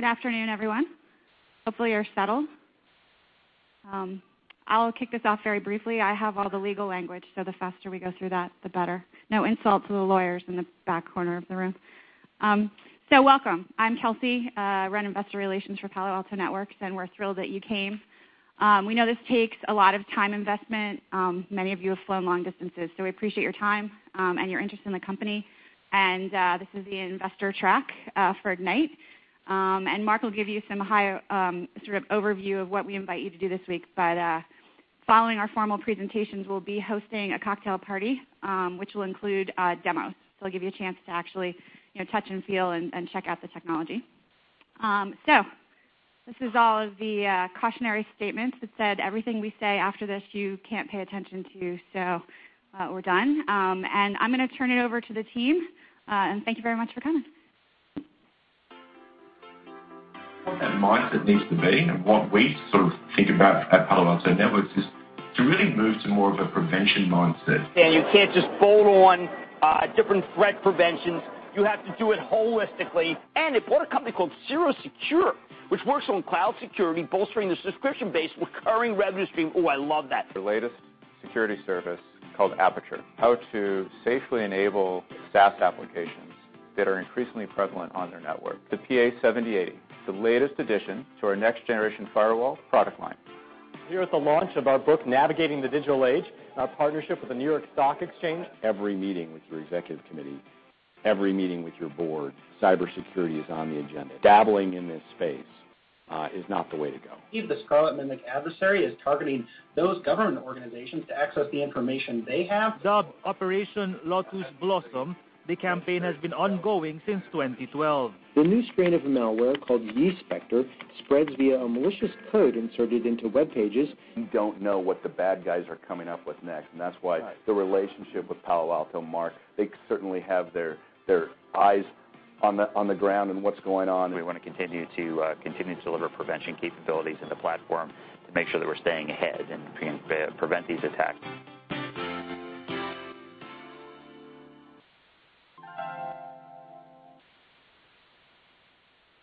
Good afternoon, everyone. Hopefully, you're settled. I'll kick this off very briefly. I have all the legal language, the faster we go through that, the better. No insult to the lawyers in the back corner of the room. Welcome. I'm Kelsey. I run investor relations for Palo Alto Networks, we're thrilled that you came. We know this takes a lot of time investment. Many of you have flown long distances, we appreciate your time and your interest in the company. This is the investor track for Ignite. Mark will give you some high sort of overview of what we invite you to do this week. Following our formal presentations, we'll be hosting a cocktail party, which will include demos. It'll give you a chance to actually touch and feel and check out the technology. This is all of the cautionary statements that said everything we say after this, you can't pay attention to. We're done. I'm going to turn it over to the team. Thank you very much for coming. That mindset needs to be. What we sort of think about at Palo Alto Networks is to really move to more of a prevention mindset. You can't just bolt on different threat preventions. You have to do it holistically. It bought a company called CirroSecure, which works on cloud security, bolstering the subscription base, recurring revenue stream. Ooh, I love that. Their latest security service called Aperture. How to safely enable SaaS applications that are increasingly prevalent on their network. The PA-7080, the latest addition to our next-generation firewall product line. Here at the launch of our book, "Navigating the Digital Age," our partnership with the New York Stock Exchange. Every meeting with your executive committee, every meeting with your board, cybersecurity is on the agenda. Dabbling in this space is not the way to go. The Scarlet Mimic adversary is targeting those government organizations to access the information they have. Dubbed Operation Lotus Blossom, the campaign has been ongoing since 2012. The new strain of malware called YiSpecter spreads via a malicious code inserted into web pages. You don't know what the bad guys are coming up with next, and that's why the relationship with Palo Alto Networks, they certainly have their eyes on the ground and what's going on. We want to continue to deliver prevention capabilities in the platform to make sure that we're staying ahead and prevent these attacks.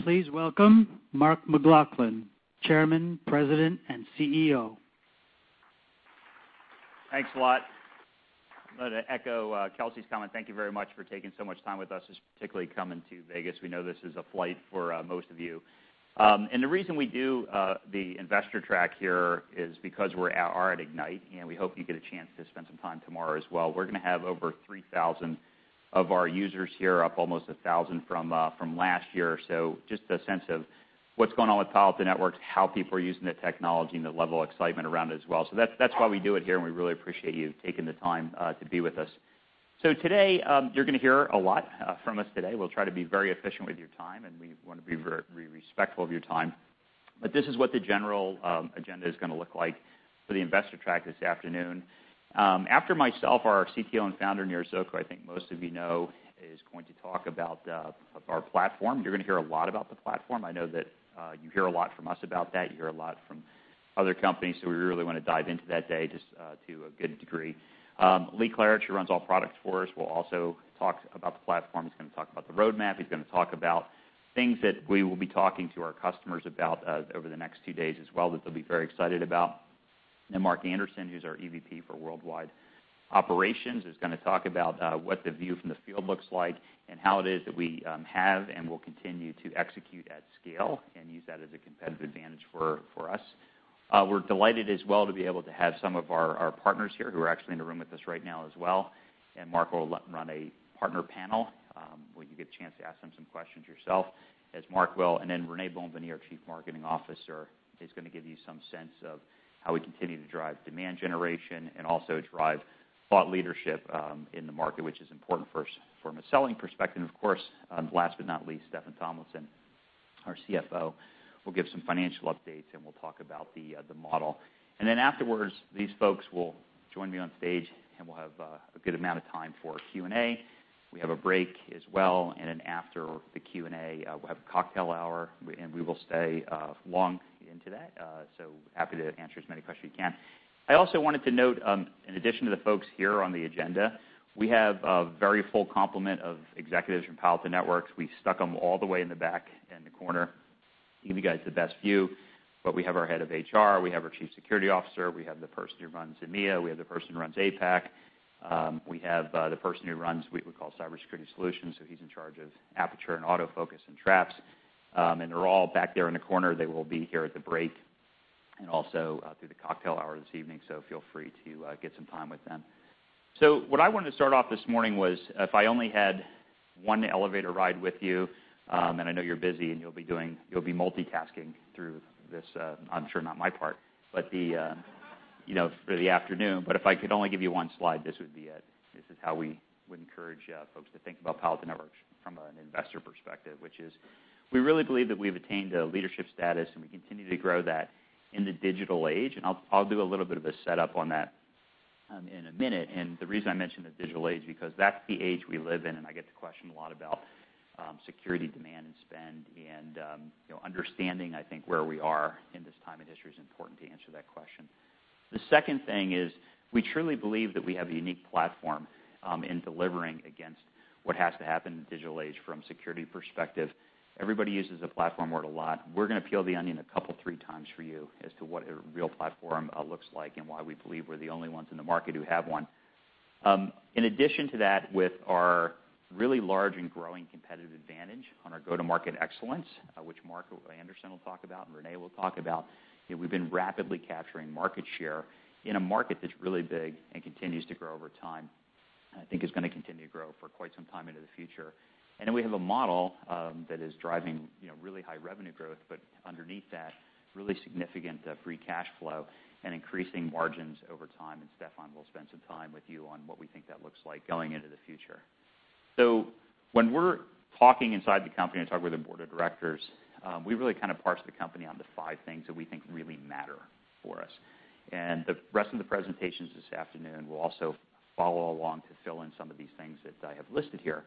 Please welcome Mark McLaughlin, Chairman, President, and CEO. Thanks a lot. I'm going to echo Kelsey's comment. Thank you very much for taking so much time with us, particularly coming to Vegas. We know this is a flight for most of you. The reason we do the investor track here is because we are at Ignite, and we hope you get a chance to spend some time tomorrow as well. We're going to have over 3,000 of our users here, up almost 1,000 from last year. Just a sense of what's going on with Palo Alto Networks, how people are using the technology, and the level of excitement around it as well. That's why we do it here, and we really appreciate you taking the time to be with us. Today, you're going to hear a lot from us today. We'll try to be very efficient with your time, and we want to be very respectful of your time. This is what the general agenda is going to look like for the investor track this afternoon. After myself, our CTO and founder, Nir Zuk, who I think most of you know, is going to talk about our platform. You're going to hear a lot about the platform. I know that you hear a lot from us about that. You hear a lot from other companies, we really want to dive into that day just to a good degree. Lee Klarich, who runs all products for us, will also talk about the platform. He's going to talk about the roadmap. He's going to talk about things that we will be talking to our customers about over the next two days as well, that they'll be very excited about. Mark Anderson, who's our EVP for worldwide operations, is going to talk about what the view from the field looks like and how it is that we have and will continue to execute at scale and use that as a competitive advantage for us. We're delighted as well to be able to have some of our partners here who are actually in the room with us right now as well. Mark will run a partner panel, where you get a chance to ask them some questions yourself as Mark will. René Bonvanie, our Chief Marketing Officer, is going to give you some sense of how we continue to drive demand generation and also drive thought leadership in the market, which is important for us from a selling perspective, of course. Last but not least, Steffan Tomlinson, our CFO, will give some financial updates. We'll talk about the model. Afterwards, these folks will join me on stage, and we'll have a good amount of time for Q&A. We have a break as well. After the Q&A, we'll have a cocktail hour, and we will stay long into that. Happy to answer as many questions as you can. I also wanted to note, in addition to the folks here on the agenda, we have a very full complement of executives from Palo Alto Networks. We stuck them all the way in the back in the corner to give you guys the best view. We have our head of HR, we have our chief security officer, we have the person who runs EMEA, we have the person who runs APAC, we have the person who runs what we call cybersecurity solutions, so he's in charge of Aperture and AutoFocus and Traps. They're all back there in the corner. They will be here at the break and also through the cocktail hour this evening. Feel free to get some time with them. What I wanted to start off this morning was, if I only had one elevator ride with you, and I know you're busy, and you'll be multitasking through this, I'm sure not my part, but for the afternoon. If I could only give you one slide, this would be it. This is how we would encourage folks to think about Palo Alto Networks from an investor perspective, which is we really believe that we've attained a leadership status. We continue to grow that in the digital age. I'll do a little bit of a setup on that in a minute. The reason I mention the digital age, because that's the age we live in, and I get the question a lot about security demand and spend, and understanding, I think, where we are in this time in history is important to answer that question. The second thing is, we truly believe that we have a unique platform in delivering against what has to happen in the digital age from a security perspective. Everybody uses the platform word a lot. We're going to peel the onion a couple, three times for you as to what a real platform looks like and why we believe we're the only ones in the market who have one. In addition to that, with our really large and growing competitive advantage on our go-to-market excellence, which Mark Anderson will talk about, and René will talk about, we've been rapidly capturing market share in a market that's really big and continues to grow over time. I think it's going to continue to grow for quite some time into the future. We have a model that is driving really high revenue growth, but underneath that, really significant free cash flow and increasing margins over time. Steffan will spend some time with you on what we think that looks like going into the future. When we're talking inside the company and talking with the board of directors, we really parse the company on the five things that we think really matter for us. The rest of the presentations this afternoon will also follow along to fill in some of these things that I have listed here,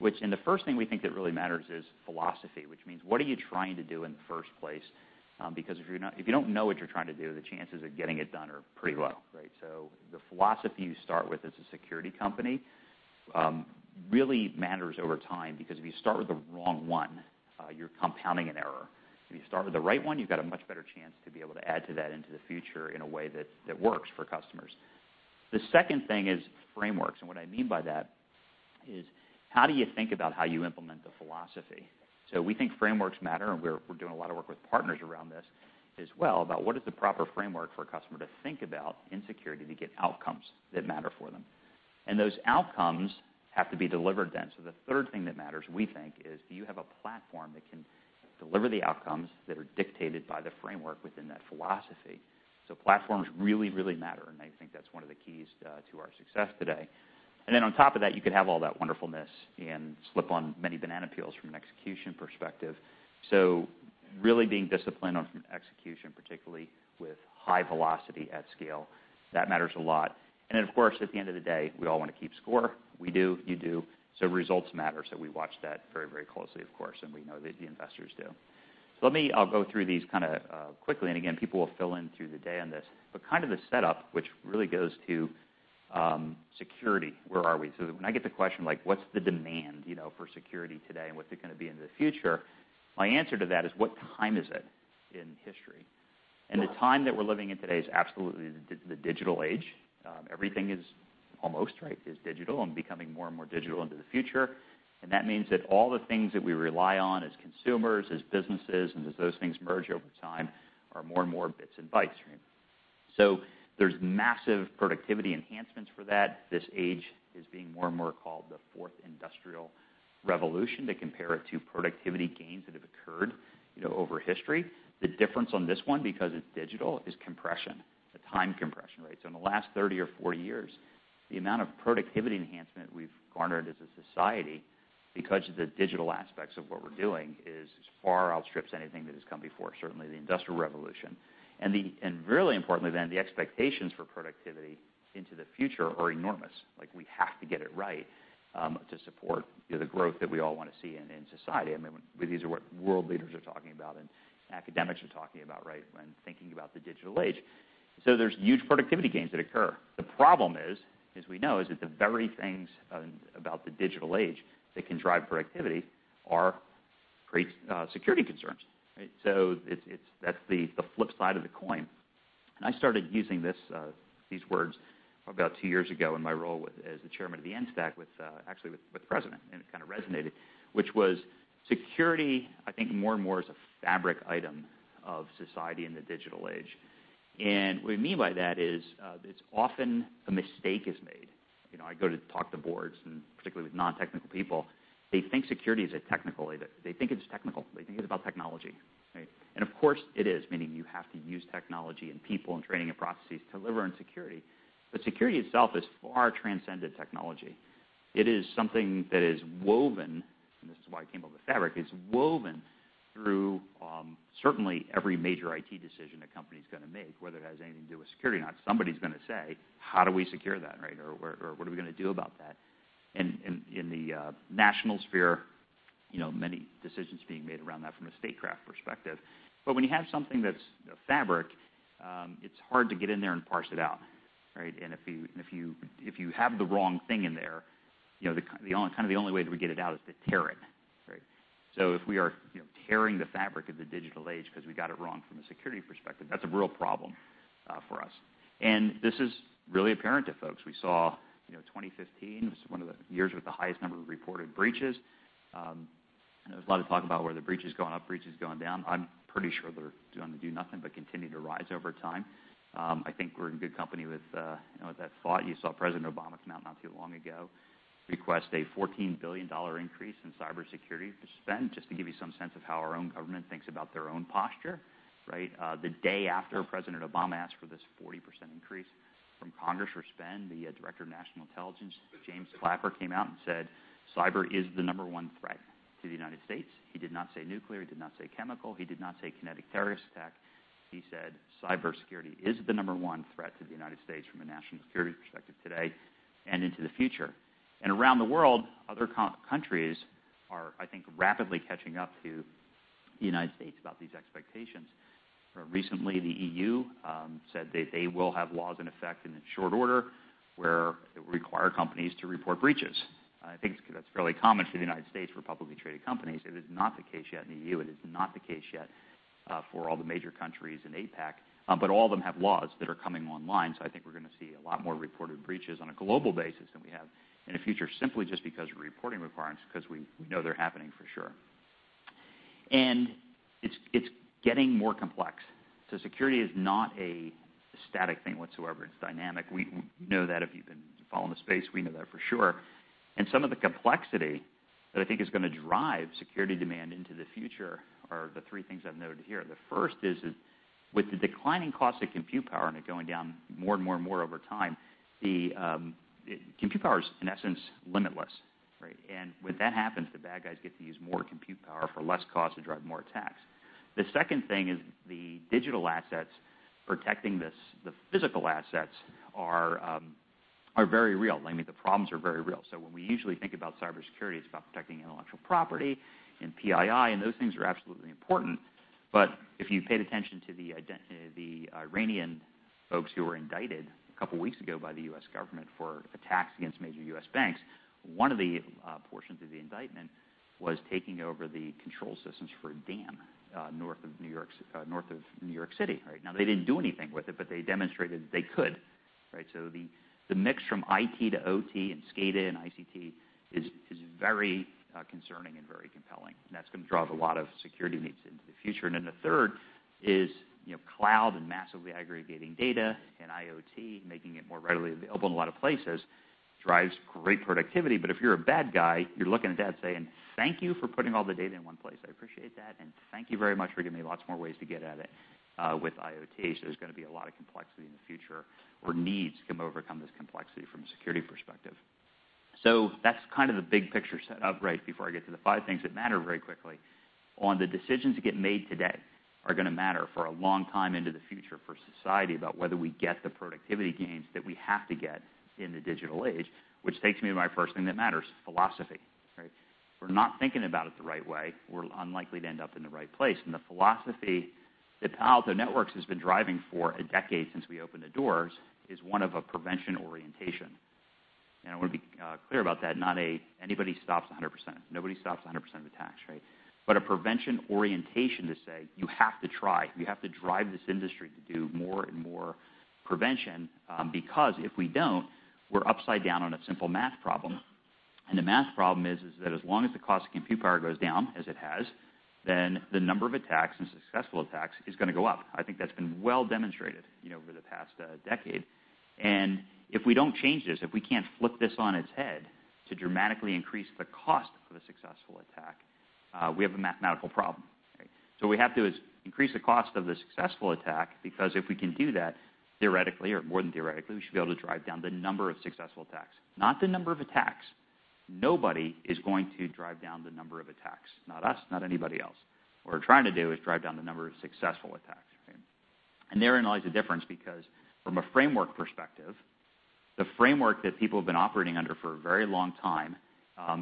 which, the first thing we think that really matters is philosophy, which means what are you trying to do in the first place? Because if you don't know what you're trying to do, the chances of getting it done are pretty low, right? The philosophy you start with as a security company really matters over time, because if you start with the wrong one, you're compounding an error. If you start with the right one, you've got a much better chance to be able to add to that into the future in a way that works for customers. The second thing is frameworks, what I mean by that is how do you think about how you implement the philosophy? We think frameworks matter, we're doing a lot of work with partners around this as well, about what is the proper framework for a customer to think about in security to get outcomes that matter for them. Those outcomes have to be delivered then. The third thing that matters, we think, is do you have a platform that can deliver the outcomes that are dictated by the framework within that philosophy? Platforms really, really matter, and I think that's one of the keys to our success today. On top of that, you could have all that wonderfulness and slip on many banana peels from an execution perspective. Really being disciplined on execution, particularly with high velocity at scale, that matters a lot. Of course, at the end of the day, we all want to keep score. We do, you do. Results matter. We watch that very, very closely, of course, and we know that the investors do. Let me I'll go through these kind of quickly, and again, people will fill in through the day on this. Kind of the setup, which really goes to security, where are we? When I get the question, like, "What's the demand for security today, and what's it going to be in the future?" My answer to that is, what time is it in history? The time that we're living in today is absolutely the digital age. Everything is, almost, right, is digital and becoming more and more digital into the future. That means that all the things that we rely on as consumers, as businesses, and as those things merge over time, are more and more bits and bytes really. There's massive productivity enhancements for that. This age is being more and more called the fourth Industrial Revolution. They compare it to productivity gains that have occurred over history. The difference on this one, because it's digital, is compression, the time compression rates. In the last 30 or 40 years, the amount of productivity enhancement we've garnered as a society, because of the digital aspects of what we're doing, is far outstrips anything that has come before, certainly the Industrial Revolution. Really importantly, the expectations for productivity into the future are enormous. Like, we have to get it right to support the growth that we all want to see in society. I mean, these are what world leaders are talking about and academics are talking about when thinking about the digital age. There's huge productivity gains that occur. The problem is, as we know, is that the very things about the digital age that can drive productivity are security concerns. That's the flip side of the coin. I started using these words about two years ago in my role as the chairman of the NSTAC, actually with the President, and it kind of resonated, which was security, I think, more and more is a fabric item of society in the digital age. What we mean by that is it's often a mistake is made. I go to talk to boards, particularly with non-technical people, they think it's technical. They think it's about technology, right? Of course, it is, meaning you have to use technology and people and training and processes to deliver on security. Security itself has far transcended technology. It is something that is woven, and this is why I came up with fabric. It's woven through certainly every major IT decision a company's going to make, whether it has anything to do with security or not. Somebody's going to say, "How do we secure that?" Right? Or, "What are we going to do about that?" In the national sphere, many decisions being made around that from a statecraft perspective. When you have something that's a fabric, it's hard to get in there and parse it out, right? If you have the wrong thing in there, the only way that we get it out is to tear it, right? If we are tearing the fabric of the digital age because we got it wrong from a security perspective, that's a real problem for us. This is really apparent to folks. We saw 2015 was one of the years with the highest number of reported breaches. There was a lot of talk about whether breach has gone up, breach has gone down. I'm pretty sure they're going to do nothing but continue to rise over time. I think we're in good company with that thought. You saw President Obama come out not too long ago, request a $14 billion increase in cybersecurity spend, just to give you some sense of how our own government thinks about their own posture, right? The day after President Obama asked for this 40% increase from Congress for spend, the Director of National Intelligence, James Clapper, came out and said, "Cyber is the number 1 threat to the U.S." He did not say nuclear, he did not say chemical, he did not say kinetic terrorist attack. He said, "Cybersecurity is the number 1 threat to the U.S. from a national security perspective today and into the future." Around the world, other countries are, I think, rapidly catching up to the U.S. about these expectations. Recently, the EU said that they will have laws in effect and in short order, where it will require companies to report breaches. I think that's fairly common to the U.S. for publicly traded companies. It is not the case yet in the EU. It is not the case yet for all the major countries in APAC, but all of them have laws that are coming online. I think we're going to see a lot more reported breaches on a global basis than we have in the future, simply just because of reporting requirements, because we know they're happening for sure. It's getting more complex. Security is not a static thing whatsoever. It's dynamic. We know that if you've been following the space, we know that for sure. Some of the complexity that I think is going to drive security demand into the future are the three things I've noted here. The first is that with the declining cost of compute power and it going down more and more over time, the compute power is, in essence, limitless, right? When that happens, the bad guys get to use more compute power for less cost to drive more attacks. The second thing is the digital assets protecting the physical assets are very real. I mean, the problems are very real. When we usually think about cybersecurity, it's about protecting intellectual property and PII, and those things are absolutely important. If you paid attention to the Iranian folks who were indicted a couple of weeks ago by the U.S. government for attacks against major U.S. banks, one of the portions of the indictment was taking over the control systems for a dam north of New York City. Right now, they didn't do anything with it, but they demonstrated that they could. The mix from IT to OT and SCADA and ICT is very concerning and very compelling, and that's going to drive a lot of security needs into the future. The third is cloud and massively aggregating data and IoT, making it more readily available in a lot of places, drives great productivity. If you're a bad guy, you're looking at that saying, "Thank you for putting all the data in one place. I appreciate that, and thank you very much for giving me lots more ways to get at it with IoT." There's going to be a lot of complexity in the future or needs to overcome this complexity from a security perspective. That's kind of the big-picture setup right before I get to the five things that matter very quickly on the decisions that get made today are going to matter for a long time into the future for society about whether we get the productivity gains that we have to get in the digital age. Which takes me to my first thing that matters, philosophy, right? If we're not thinking about it the right way, we're unlikely to end up in the right place. The philosophy that Palo Alto Networks has been driving for a decade since we opened the doors is one of a prevention orientation. I want to be clear about that. Not anybody stops 100%. Nobody stops 100% of attacks, right? A prevention orientation to say, "You have to try. You have to drive this industry to do more and more prevention, because if we don't, we're upside down on a simple math problem." The math problem is that as long as the cost of compute power goes down as it has, then the number of attacks and successful attacks is going to go up. I think that's been well demonstrated over the past decade. If we don't change this, if we can't flip this on its head to dramatically increase the cost of a successful attack, we have a mathematical problem. What we have to do is increase the cost of the successful attack, because if we can do that, theoretically, or more than theoretically, we should be able to drive down the number of successful attacks, not the number of attacks. Nobody is going to drive down the number of attacks. Not us, not anybody else. What we're trying to do is drive down the number of successful attacks, right? Therein lies the difference, because from a framework perspective, the framework that people have been operating under for a very long time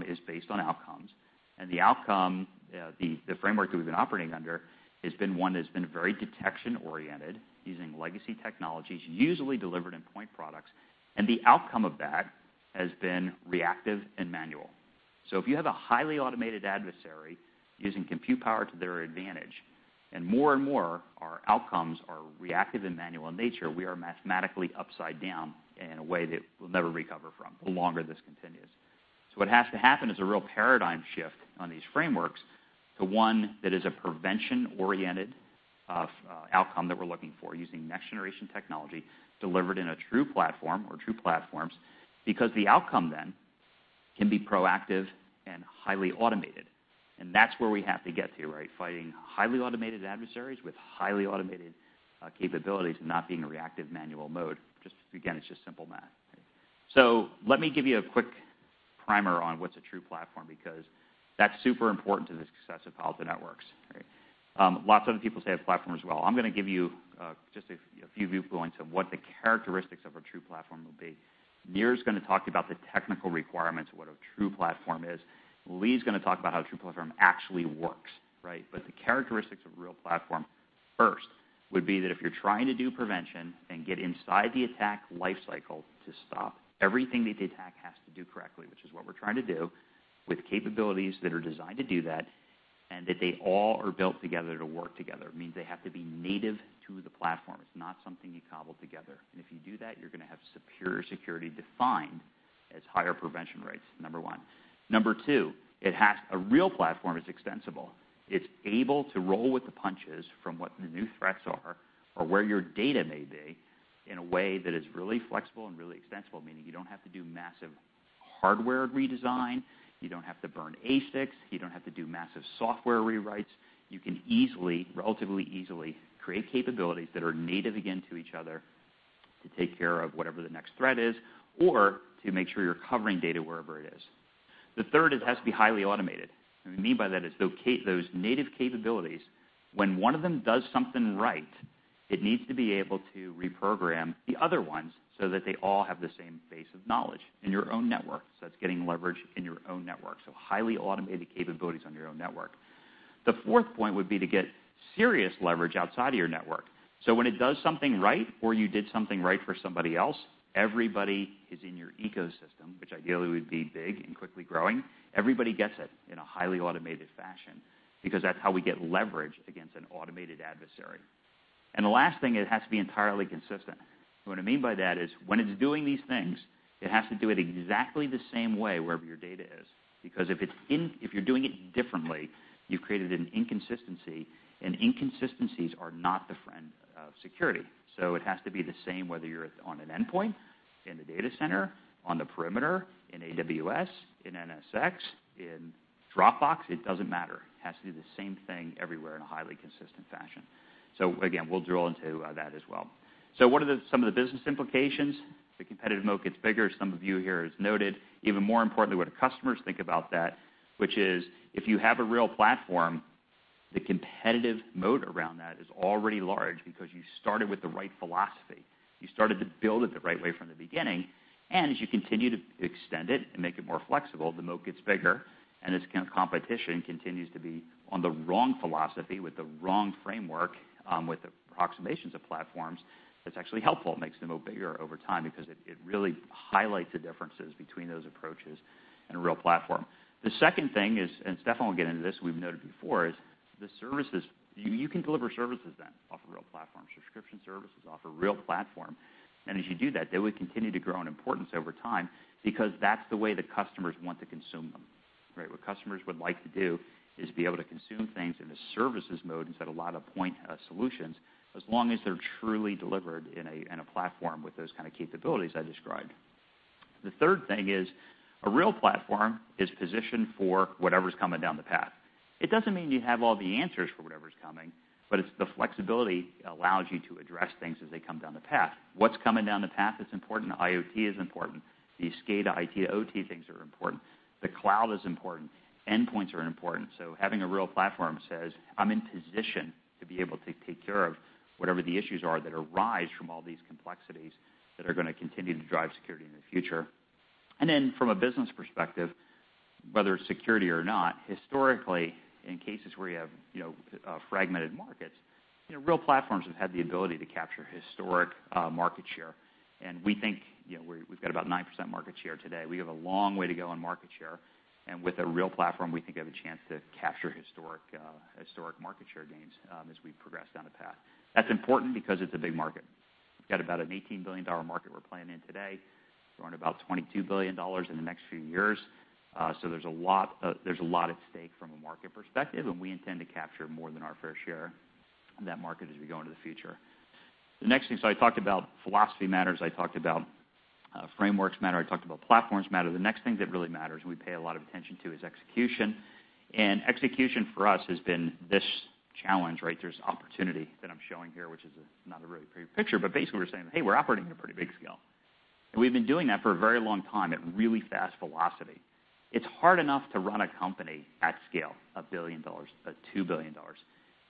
is based on outcomes. The framework that we've been operating under has been one that's been very detection-oriented, using legacy technologies, usually delivered in point products. The outcome of that has been reactive and manual. If you have a highly automated adversary using compute power to their advantage, and more and more our outcomes are reactive and manual in nature, we are mathematically upside down in a way that we'll never recover from the longer this continues. What has to happen is a real paradigm shift on these frameworks to one that is a prevention-oriented outcome that we're looking for using next-generation technology delivered in a true platform or true platforms, because the outcome then can be proactive and highly automated, and that's where we have to get to, right? Fighting highly automated adversaries with highly automated capabilities and not being in reactive manual mode. Just again, it's just simple math. Let me give you a quick primer on what's a true platform, because that's super important to the success of Palo Alto Networks. Lots of other people say a platform as well. I'm going to give you just a few viewpoints of what the characteristics of a true platform will be. Nir's going to talk about the technical requirements of what a true platform is. Lee's going to talk about how a true platform actually works, right? The characteristics of a real platform, first, would be that if you're trying to do prevention and get inside the attack lifecycle to stop everything that the attack has to do correctly, which is what we're trying to do with capabilities that are designed to do that, and that they all are built together to work together. It means they have to be native to the platform. It's not something you cobble together. If you do that, you're going to have superior security defined as higher prevention rates, number one. Number two, a real platform is extensible. It's able to roll with the punches from what the new threats are or where your data may be in a way that is really flexible and really extensible, meaning you don't have to do massive hardware redesign, you don't have to burn ASICs, you don't have to do massive software rewrites. You can easily, relatively easily, create capabilities that are native, again, to each other to take care of whatever the next threat is or to make sure you're covering data wherever it is. The third, it has to be highly automated. We mean by that is those native capabilities. When one of them does something right, it needs to be able to reprogram the other ones so that they all have the same base of knowledge in your own network. That's getting leverage in your own network. Highly automated capabilities on your own network. The fourth point would be to get serious leverage outside of your network. When it does something right or you did something right for somebody else, everybody is in your ecosystem, which ideally would be big and quickly growing. Everybody gets it in a highly automated fashion because that's how we get leverage against an automated adversary. The last thing, it has to be entirely consistent. What I mean by that is when it's doing these things, it has to do it exactly the same way wherever your data is. Because if you're doing it differently, you've created an inconsistency, and inconsistencies are not the friend of security. It has to be the same whether you're on an endpoint, in the data center, on the perimeter, in AWS, in NSX, in Dropbox, it doesn't matter. It has to do the same thing everywhere in a highly consistent fashion. Again, we'll drill into that as well. What are some of the business implications? The competitive moat gets bigger, some of you here has noted. Even more importantly, what do customers think about that? If you have a real platform, the competitive moat around that is already large because you started with the right philosophy. You started to build it the right way from the beginning, and as you continue to extend it and make it more flexible, the moat gets bigger and its competition continues to be on the wrong philosophy with the wrong framework, with approximations of platforms, that's actually helpful. It makes the moat bigger over time because it really highlights the differences between those approaches and a real platform. The second thing is, Steffan will get into this, we've noted before, is the services. You can deliver services then off a real platform, subscription services off a real platform. As you do that, they would continue to grow in importance over time because that's the way the customers want to consume them. Right? What customers would like to do is be able to consume things in a services mode instead of a lot of point solutions, as long as they're truly delivered in a platform with those kind of capabilities I described. The third thing is a real platform is positioned for whatever's coming down the path. It doesn't mean you have all the answers for whatever's coming, it's the flexibility that allows you to address things as they come down the path. What's coming down the path that's important? IoT is important. The SCADA, IT to OT things are important. The cloud is important. Endpoints are important. Having a real platform says, "I'm in position to be able to take care of whatever the issues are that arise from all these complexities that are going to continue to drive security in the future." From a business perspective, whether it's security or not, historically, in cases where you have fragmented markets, real platforms have had the ability to capture historic market share. We think, we've got about 9% market share today. We have a long way to go on market share. With a real platform, we think we have a chance to capture historic market share gains as we progress down the path. That's important because it's a big market. We've got about an $18 billion market we're playing in today, growing to about $22 billion in the next few years. There's a lot at stake from a market perspective, and we intend to capture more than our fair share of that market as we go into the future. The next thing, so I talked about philosophy matters, I talked about frameworks matter, I talked about platforms matter. The next thing that really matters, and we pay a lot of attention to, is execution. Execution for us has been this challenge, right? There's opportunity that I'm showing here, which is not a really pretty picture. Basically, we're saying, "Hey, we're operating at a pretty big scale." We've been doing that for a very long time at really fast velocity. It's hard enough to run a company at scale of $1 billion, $2 billion.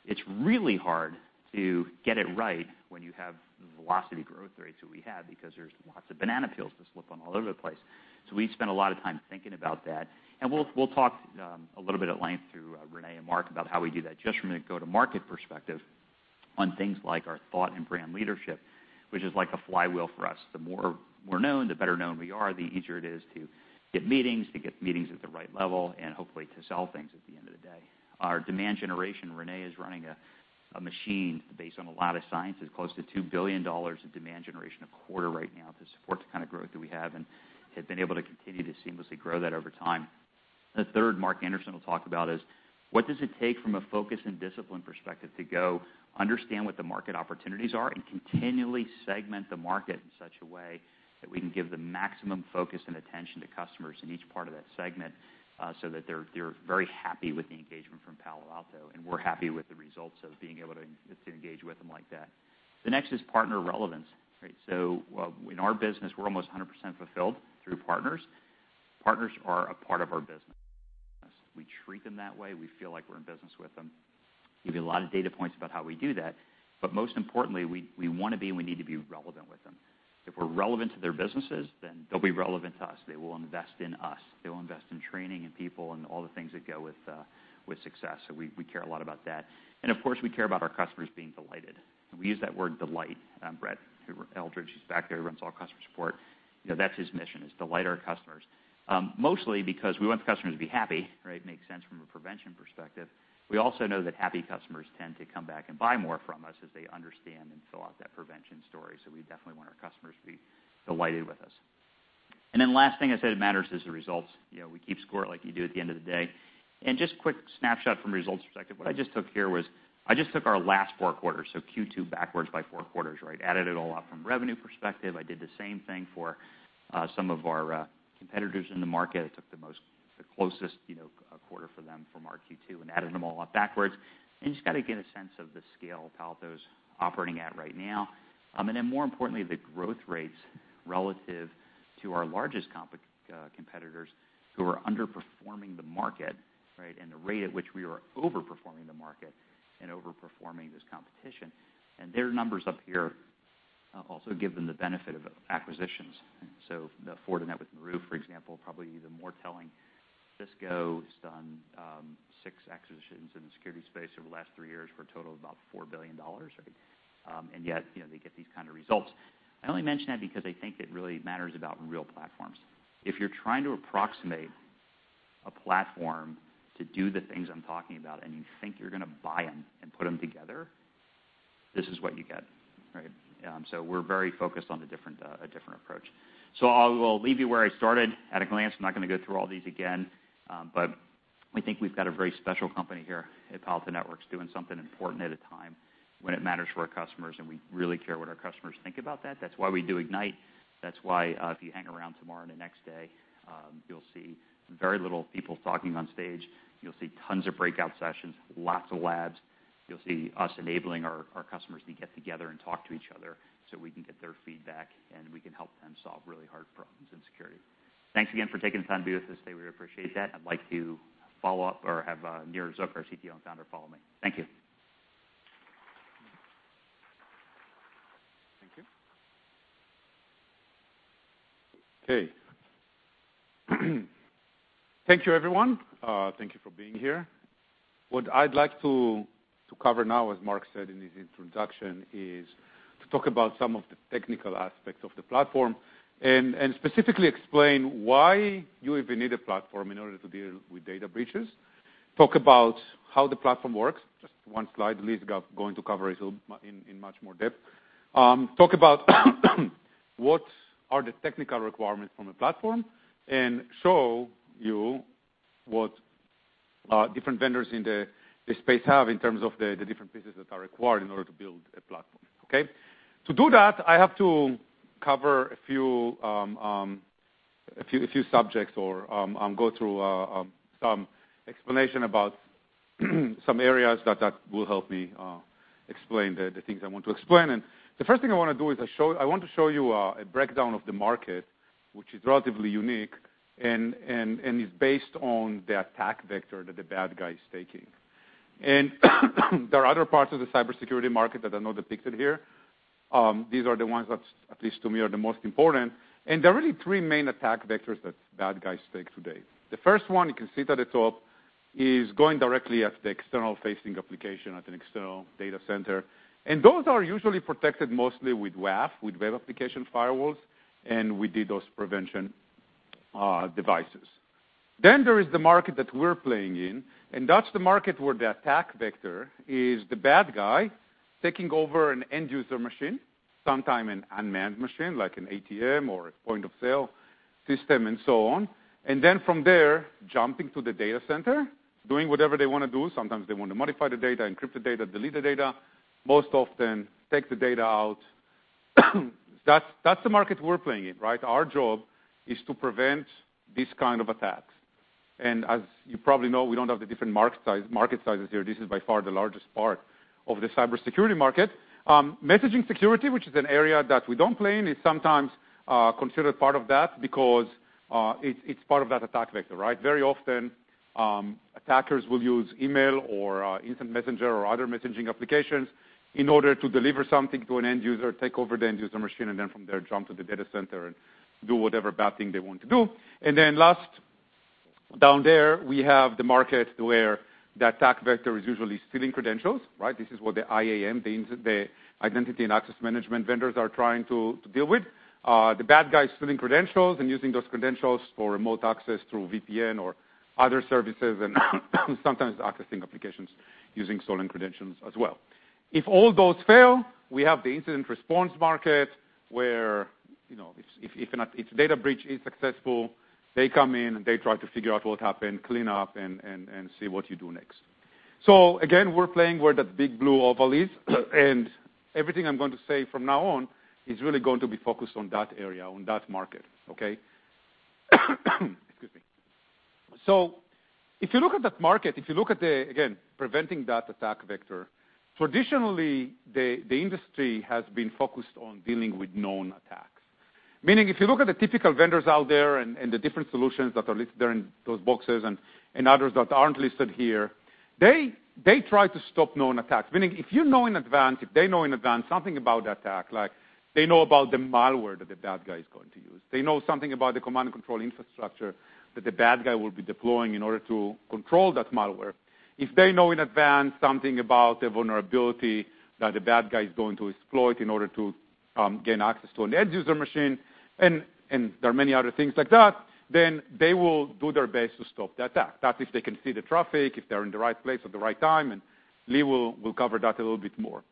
It's really hard to get it right when you have the velocity growth rates that we have because there's lots of banana peels to slip on all over the place. We spend a lot of time thinking about that, and we'll talk a little bit at length through René and Mark about how we do that, just from a go-to-market perspective on things like our thought and brand leadership, which is like a flywheel for us. The more we're known, the better known we are, the easier it is to get meetings, to get meetings at the right level, and hopefully to sell things at the end of the day. Our demand generation, René is running a machine based on a lot of science, is close to $2 billion of demand generation a quarter right now to support the kind of growth that we have, and have been able to continue to seamlessly grow that over time. The third Mark Anderson will talk about is what does it take from a focus and discipline perspective to go understand what the market opportunities are and continually segment the market in such a way that we can give the maximum focus and attention to customers in each part of that segment, so that they're very happy with the engagement from Palo Alto, and we're happy with the results of being able to engage with them like that. The next is partner relevance. In our business, we're almost 100% fulfilled through partners. Partners are a part of our business. We treat them that way. We feel like we're in business with them. Give you a lot of data points about how we do that. Most importantly, we want to be and we need to be relevant with them. If we're relevant to their businesses, then they'll be relevant to us. They will invest in us. They will invest in training and people and all the things that go with success. We care a lot about that. Of course, we care about our customers being delighted. We use that word delight. Brett Eldridge, who's back there, who runs all customer support, that's his mission, is delight our customers. Mostly because we want the customers to be happy, right? Makes sense from a prevention perspective. We also know that happy customers tend to come back and buy more from us as they understand and fill out that prevention story. We definitely want our customers to be delighted with us. Last thing I said that matters is the results. We keep score like you do at the end of the day. Just quick snapshot from a results perspective. What I just took here was, I just took our last 4 quarters, so Q2 backwards by 4 quarters, right? Added it all up from revenue perspective. I did the same thing for some of our competitors in the market. I took the closest quarter for them from our Q2 and added them all up backwards. Just got to get a sense of the scale Palo Alto's operating at right now. More importantly, the growth rates relative to our largest competitors who are underperforming the market, right? The rate at which we are over-performing the market and over-performing this competition. Their numbers up here Also give them the benefit of acquisitions. The Fortinet with Meru, for example, probably even more telling. Cisco has done 6 acquisitions in the security space over the last 3 years for a total of about $4 billion, right? Yet, they get these kind of results. I only mention that because I think it really matters about real platforms. If you're trying to approximate a platform to do the things I'm talking about, and you think you're going to buy them and put them together, this is what you get, right? We're very focused on a different approach. I will leave you where I started. At a glance, I'm not going to go through all these again, we think we've got a very special company here at Palo Alto Networks, doing something important at a time when it matters for our customers, we really care what our customers think about that. That's why we do Ignite. That's why, if you hang around tomorrow and the next day, you'll see very little people talking on stage. You'll see tons of breakout sessions, lots of labs. You'll see us enabling our customers to get together and talk to each other so we can get their feedback, and we can help them solve really hard problems in security. Thanks again for taking the time to be with us today. We appreciate that. I'd like to follow up or have Nir Zuk, our CTO and founder, follow me. Thank you. Thank you. Okay. Thank you, everyone. Thank you for being here. What I'd like to cover now, as Mark said in his introduction, is to talk about some of the technical aspects of the platform, and specifically explain why you even need a platform in order to deal with data breaches. Talk about how the platform works. Just one slide. Lee's going to cover in much more depth. Talk about what are the technical requirements from a platform, and show you what different vendors in the space have in terms of the different pieces that are required in order to build a platform, okay? To do that, I have to cover a few subjects or go through some explanation about some areas that will help me explain the things I want to explain. The first thing I want to do is I want to show you a breakdown of the market, which is relatively unique and is based on the attack vector that the bad guy is taking. There are other parts of the cybersecurity market that are not depicted here. These are the ones that, at least to me, are the most important. There are really three main attack vectors that bad guys take today. The first one you can see at the top is going directly at the external-facing application at an external data center. Those are usually protected mostly with WAF, with web application firewalls, and with DDoS prevention devices. There is the market that we're playing in, that's the market where the attack vector is the bad guy taking over an end-user machine, sometimes an unmanned machine, like an ATM or a point-of-sale system and so on. From there, jumping to the data center, doing whatever they want to do. Sometimes they want to modify the data, encrypt the data, delete the data, most often take the data out. That's the market we're playing in, right? Our job is to prevent these kind of attacks. As you probably know, we don't have the different market sizes here. This is by far the largest part of the cybersecurity market. Messaging security, which is an area that we don't play in, is sometimes considered part of that because it's part of that attack vector, right? Very often, attackers will use email or instant messenger or other messaging applications in order to deliver something to an end user, take over the end-user machine, from there, jump to the data center and do whatever bad thing they want to do. Last, down there, we have the market where the attack vector is usually stealing credentials, right? This is what the IAM, the Identity and Access Management vendors are trying to deal with. The bad guy is stealing credentials and using those credentials for remote access through VPN or other services, and sometimes accessing applications using stolen credentials as well. If all those fail, we have the incident response market where if a data breach is successful, they come in and they try to figure out what happened, clean up, and see what you do next. Again, we're playing where that big blue oval is. Everything I'm going to say from now on is really going to be focused on that area, on that market, okay. Excuse me. If you look at that market, if you look at, again, preventing that attack vector, traditionally, the industry has been focused on dealing with known attacks. Meaning, if you look at the typical vendors out there, the different solutions that are listed there in those boxes and others that aren't listed here, they try to stop known attacks. Meaning, if you know in advance, if they know in advance something about the malware that the bad guy is going to use, they know something about the command and control infrastructure that the bad guy will be deploying in order to control that malware. If they know in advance something about the vulnerability that the bad guy is going to exploit in order to gain access to an end-user machine, there are many other things like that, they will do their best to stop the attack. That if they can see the traffic, if they're in the right place at the right time, Lee will cover that a little bit more.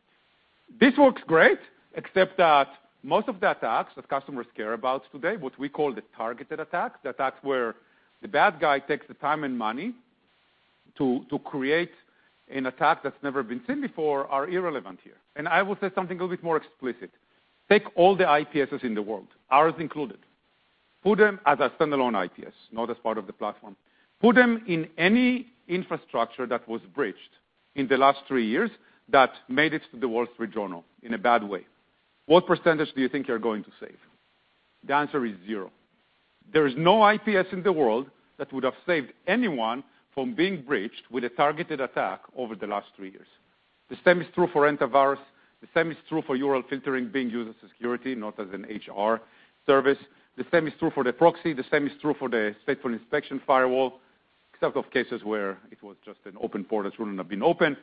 This works great, except that most of the attacks that customers care about today, what we call the targeted attacks, the attacks where the bad guy takes the time and money to create an attack that's never been seen before, are irrelevant here. I will say something a little bit more explicit. Take all the IPSs in the world, ours included. Put them as a standalone IPS, not as part of the platform. Put them in any infrastructure that was breached in the last three years that made it to The Wall Street Journal in a bad way. What percentage do you think you're going to save? The answer is zero. There is no IPS in the world that would have saved anyone from being breached with a targeted attack over the last three years. The same is true for antivirus. The same is true for URL filtering being used as security, not as an HR service. The same is true for the proxy. The same is true for the stateful inspection firewall, except of cases where it was just an open port that shouldn't have been open.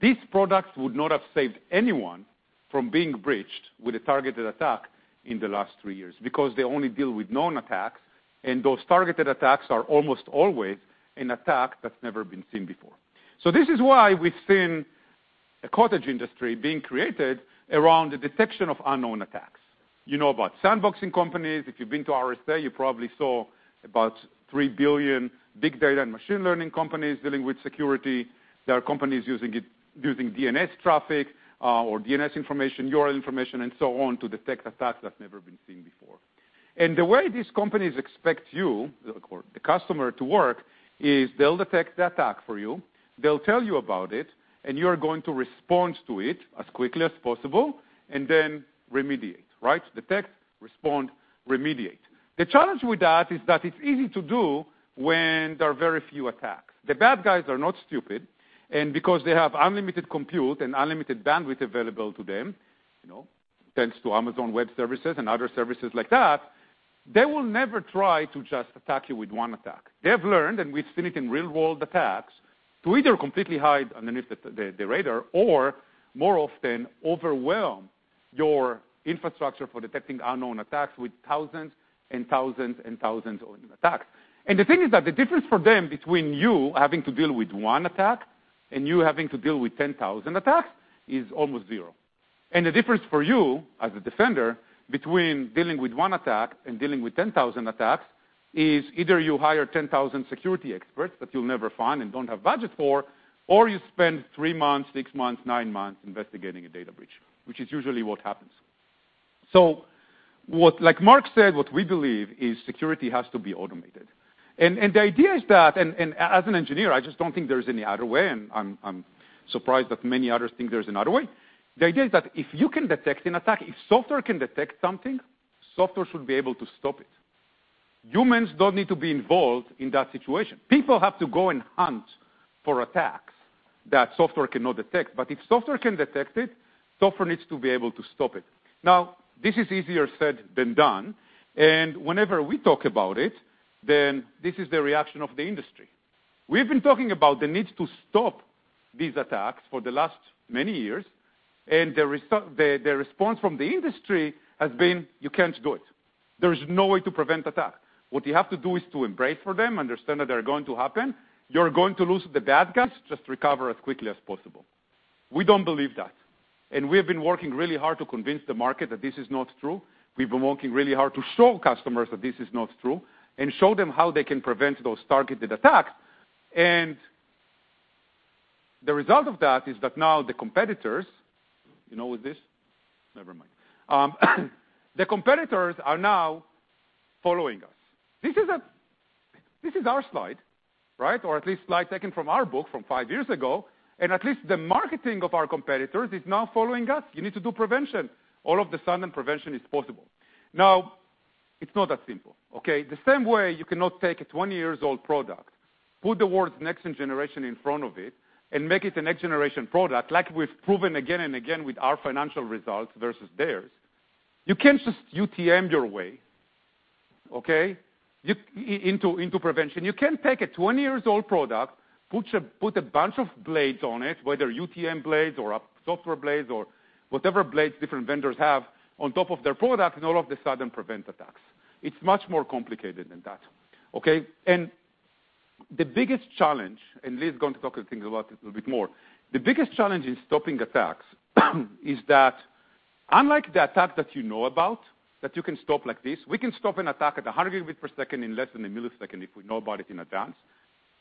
These products would not have saved anyone from being breached with a targeted attack in the last three years, because they only deal with known attacks. Those targeted attacks are almost always an attack that's never been seen before. This is why we've seen a cottage industry being created around the detection of unknown attacks. You know about sandboxing companies. If you've been to RSA, you probably saw about 3 billion big data and machine learning companies dealing with security. There are companies using DNS traffic or DNS information, URL information, and so on to detect attacks that's never been seen before. The way these companies expect you, the customer, to work is they'll detect the attack for you, they'll tell you about it, and you are going to respond to it as quickly as possible, then remediate. Right. Detect, respond, remediate. The challenge with that is that it's easy to do when there are very few attacks. The bad guys are not stupid, and because they have unlimited compute and unlimited bandwidth available to them, thanks to Amazon Web Services and other services like that, they will never try to just attack you with one attack. They have learned, and we've seen it in real-world attacks, to either completely hide underneath the radar or, more often, overwhelm your infrastructure for detecting unknown attacks with thousands and thousands and thousands of attacks. The thing is that the difference for them between you having to deal with one attack and you having to deal with 10,000 attacks is almost zero. The difference for you, as a defender, between dealing with one attack and dealing with 10,000 attacks is either you hire 10,000 security experts that you'll never find and don't have budget for, or you spend three months, six months, nine months investigating a data breach, which is usually what happens. Like Mark said, what we believe is security has to be automated. The idea is that, and as an engineer, I just don't think there's any other way, and I'm surprised that many others think there's another way. The idea is that if you can detect an attack, if software can detect something, software should be able to stop it. Humans don't need to be involved in that situation. People have to go and hunt for attacks that software cannot detect. If software can detect it, software needs to be able to stop it. This is easier said than done, and whenever we talk about it, then this is the reaction of the industry. We've been talking about the need to stop these attacks for the last many years, and the response from the industry has been, "You can't do it. There is no way to prevent attack. What you have to do is to embrace for them, understand that they're going to happen. You're going to lose to the bad guys. Just recover as quickly as possible." We don't believe that. We have been working really hard to convince the market that this is not true. We've been working really hard to show customers that this is not true and show them how they can prevent those targeted attacks. The result of that is that now the competitors are now following us. This is our slide. At least slide taken from our book from five years ago. At least the marketing of our competitors is now following us. You need to do prevention. All of the sudden, prevention is possible. It's not that simple. The same way you cannot take a 20 years old product, put the words next generation in front of it, and make it a next generation product like we've proven again and again with our financial results versus theirs. You can't just UTM your way into prevention. You can't take a 20 years old product, put a bunch of blades on it, whether UTM blades or software blades or whatever blades different vendors have on top of their product, and all of the sudden prevent attacks. It's much more complicated than that. Okay? The biggest challenge, Lee's going to talk, I think, about it a little bit more, the biggest challenge in stopping attacks is that unlike the attack that you know about, that you can stop like this, we can stop an attack at 100 gigabit per second in less than a millisecond if we know about it in advance.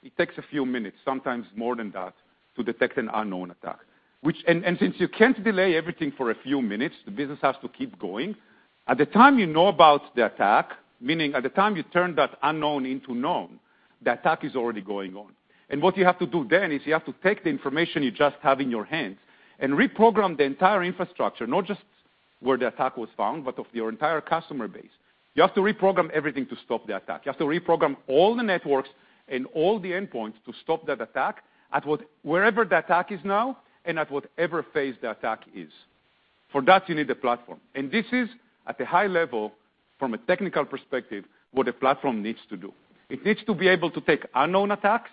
It takes a few minutes, sometimes more than that, to detect an unknown attack. Since you can't delay everything for a few minutes, the business has to keep going. At the time you know about the attack, meaning at the time you turn that unknown into known, the attack is already going on. What you have to do then is you have to take the information you just have in your hands and reprogram the entire infrastructure, not just where the attack was found, but of your entire customer base. You have to reprogram everything to stop the attack. You have to reprogram all the networks and all the endpoints to stop that attack at wherever the attack is now and at whatever phase the attack is. For that, you need a platform. This is at a high level from a technical perspective, what a platform needs to do. It needs to be able to take unknown attacks,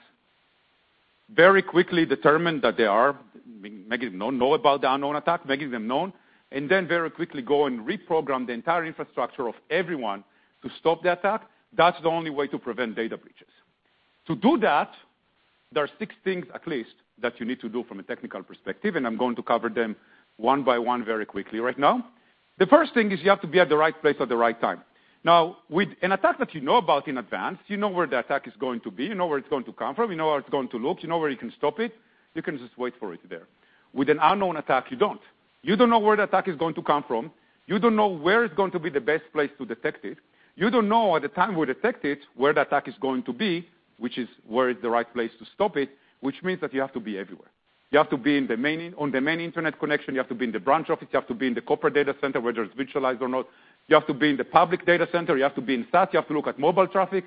very quickly determine that they are, know about the unknown attack, making them known, and then very quickly go and reprogram the entire infrastructure of everyone to stop the attack. That's the only way to prevent data breaches. To do that, there are six things at least that you need to do from a technical perspective, and I'm going to cover them one by one very quickly right now. The first thing is you have to be at the right place at the right time. Now, with an attack that you know about in advance, you know where the attack is going to be. You know where it's going to come from. You know how it's going to look. You know where you can stop it. You can just wait for it there. With an unknown attack, you don't. You don't know where the attack is going to come from. You don't know where is going to be the best place to detect it. You don't know at the time you detect it, where the attack is going to be, which is where is the right place to stop it, which means that you have to be everywhere. You have to be on the main internet connection, you have to be in the branch office, you have to be in the corporate data center, whether it's virtualized or not. You have to be in the public data center. You have to be in SaaS, you have to look at mobile traffic.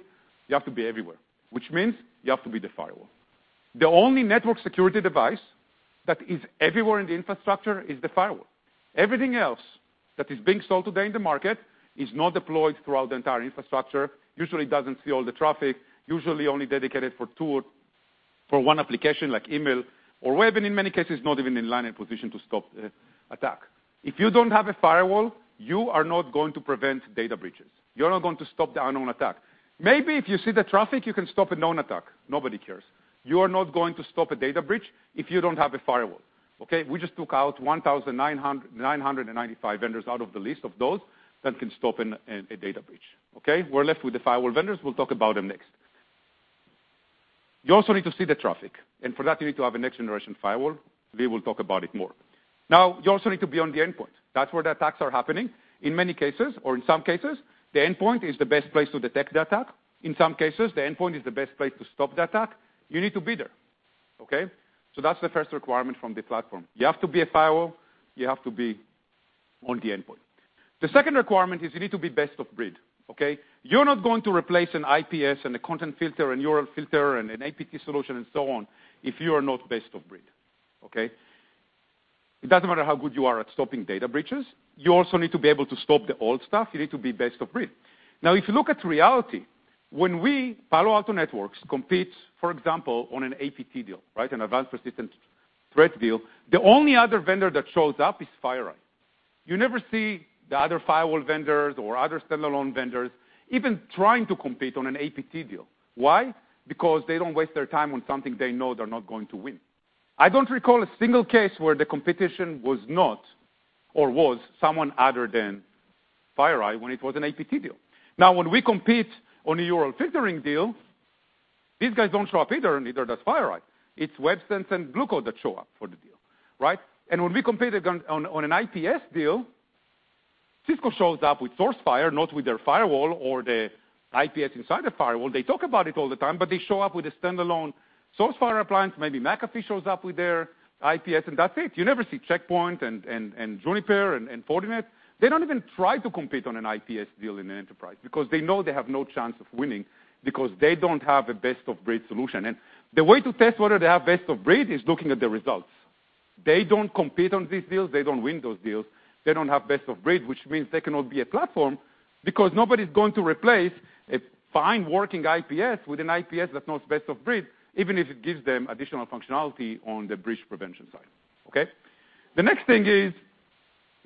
You have to be everywhere, which means you have to be the firewall. The only network security device that is everywhere in the infrastructure is the firewall. Everything else that is being sold today in the market is not deployed throughout the entire infrastructure, usually doesn't see all the traffic, usually only dedicated for two or for one application like email or web, and in many cases, not even in line and position to stop the attack. If you don't have a firewall, you are not going to prevent data breaches. You're not going to stop the unknown attack. Maybe if you see the traffic, you can stop a known attack. Nobody cares. You are not going to stop a data breach if you don't have a firewall. Okay. We just took out 1,995 vendors out of the list of those that can stop a data breach. Okay. We're left with the firewall vendors, we'll talk about them next. You also need to see the traffic. For that you need to have a next generation firewall. We will talk about it more. You also need to be on the endpoint. That's where the attacks are happening. In many cases or in some cases, the endpoint is the best place to detect the attack. In some cases, the endpoint is the best place to stop the attack. You need to be there. Okay. That's the first requirement from the platform. You have to be a firewall. You have to be on the endpoint. The second requirement is you need to be best of breed. Okay. You're not going to replace an IPS and a content filter and URL filter and an APT solution and so on if you are not best of breed. Okay. It doesn't matter how good you are at stopping data breaches, you also need to be able to stop the old stuff. You need to be best of breed. If you look at reality, when we, Palo Alto Networks, compete, for example, on an APT deal, right, an advanced persistent threat deal, the only other vendor that shows up is FireEye. You never see the other firewall vendors or other standalone vendors even trying to compete on an APT deal. Why? Because they don't waste their time on something they know they're not going to win. I don't recall a single case where the competition was not, or was, someone other than FireEye when it was an APT deal. When we compete on a URL filtering deal, these guys don't show up either, and neither does FireEye. It's Websense and Blue Coat that show up for the deal, right. When we compete on an IPS deal, Cisco shows up with Sourcefire, not with their firewall or the IPS inside the firewall. They talk about it all the time, but they show up with a standalone Sourcefire appliance. Maybe McAfee shows up with their IPS and that's it. You never see Check Point and Juniper and Fortinet. They don't even try to compete on an IPS deal in an enterprise because they know they have no chance of winning, because they don't have a best of breed solution. The way to test whether they have best of breed is looking at the results. They don't compete on these deals. They don't win those deals. They don't have best of breed, which means they cannot be a platform because nobody's going to replace a fine working IPS with an IPS that's not best of breed, even if it gives them additional functionality on the breach prevention side. Okay. The next thing is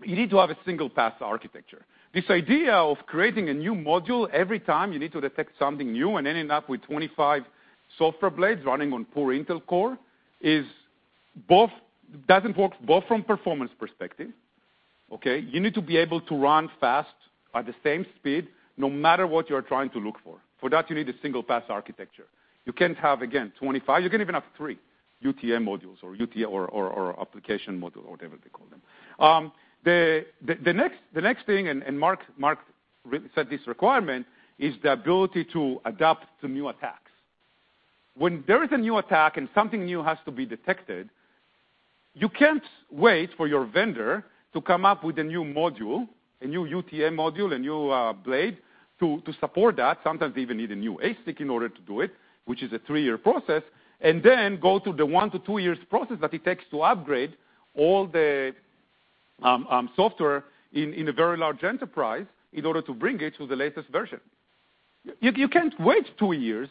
you need to have a single path architecture. This idea of creating a new module every time you need to detect something new and ending up with 25 software blades running on poor Intel Core doesn't work both from performance perspective. Okay. You need to be able to run fast at the same speed no matter what you're trying to look for. For that, you need a single path architecture. You can't have, again, 25. You can even have 3 UTM modules or application module or whatever they call them. The next thing, Mark said this requirement, is the ability to adapt to new attacks. When there is a new attack and something new has to be detected, you can't wait for your vendor to come up with a new module, a new UTM module, a new blade to support that. Sometimes they even need a new ASIC in order to do it, which is a 3-year process, and then go through the one to two years process that it takes to upgrade all the software in a very large enterprise in order to bring it to the latest version. You can't wait two years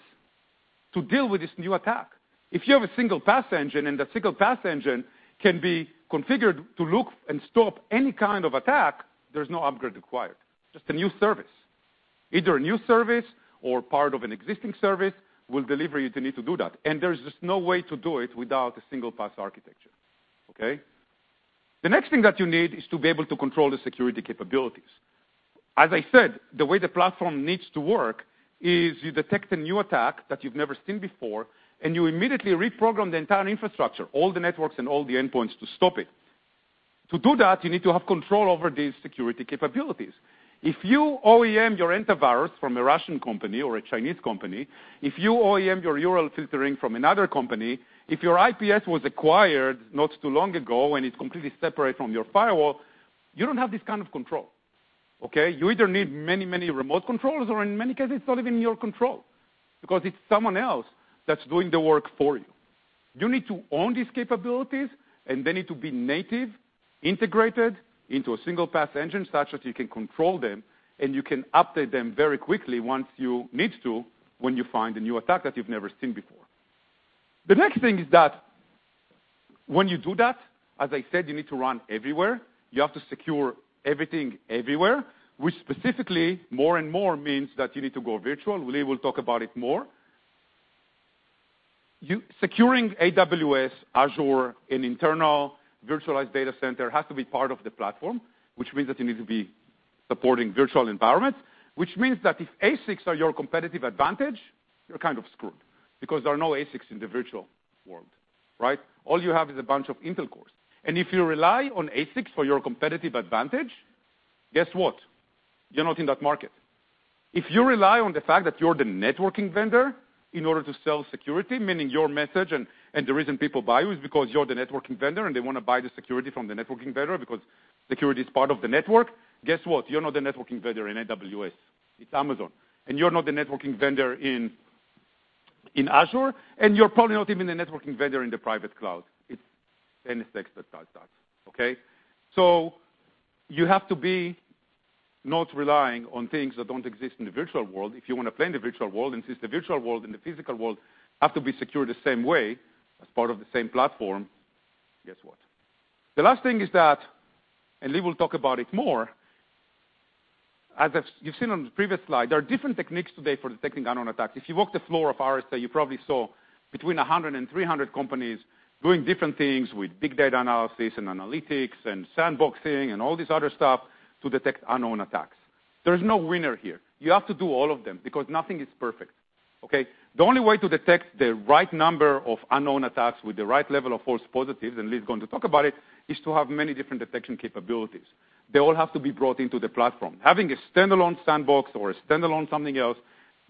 to deal with this new attack. If you have a single path engine, and the single path engine can be configured to look and stop any kind of attack, there's no upgrade required, just a new service. Either a new service or part of an existing service will deliver it, you need to do that. There's just no way to do it without a single path architecture. Okay. The next thing that you need is to be able to control the security capabilities. As I said, the way the platform needs to work is you detect a new attack that you've never seen before, and you immediately reprogram the entire infrastructure, all the networks, and all the endpoints to stop it. To do that, you need to have control over these security capabilities. If you OEM your antivirus from a Russian company or a Chinese company, if you OEM your URL filtering from another company, if your IPS was acquired not too long ago, and it's completely separate from your firewall, you don't have this kind of control. Okay. You either need many, many remote controls or in many cases, it's not even your control because it's someone else that's doing the work for you. You need to own these capabilities, and they need to be native, integrated into a single path engine such that you can control them and you can update them very quickly once you need to, when you find a new attack that you've never seen before. The next thing is that when you do that, as I said, you need to run everywhere. You have to secure everything everywhere, which specifically more and more means that you need to go virtual. Lee will talk about it more. Securing AWS, Azure, and internal virtualized data center has to be part of the platform, which means that you need to be supporting virtual environments, which means that if ASICs are your competitive advantage, you're kind of screwed because there are no ASICs in the virtual world, right? All you have is a bunch of Intel cores. If you rely on ASICs for your competitive advantage, guess what? You're not in that market. If you rely on the fact that you're the networking vendor in order to sell security, meaning your message and the reason people buy you is because you're the networking vendor and they want to buy the security from the networking vendor because security is part of the network, guess what? You're not the networking vendor in AWS. It's Amazon. You're not the networking vendor in Azure. You're probably not even the networking vendor in the private cloud. It's NSX. Okay. You have to be not relying on things that don't exist in the virtual world if you want to play in the virtual world. Since the virtual world and the physical world have to be secured the same way as part of the same platform, guess what? The last thing is that, Lee will talk about it more, as you've seen on the previous slide, there are different techniques today for detecting unknown attacks. If you walk the floor of RSA, you probably saw between 100 and 300 companies doing different things with big data analysis and analytics and sandboxing and all this other stuff to detect unknown attacks. There is no winner here. You have to do all of them because nothing is perfect. Okay. The only way to detect the right number of unknown attacks with the right level of false positives, Lee's going to talk about it, is to have many different detection capabilities. They all have to be brought into the platform. Having a standalone sandbox or a standalone something else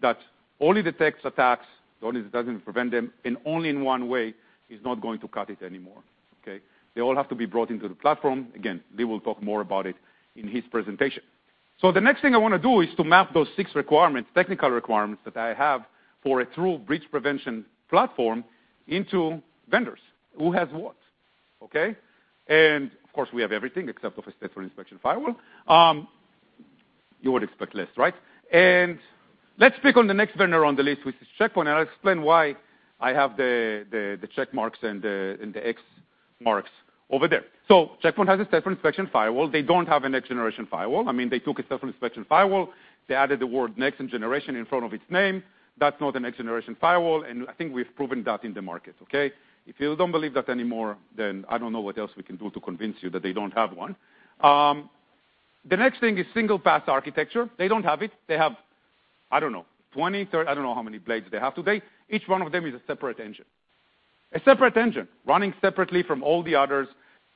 that only detects attacks, only doesn't prevent them, and only in one way is not going to cut it anymore. Okay. They all have to be brought into the platform. Again, Lee will talk more about it in his presentation. The next thing I want to do is to map those six requirements, technical requirements that I have for a true breach prevention platform into vendors. Who has what? Okay. Of course, we have everything except [inaudible] stateful inspection firewall. You would expect less, right. Let's pick on the next vendor on the list, which is Check Point. I'll explain why I have the check marks and the X marks over there. Check Point has a stateful inspection firewall. They don't have a next-generation firewall. I mean, they took a stateful inspection firewall, they added the word next-generation in front of its name. That's not a next-generation firewall, and I think we've proven that in the market, okay. If you don't believe that anymore, I don't know what else we can do to convince you that they don't have one. The next thing is single-pass architecture. They don't have it. They have, I don't know, 20, 30, I don't know how many blades they have today. Each one of them is a separate engine. A separate engine running separately from all the others.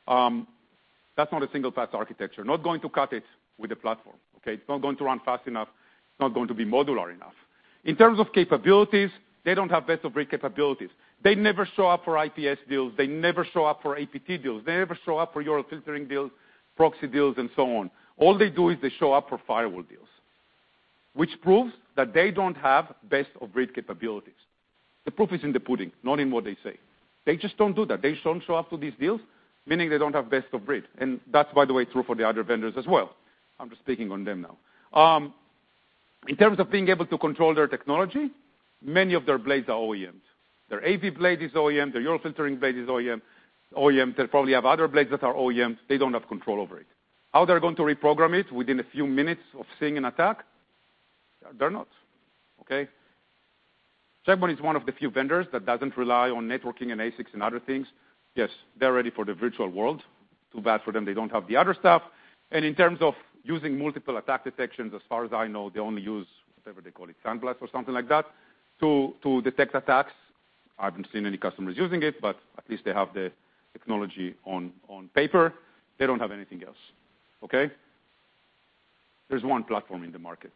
That's not a single-pass architecture. Not going to cut it with a platform, okay? It's not going to run fast enough. It's not going to be modular enough. In terms of capabilities, they don't have best-of-breed capabilities. They never show up for IPS deals. They never show up for APT deals. They never show up for URL filtering deals, proxy deals, and so on. All they do is they show up for firewall deals, which proves that they don't have best-of-breed capabilities. The proof is in the pudding, not in what they say. They just don't do that. They don't show up to these deals, meaning they don't have best of breed. That's, by the way, true for the other vendors as well. I'm just picking on them now. In terms of being able to control their technology, many of their blades are OEMs. Their AV blade is OEM, their URL filtering blade is OEM. They probably have other blades that are OEMs. They don't have control over it. How they're going to reprogram it within a few minutes of seeing an attack, they're not. Okay? Check Point is one of the few vendors that doesn't rely on networking and ASICs and other things. Yes, they're ready for the virtual world. Too bad for them, they don't have the other stuff. In terms of using multiple attack detections, as far as I know, they only use, whatever they call it, SandBlast or something like that to detect attacks. I haven't seen any customers using it, but at least they have the technology on paper. They don't have anything else. Okay? There's one platform in the market,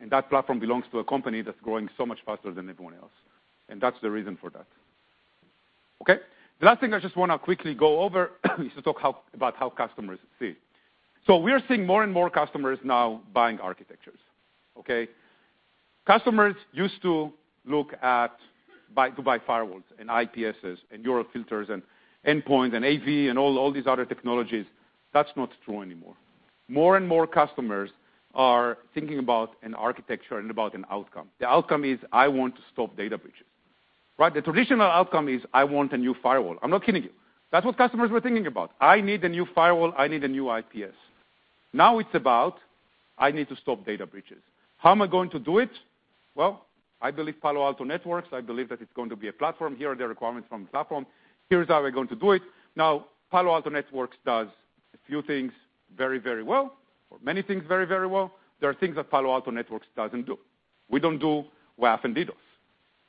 and that platform belongs to a company that's growing so much faster than everyone else. That's the reason for that. Okay? The last thing I just want to quickly go over is to talk about how customers see. We are seeing more and more customers now buying architectures. Okay? Customers used to look to buy firewalls and IPSs and URL filters and endpoint and AV and all these other technologies. That's not true anymore. More and more customers are thinking about an architecture and about an outcome. The outcome is I want to stop data breaches. Right? The traditional outcome is I want a new firewall. I'm not kidding you. That's what customers were thinking about. I need a new firewall. I need a new IPS. Now it's about, I need to stop data breaches. How am I going to do it? Well, I believe Palo Alto Networks, I believe that it's going to be a platform. Here are the requirements from the platform. Here's how we're going to do it. Palo Alto Networks does a few things very, very well, or many things very, very well. There are things that Palo Alto Networks doesn't do. We don't do WAF and DDoS.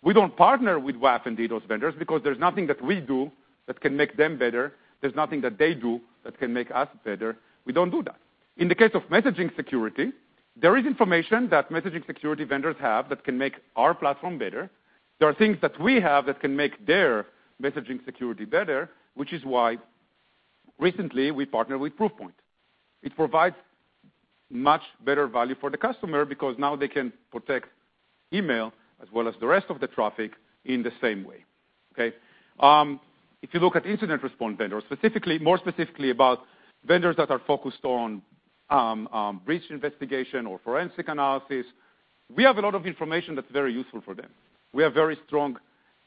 We don't partner with WAF and DDoS vendors because there's nothing that we do that can make them better. There's nothing that they do that can make us better. We don't do that. In the case of messaging security, there is information that messaging security vendors have that can make our platform better. There are things that we have that can make their messaging security better, which is why recently we partnered with Proofpoint. It provides much better value for the customer because now they can protect email as well as the rest of the traffic in the same way, okay? If you look at incident response vendors, more specifically about vendors that are focused on breach investigation or forensic analysis, we have a lot of information that's very useful for them. We have very strong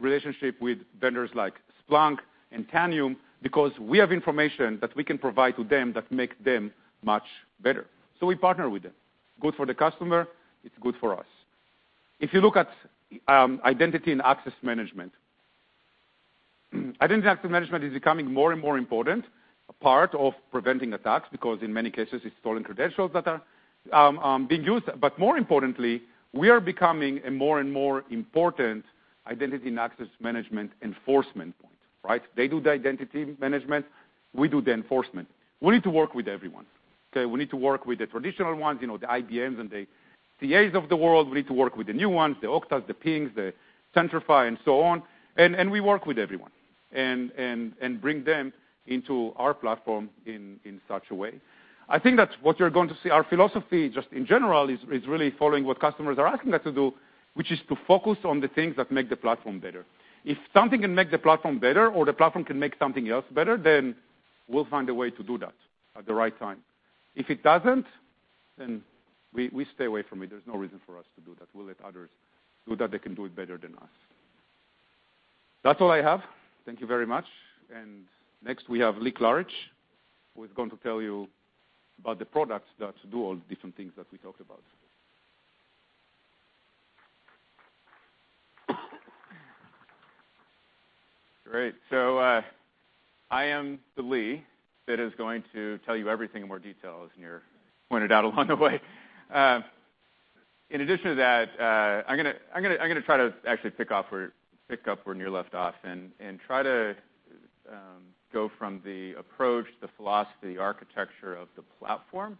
relationship with vendors like Splunk and Tanium because we have information that we can provide to them that make them much better. We partner with them. Good for the customer, it's good for us. If you look at identity and access management, identity and access management is becoming more and more important part of preventing attacks because in many cases, it's stolen credentials that are being used. More importantly, we are becoming a more and more important identity and access management enforcement point. Right? They do the identity management, we do the enforcement. We need to work with everyone. Okay? We need to work with the traditional ones, the IBMs and the CAs of the world. We need to work with the new ones, the Oktas, the Pings, the Centrify, and so on. We work with everyone, and bring them into our platform in such a way. I think that what you're going to see, our philosophy just in general is really following what customers are asking us to do, which is to focus on the things that make the platform better. If something can make the platform better or the platform can make something else better, we'll find a way to do that at the right time. If it doesn't, we stay away from it. There's no reason for us to do that. We'll let others do that. They can do it better than us. That's all I have. Thank you very much. Next, we have Lee Klarich, who's going to tell you about the products that do all the different things that we talked about. Great. I am the Lee that is going to tell you everything in more detail, as Nir pointed out along the way. In addition to that, I'm going to try to actually pick up where Nir left off and try to go from the approach, the philosophy, the architecture of the platform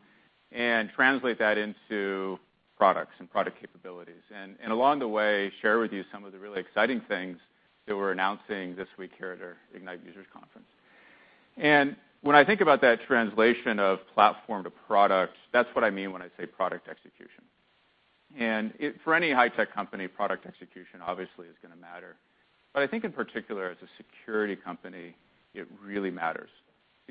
and translate that into products and product capabilities. Along the way, share with you some of the really exciting things that we're announcing this week here at our Ignite user conference. When I think about that translation of platform to product, that's what I mean when I say product execution. For any high-tech company, product execution obviously is going to matter. I think in particular as a security company, it really matters.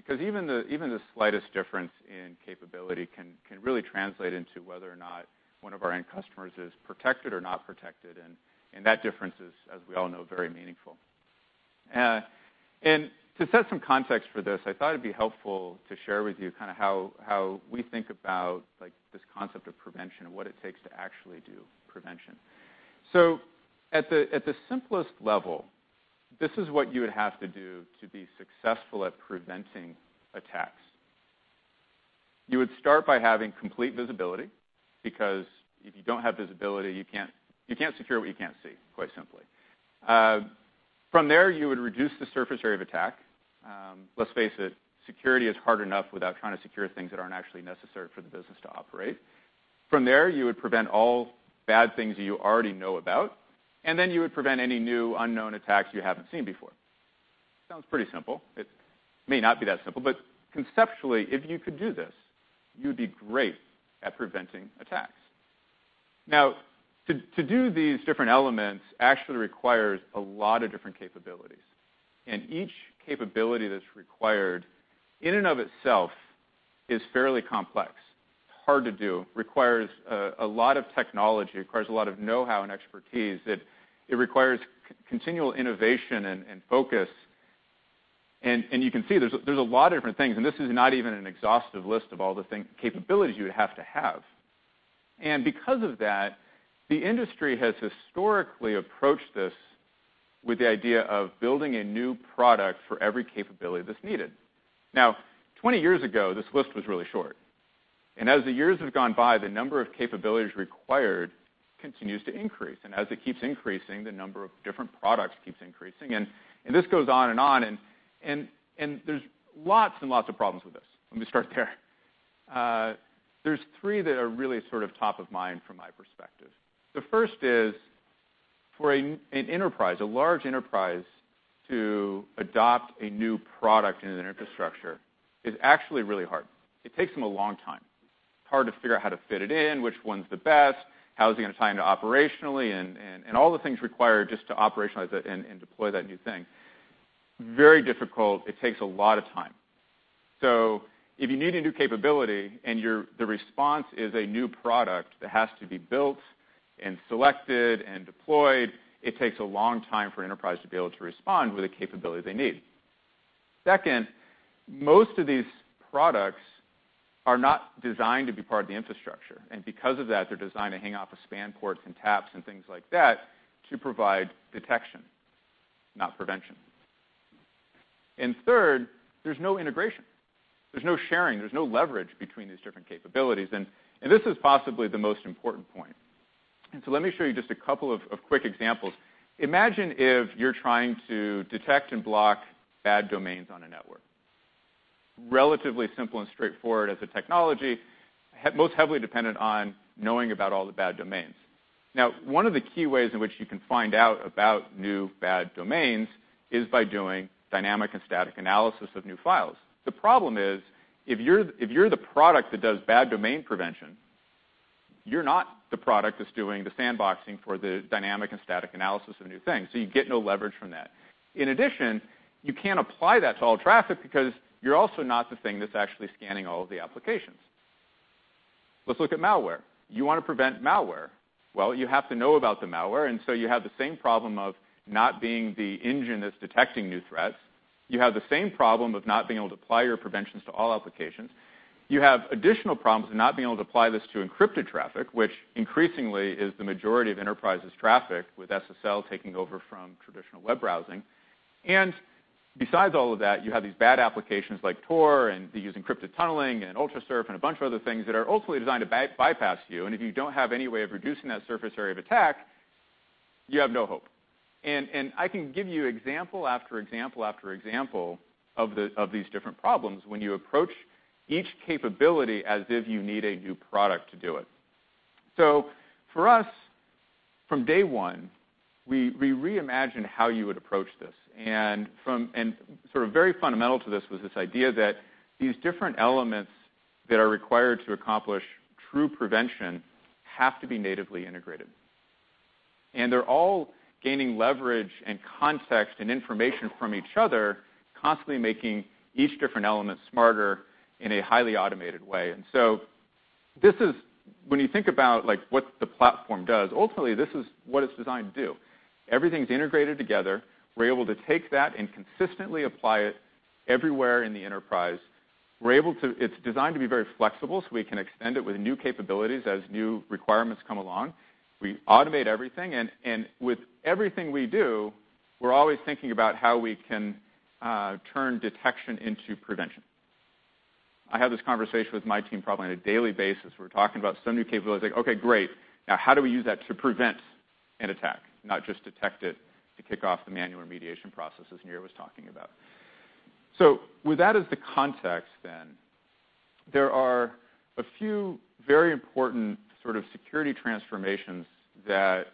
Even the slightest difference in capability can really translate into whether or not one of our end customers is protected or not protected, and that difference is, as we all know, very meaningful. To set some context for this, I thought it would be helpful to share with you how we think about this concept of prevention and what it takes to actually do prevention. At the simplest level, this is what you would have to do to be successful at preventing attacks. You would start by having complete visibility because if you don't have visibility, you can't secure what you can't see, quite simply. From there, you would reduce the surface area of attack. Let's face it, security is hard enough without trying to secure things that aren't actually necessary for the business to operate. From there, you would prevent all bad things you already know about, then you would prevent any new unknown attacks you haven't seen before. Sounds pretty simple. It may not be that simple, but conceptually, if you could do this, you would be great at preventing attacks. To do these different elements actually requires a lot of different capabilities, and each capability that's required in and of itself is fairly complex, hard to do, requires a lot of technology, requires a lot of know-how and expertise. It requires continual innovation and focus. You can see there's a lot of different things, and this is not even an exhaustive list of all the capabilities you would have to have. Because of that, the industry has historically approached this with the idea of building a new product for every capability that's needed. 20 years ago, this list was really short, as the years have gone by, the number of capabilities required continues to increase. As it keeps increasing, the number of different products keeps increasing, and this goes on and on. There's lots and lots of problems with this. Let me start there. There's three that are really sort of top of mind from my perspective. The first is, for an enterprise, a large enterprise, to adopt a new product in an infrastructure is actually really hard. It takes them a long time. It's hard to figure out how to fit it in, which one's the best, how is it going to tie into operationally, and all the things required just to operationalize it and deploy that new thing. Very difficult. It takes a lot of time. If you need a new capability and the response is a new product that has to be built and selected and deployed, it takes a long time for an enterprise to be able to respond with the capability they need. Second, most of these products are not designed to be part of the infrastructure, because of that, they're designed to hang off of span ports and taps and things like that to provide detection, not prevention. Third, there's no integration. There's no sharing. There's no leverage between these different capabilities. This is possibly the most important point. Let me show you just a couple of quick examples. Imagine if you're trying to detect and block bad domains on a network. Relatively simple and straightforward as a technology, most heavily dependent on knowing about all the bad domains. One of the key ways in which you can find out about new bad domains is by doing dynamic and static analysis of new files. The problem is, if you're the product that does bad domain prevention, you're not the product that's doing the sandboxing for the dynamic and static analysis of new things, you get no leverage from that. In addition, you can't apply that to all traffic because you're also not the thing that's actually scanning all of the applications. Let's look at malware. You want to prevent malware. You have to know about the malware, you have the same problem of not being the engine that's detecting new threats. You have the same problem of not being able to apply your preventions to all applications. You have additional problems of not being able to apply this to encrypted traffic, which increasingly is the majority of enterprises' traffic, with SSL taking over from traditional web browsing. Besides all of that, you have these bad applications like Tor and these encrypted tunneling and Ultrasurf and a bunch of other things that are ultimately designed to bypass you. If you don't have any way of reducing that surface area of attack. You have no hope. I can give you example after example after example of these different problems when you approach each capability as if you need a new product to do it. For us, from day one, we reimagined how you would approach this. Sort of very fundamental to this was this idea that these different elements that are required to accomplish true prevention have to be natively integrated. They're all gaining leverage and context and information from each other, constantly making each different element smarter in a highly automated way. When you think about what the platform does, ultimately, this is what it's designed to do. Everything's integrated together. We're able to take that and consistently apply it everywhere in the enterprise. It's designed to be very flexible so we can extend it with new capabilities as new requirements come along. We automate everything, and with everything we do, we're always thinking about how we can turn detection into prevention. I have this conversation with my team probably on a daily basis. We're talking about some new capability, I say, "Okay, great. Now how do we use that to prevent an attack, not just detect it to kick off the manual remediation process," as Nir was talking about. With that as the context then, there are a few very important sort of security transformations that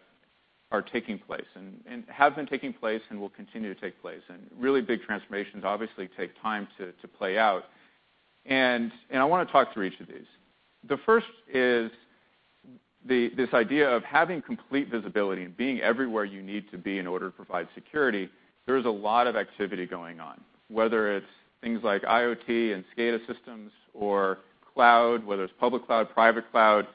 are taking place, and have been taking place, and will continue to take place. Really big transformations obviously take time to play out. I want to talk through each of these. The first is this idea of having complete visibility and being everywhere you need to be in order to provide security. There's a lot of activity going on, whether it's things like IoT and SCADA systems or cloud, whether it's public cloud, private cloud,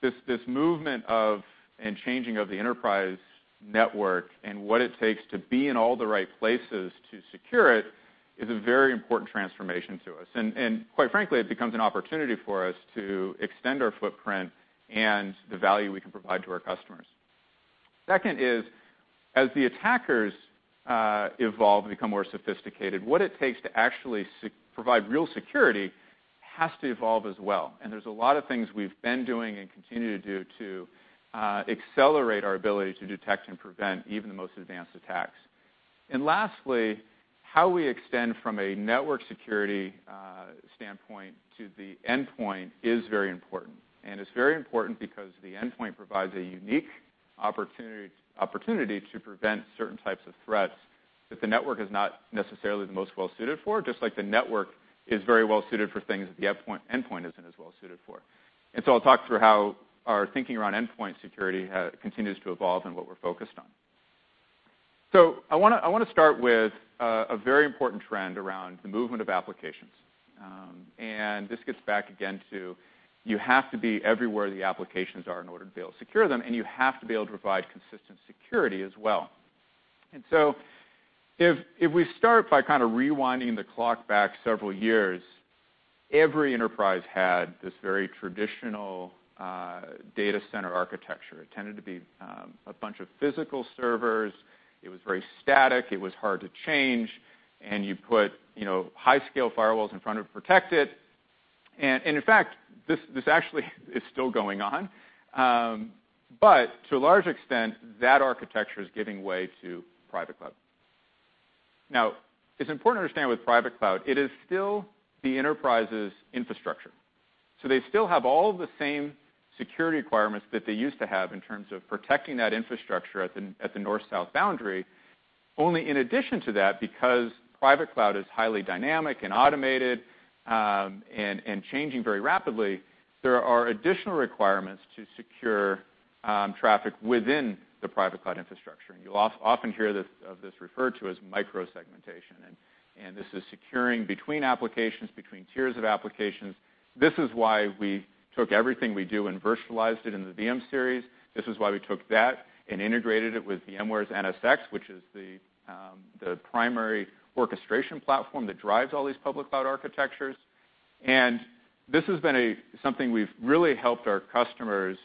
this movement of, and changing of the enterprise network, and what it takes to be in all the right places to secure it is a very important transformation to us. Quite frankly, it becomes an opportunity for us to extend our footprint and the value we can provide to our customers. Second is, as the attackers evolve and become more sophisticated, what it takes to actually provide real security has to evolve as well. There's a lot of things we've been doing and continue to do to accelerate our ability to detect and prevent even the most advanced attacks. Lastly, how we extend from a network security standpoint to the endpoint is very important. It's very important because the endpoint provides a unique opportunity to prevent certain types of threats that the network is not necessarily the most well-suited for, just like the network is very well suited for things that the endpoint isn't as well suited for. I'll talk through how our thinking around endpoint security continues to evolve and what we're focused on. I want to start with a very important trend around the movement of applications. This gets back again to you have to be everywhere the applications are in order to be able to secure them, and you have to be able to provide consistent security as well. If we start by kind of rewinding the clock back several years, every enterprise had this very traditional data center architecture. It tended to be a bunch of physical servers. It was very static, it was hard to change. You put high scale firewalls in front of it to protect it. In fact, this actually is still going on. To a large extent, that architecture is giving way to private cloud. Now, it's important to understand with private cloud, it is still the enterprise's infrastructure. They still have all of the same security requirements that they used to have in terms of protecting that infrastructure at the north-south boundary. Only in addition to that, because private cloud is highly dynamic and automated, and changing very rapidly, there are additional requirements to secure traffic within the private cloud infrastructure. You'll often hear of this referred to as micro-segmentation, and this is securing between applications, between tiers of applications. This is why we took everything we do and virtualized it in the VM-Series. This is why we took that and integrated it with VMware's NSX, which is the primary orchestration platform that drives all these public cloud architectures. This has been something we've really helped our customers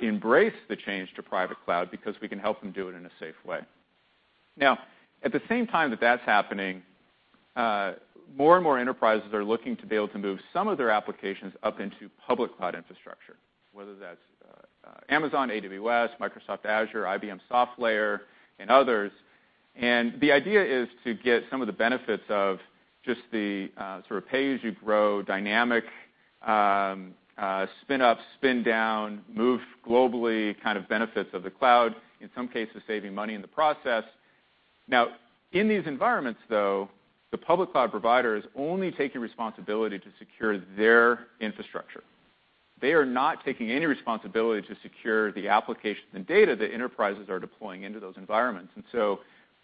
embrace the change to private cloud because we can help them do it in a safe way. At the same time that that's happening, more and more enterprises are looking to be able to move some of their applications up into public cloud infrastructure, whether that's Amazon AWS, Microsoft Azure, IBM SoftLayer, and others. The idea is to get some of the benefits of just the sort of pay as you grow dynamic, spin up, spin down, move globally kind of benefits of the cloud. In some cases, saving money in the process. In these environments, though, the public cloud providers only take responsibility to secure their infrastructure. They are not taking any responsibility to secure the applications and data that enterprises are deploying into those environments.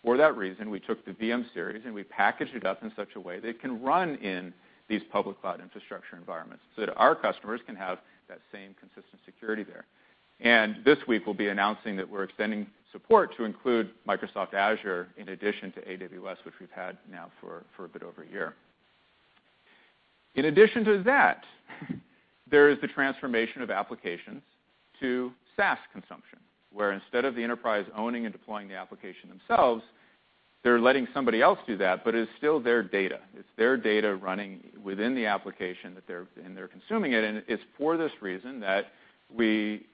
For that reason, we took the VM-Series, and we packaged it up in such a way that it can run in these public cloud infrastructure environments so that our customers can have that same consistent security there. This week, we'll be announcing that we're extending support to include Microsoft Azure in addition to AWS, which we've had now for a bit over a year. In addition to that, there is the transformation of applications to SaaS consumption, where instead of the enterprise owning and deploying the application themselves. They're letting somebody else do that, but it's still their data. It's their data running within the application, and they're consuming it. It's for this reason that we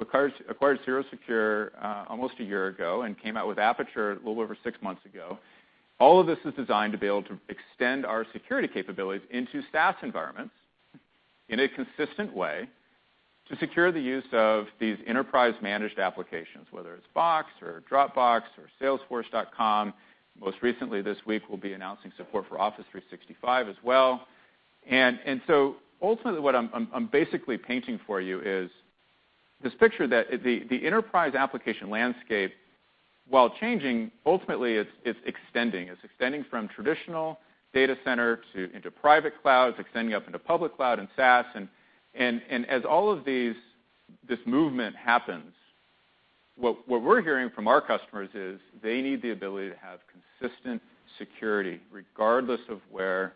acquired CirroSecure almost a year ago and came out with Aperture a little over 6 months ago. All of this is designed to be able to extend our security capabilities into SaaS environments in a consistent way to secure the use of these enterprise managed applications, whether it's Box or Dropbox or salesforce.com. Most recently this week, we'll be announcing support for Office 365 as well. Ultimately what I'm basically painting for you is this picture that the enterprise application landscape, while changing, ultimately it's extending. It's extending from traditional data center into private cloud. It's extending up into public cloud and SaaS. As all of this movement happens, what we're hearing from our customers is they need the ability to have consistent security regardless of where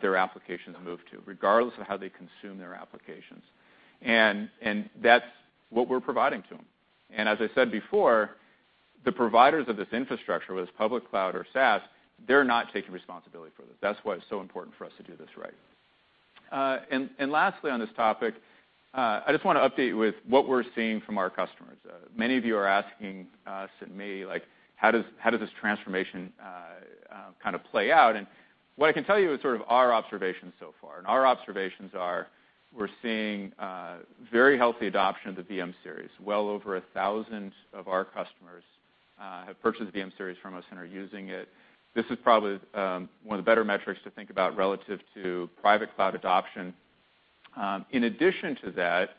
their applications move to, regardless of how they consume their applications. That's what we're providing to them. As I said before, the providers of this infrastructure, whether it's public cloud or SaaS, they're not taking responsibility for this. That's why it's so important for us to do this right. Lastly on this topic, I just want to update you with what we're seeing from our customers. Many of you are asking us and me, like, how does this transformation kind of play out? What I can tell you is sort of our observations so far. Our observations are we're seeing very healthy adoption of the VM-Series. Well over 1,000 of our customers have purchased VM-Series from us and are using it. This is probably one of the better metrics to think about relative to private cloud adoption. In addition to that,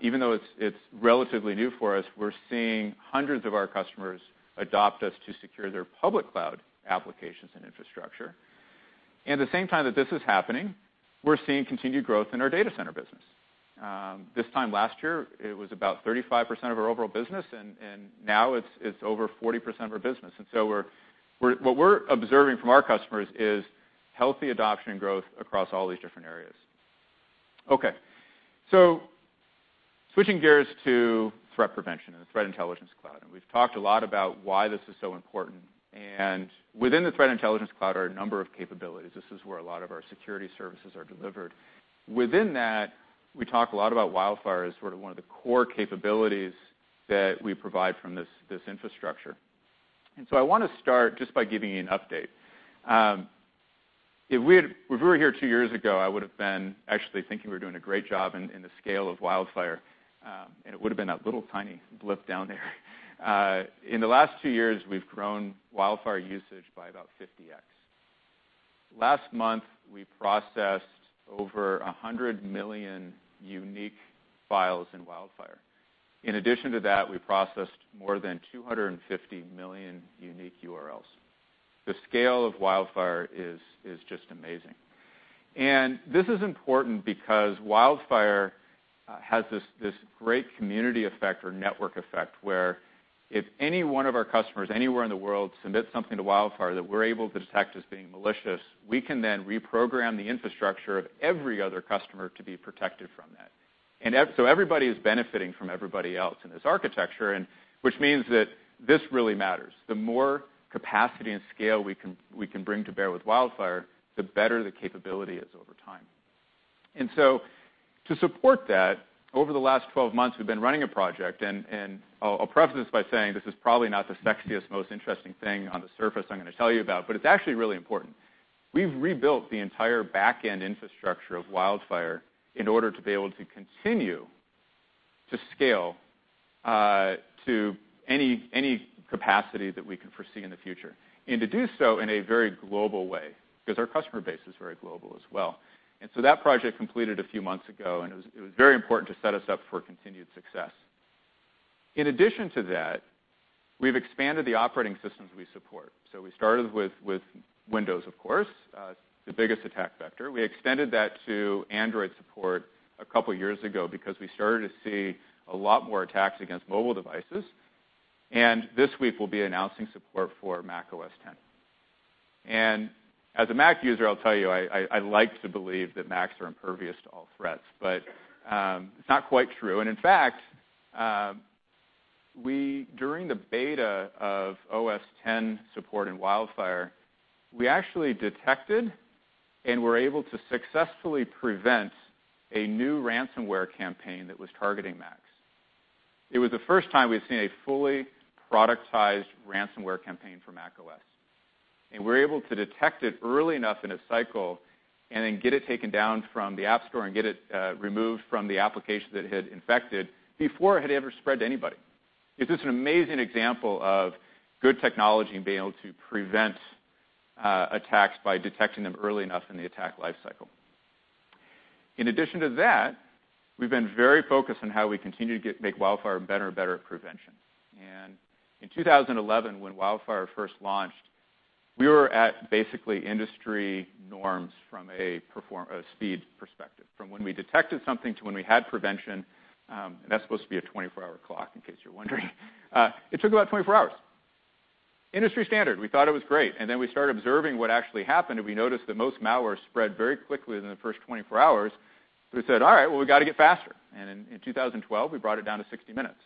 even though it's relatively new for us, we're seeing hundreds of our customers adopt us to secure their public cloud applications and infrastructure. At the same time that this is happening, we're seeing continued growth in our data center business. This time last year, it was about 35% of our overall business, and now it's over 40% of our business. What we're observing from our customers is healthy adoption growth across all these different areas. Okay. Switching gears to Threat Prevention and the Threat Intelligence Cloud, we've talked a lot about why this is so important. Within the Threat Intelligence Cloud are a number of capabilities. This is where a lot of our security services are delivered. Within that, we talk a lot about WildFire as sort of one of the core capabilities that we provide from this infrastructure. I want to start just by giving you an update. If we were here 2 years ago, I would've been actually thinking we were doing a great job in the scale of WildFire, and it would've been that little tiny blip down there. In the last 2 years, we've grown WildFire usage by about 50x. Last month, we processed over 100 million unique files in WildFire. In addition to that, we processed more than 250 million unique URLs. The scale of WildFire is just amazing. This is important because WildFire has this great community effect or network effect where if any one of our customers anywhere in the world submits something to WildFire that we're able to detect as being malicious, we can then reprogram the infrastructure of every other customer to be protected from that. Everybody is benefiting from everybody else in this architecture, which means that this really matters. The more capacity and scale we can bring to bear with WildFire, the better the capability is over time. To support that, over the last 12 months, we've been running a project, and I'll preface this by saying this is probably not the sexiest, most interesting thing on the surface I'm going to tell you about, but it's actually really important. We've rebuilt the entire back end infrastructure of WildFire in order to be able to continue to scale to any capacity that we can foresee in the future, and to do so in a very global way, because our customer base is very global as well. That project completed a few months ago, and it was very important to set us up for continued success. In addition to that, we've expanded the operating systems we support. We started with Windows, of course, the biggest attack vector. We extended that to Android support a couple of years ago because we started to see a lot more attacks against mobile devices. This week, we'll be announcing support for Mac OS X. As a Mac user, I'll tell you, I like to believe that Macs are impervious to all threats, but it's not quite true. In fact, during the beta of OS X support in WildFire, we actually detected and were able to successfully prevent a new ransomware campaign that was targeting Macs. It was the first time we've seen a fully productized ransomware campaign for Mac OS. We were able to detect it early enough in its cycle and then get it taken down from the App Store and get it removed from the applications it had infected before it had ever spread to anybody. It's just an amazing example of good technology and being able to prevent attacks by detecting them early enough in the attack life cycle. In addition to that, we've been very focused on how we continue to make WildFire better and better at prevention. In 2011, when WildFire first launched, we were at basically industry norms from a speed perspective, from when we detected something to when we had prevention, and that's supposed to be a 24-hour clock, in case you're wondering. It took about 24 hours. Industry standard. We thought it was great. We started observing what actually happened. We noticed that most malware spread very quickly within the first 24 hours. We said, "All right. Well, we've got to get faster." In 2012, we brought it down to 60 minutes.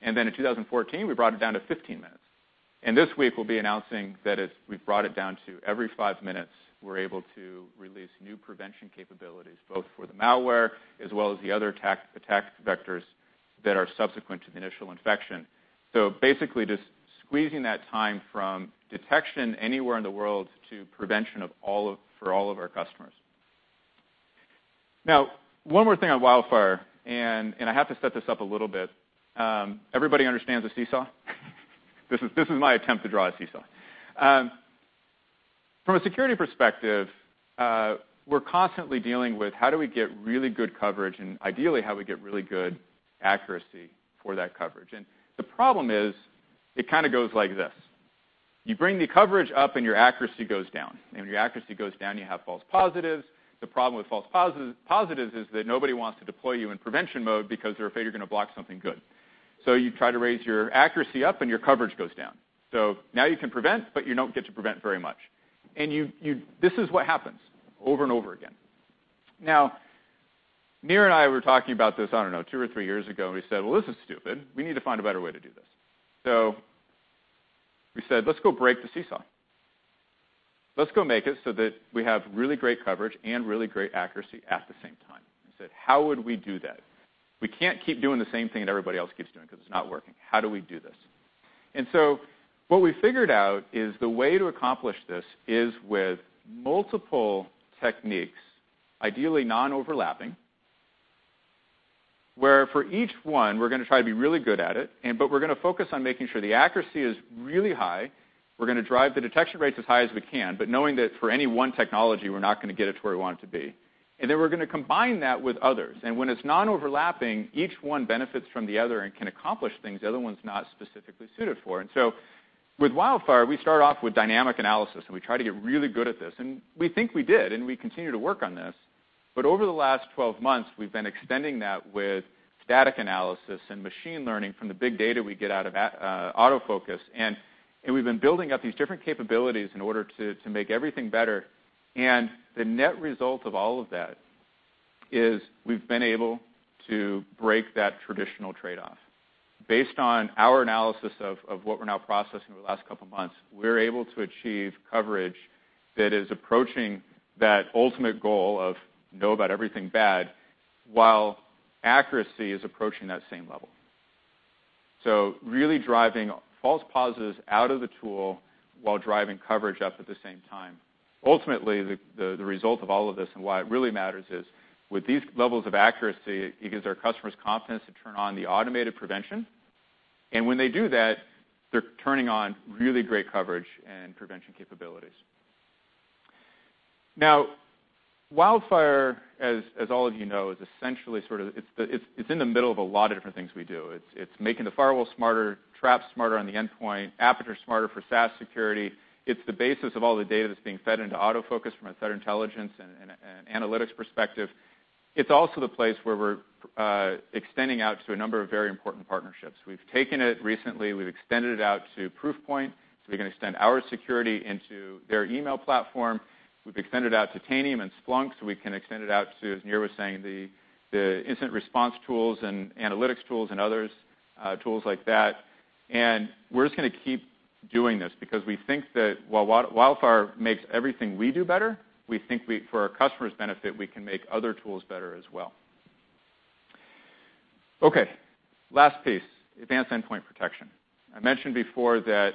In 2014, we brought it down to 15 minutes. This week, we'll be announcing that we've brought it down to every five minutes, we're able to release new prevention capabilities, both for the malware as well as the other attack vectors that are subsequent to the initial infection. Basically just squeezing that time from detection anywhere in the world to prevention for all of our customers. One more thing on WildFire, and I have to set this up a little bit. Everybody understands a seesaw? This is my attempt to draw a seesaw. From a security perspective, we're constantly dealing with how do we get really good coverage and ideally how we get really good accuracy for that coverage. The problem is, it kind of goes like this. You bring the coverage up and your accuracy goes down. When your accuracy goes down, you have false positives. The problem with false positives is that nobody wants to deploy you in prevention mode because they're afraid you're going to block something good. You try to raise your accuracy up and your coverage goes down. Now you can prevent, but you don't get to prevent very much. This is what happens over and over again. Nir and I were talking about this, I don't know, two or three years ago, and we said, "Well, this is stupid. We need to find a better way to do this." We said, "Let's go break the seesaw. Let's go make it so that we have really great coverage and really great accuracy at the same time." We said, "How would we do that? We can't keep doing the same thing that everybody else keeps doing because it's not working. How do we do this?" What we figured out is the way to accomplish this is with multiple techniques, ideally non-overlapping, where for each one, we're going to try to be really good at it, but we're going to focus on making sure the accuracy is really high. We're going to drive the detection rates as high as we can, but knowing that for any one technology, we're not going to get it to where we want it to be. We're going to combine that with others. When it's non-overlapping, each one benefits from the other and can accomplish things the other one's not specifically suited for. With WildFire, we start off with dynamic analysis. We try to get really good at this. We think we did, and we continue to work on this. Over the last 12 months, we've been extending that with static analysis and machine learning from the big data we get out of AutoFocus. We've been building up these different capabilities in order to make everything better. The net result of all of that is we've been able to break that traditional trade-off. Based on our analysis of what we're now processing over the last couple of months, we're able to achieve coverage that is approaching that ultimate goal of know about everything bad, while accuracy is approaching that same level. Really driving false positives out of the tool while driving coverage up at the same time. Ultimately, the result of all of this and why it really matters is with these levels of accuracy, it gives our customers confidence to turn on the automated prevention. When they do that, they're turning on really great coverage and prevention capabilities. WildFire, as all of you know, it's in the middle of a lot of different things we do. It's making the firewall smarter, Traps smarter on the endpoint, Aperture smarter for SaaS security. It's the basis of all the data that's being fed into AutoFocus from a threat intelligence and analytics perspective. It's also the place where we're extending out to a number of very important partnerships. We've taken it recently, we've extended it out to Proofpoint, so we can extend our security into their email platform. We've extended out to Tanium and Splunk, so we can extend it out to, as Nir was saying, the incident response tools and analytics tools and others, tools like that. We're just going to keep doing this because we think that while WildFire makes everything we do better, we think for our customers' benefit, we can make other tools better as well. Okay. Last piece, advanced endpoint protection. I mentioned before that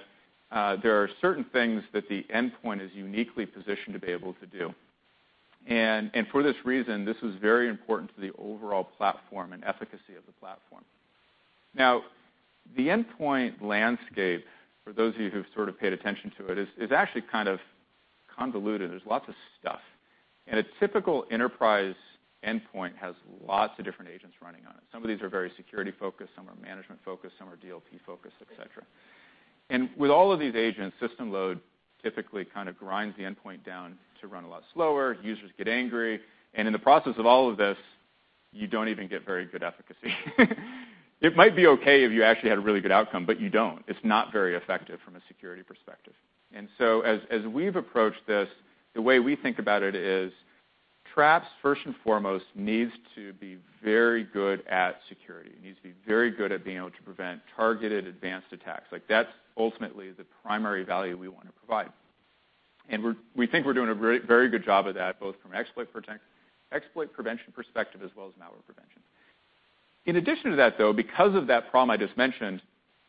there are certain things that the endpoint is uniquely positioned to be able to do. For this reason, this was very important to the overall platform and efficacy of the platform. The endpoint landscape, for those of you who've sort of paid attention to it, is actually kind of convoluted. There's lots of stuff. A typical enterprise endpoint has lots of different agents running on it. Some of these are very security-focused, some are management-focused, some are DLP-focused, et cetera. With all of these agents, system load typically kind of grinds the endpoint down to run a lot slower. Users get angry. In the process of all of this, you don't even get very good efficacy. It might be okay if you actually had a really good outcome, but you don't. It's not very effective from a security perspective. As we've approached this, the way we think about it is Traps, first and foremost, needs to be very good at security. It needs to be very good at being able to prevent targeted advanced attacks. That's ultimately the primary value we want to provide. We think we're doing a very good job of that, both from exploit prevention perspective, as well as malware prevention. In addition to that, though, because of that problem I just mentioned,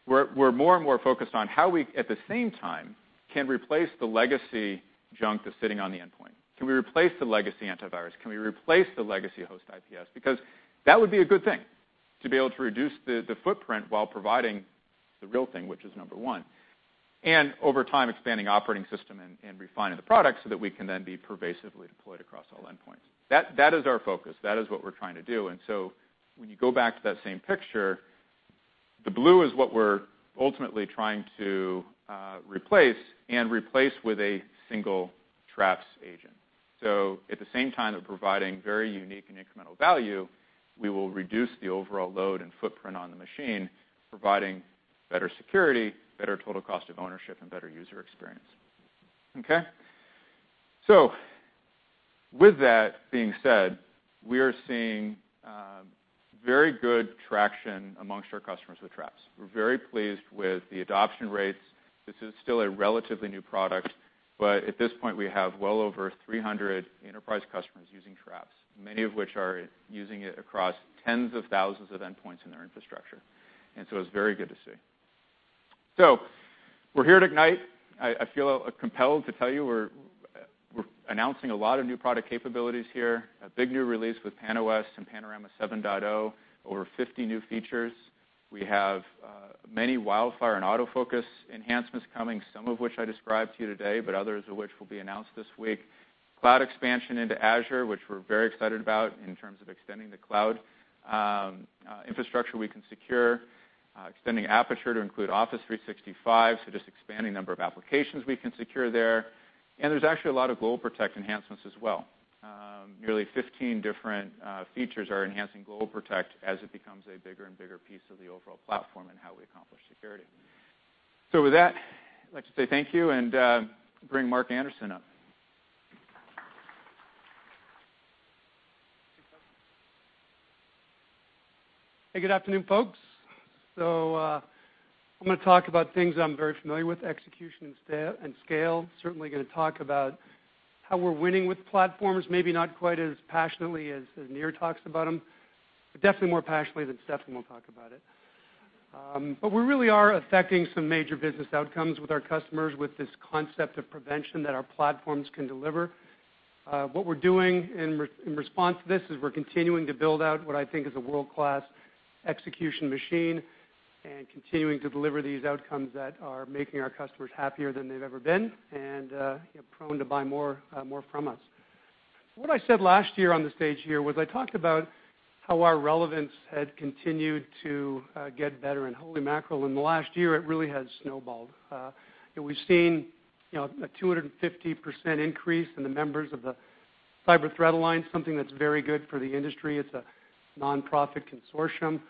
we're more and more focused on how we, at the same time, can replace the legacy junk that's sitting on the endpoint. Can we replace the legacy antivirus? Can we replace the legacy host IPS? Because that would be a good thing, to be able to reduce the footprint while providing the real thing, which is number one. And over time, expanding operating system and refining the product so that we can then be pervasively deployed across all endpoints. That is our focus. That is what we are trying to do. When you go back to that same picture, the blue is what we are ultimately trying to replace and replace with a single Traps agent. At the same time of providing very unique and incremental value, we will reduce the overall load and footprint on the machine, providing better security, better total cost of ownership, and better user experience. Okay? With that being said, we are seeing very good traction amongst our customers with Traps. We are very pleased with the adoption rates. This is still a relatively new product, but at this point, we have well over 300 enterprise customers using Traps, many of which are using it across tens of thousands of endpoints in their infrastructure. It is very good to see. We are here to Ignite. I feel compelled to tell you we are announcing a lot of new product capabilities here, a big new release with PAN-OS and Panorama 7.0, over 50 new features. We have many WildFire and AutoFocus enhancements coming, some of which I described to you today, but others of which will be announced this week. Cloud expansion into Azure, which we are very excited about in terms of extending the cloud, infrastructure we can secure, extending Aperture to include Office 365, just expanding the number of applications we can secure there. There is actually a lot of GlobalProtect enhancements as well. Nearly 15 different features are enhancing GlobalProtect as it becomes a bigger and bigger piece of the overall platform and how we accomplish security. With that, I would like to say thank you and bring Mark Anderson up. Hey, good afternoon, folks. I am going to talk about things I am very familiar with, execution and scale. Certainly going to talk about how we are winning with platforms, maybe not quite as passionately as Nir talks about them, but definitely more passionately than Steffan will talk about it. We really are affecting some major business outcomes with our customers with this concept of prevention that our platforms can deliver. What we are doing in response to this is we are continuing to build out what I think is a world-class execution machine and continuing to deliver these outcomes that are making our customers happier than they have ever been and prone to buy more from us. What I said last year on the stage here was I talked about how our relevance had continued to get better, and holy mackerel, in the last year, it really has snowballed. We've seen a 250% increase in the members of the Cyber Threat Alliance, something that's very good for the industry. It's a nonprofit consortium.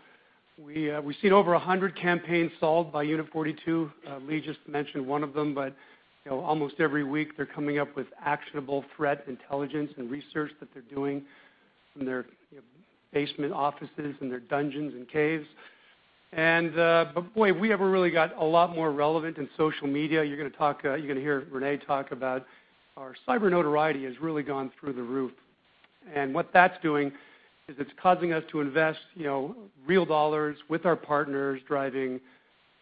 We've seen over 100 campaigns solved by Unit 42. Lee just mentioned one of them, but almost every week they're coming up with actionable threat intelligence and research that they're doing from their basement offices and their dungeons and caves. Boy, we ever really got a lot more relevant in social media. You're going to hear René talk about our cyber notoriety has really gone through the roof. What that's doing is it's causing us to invest real dollars with our partners, driving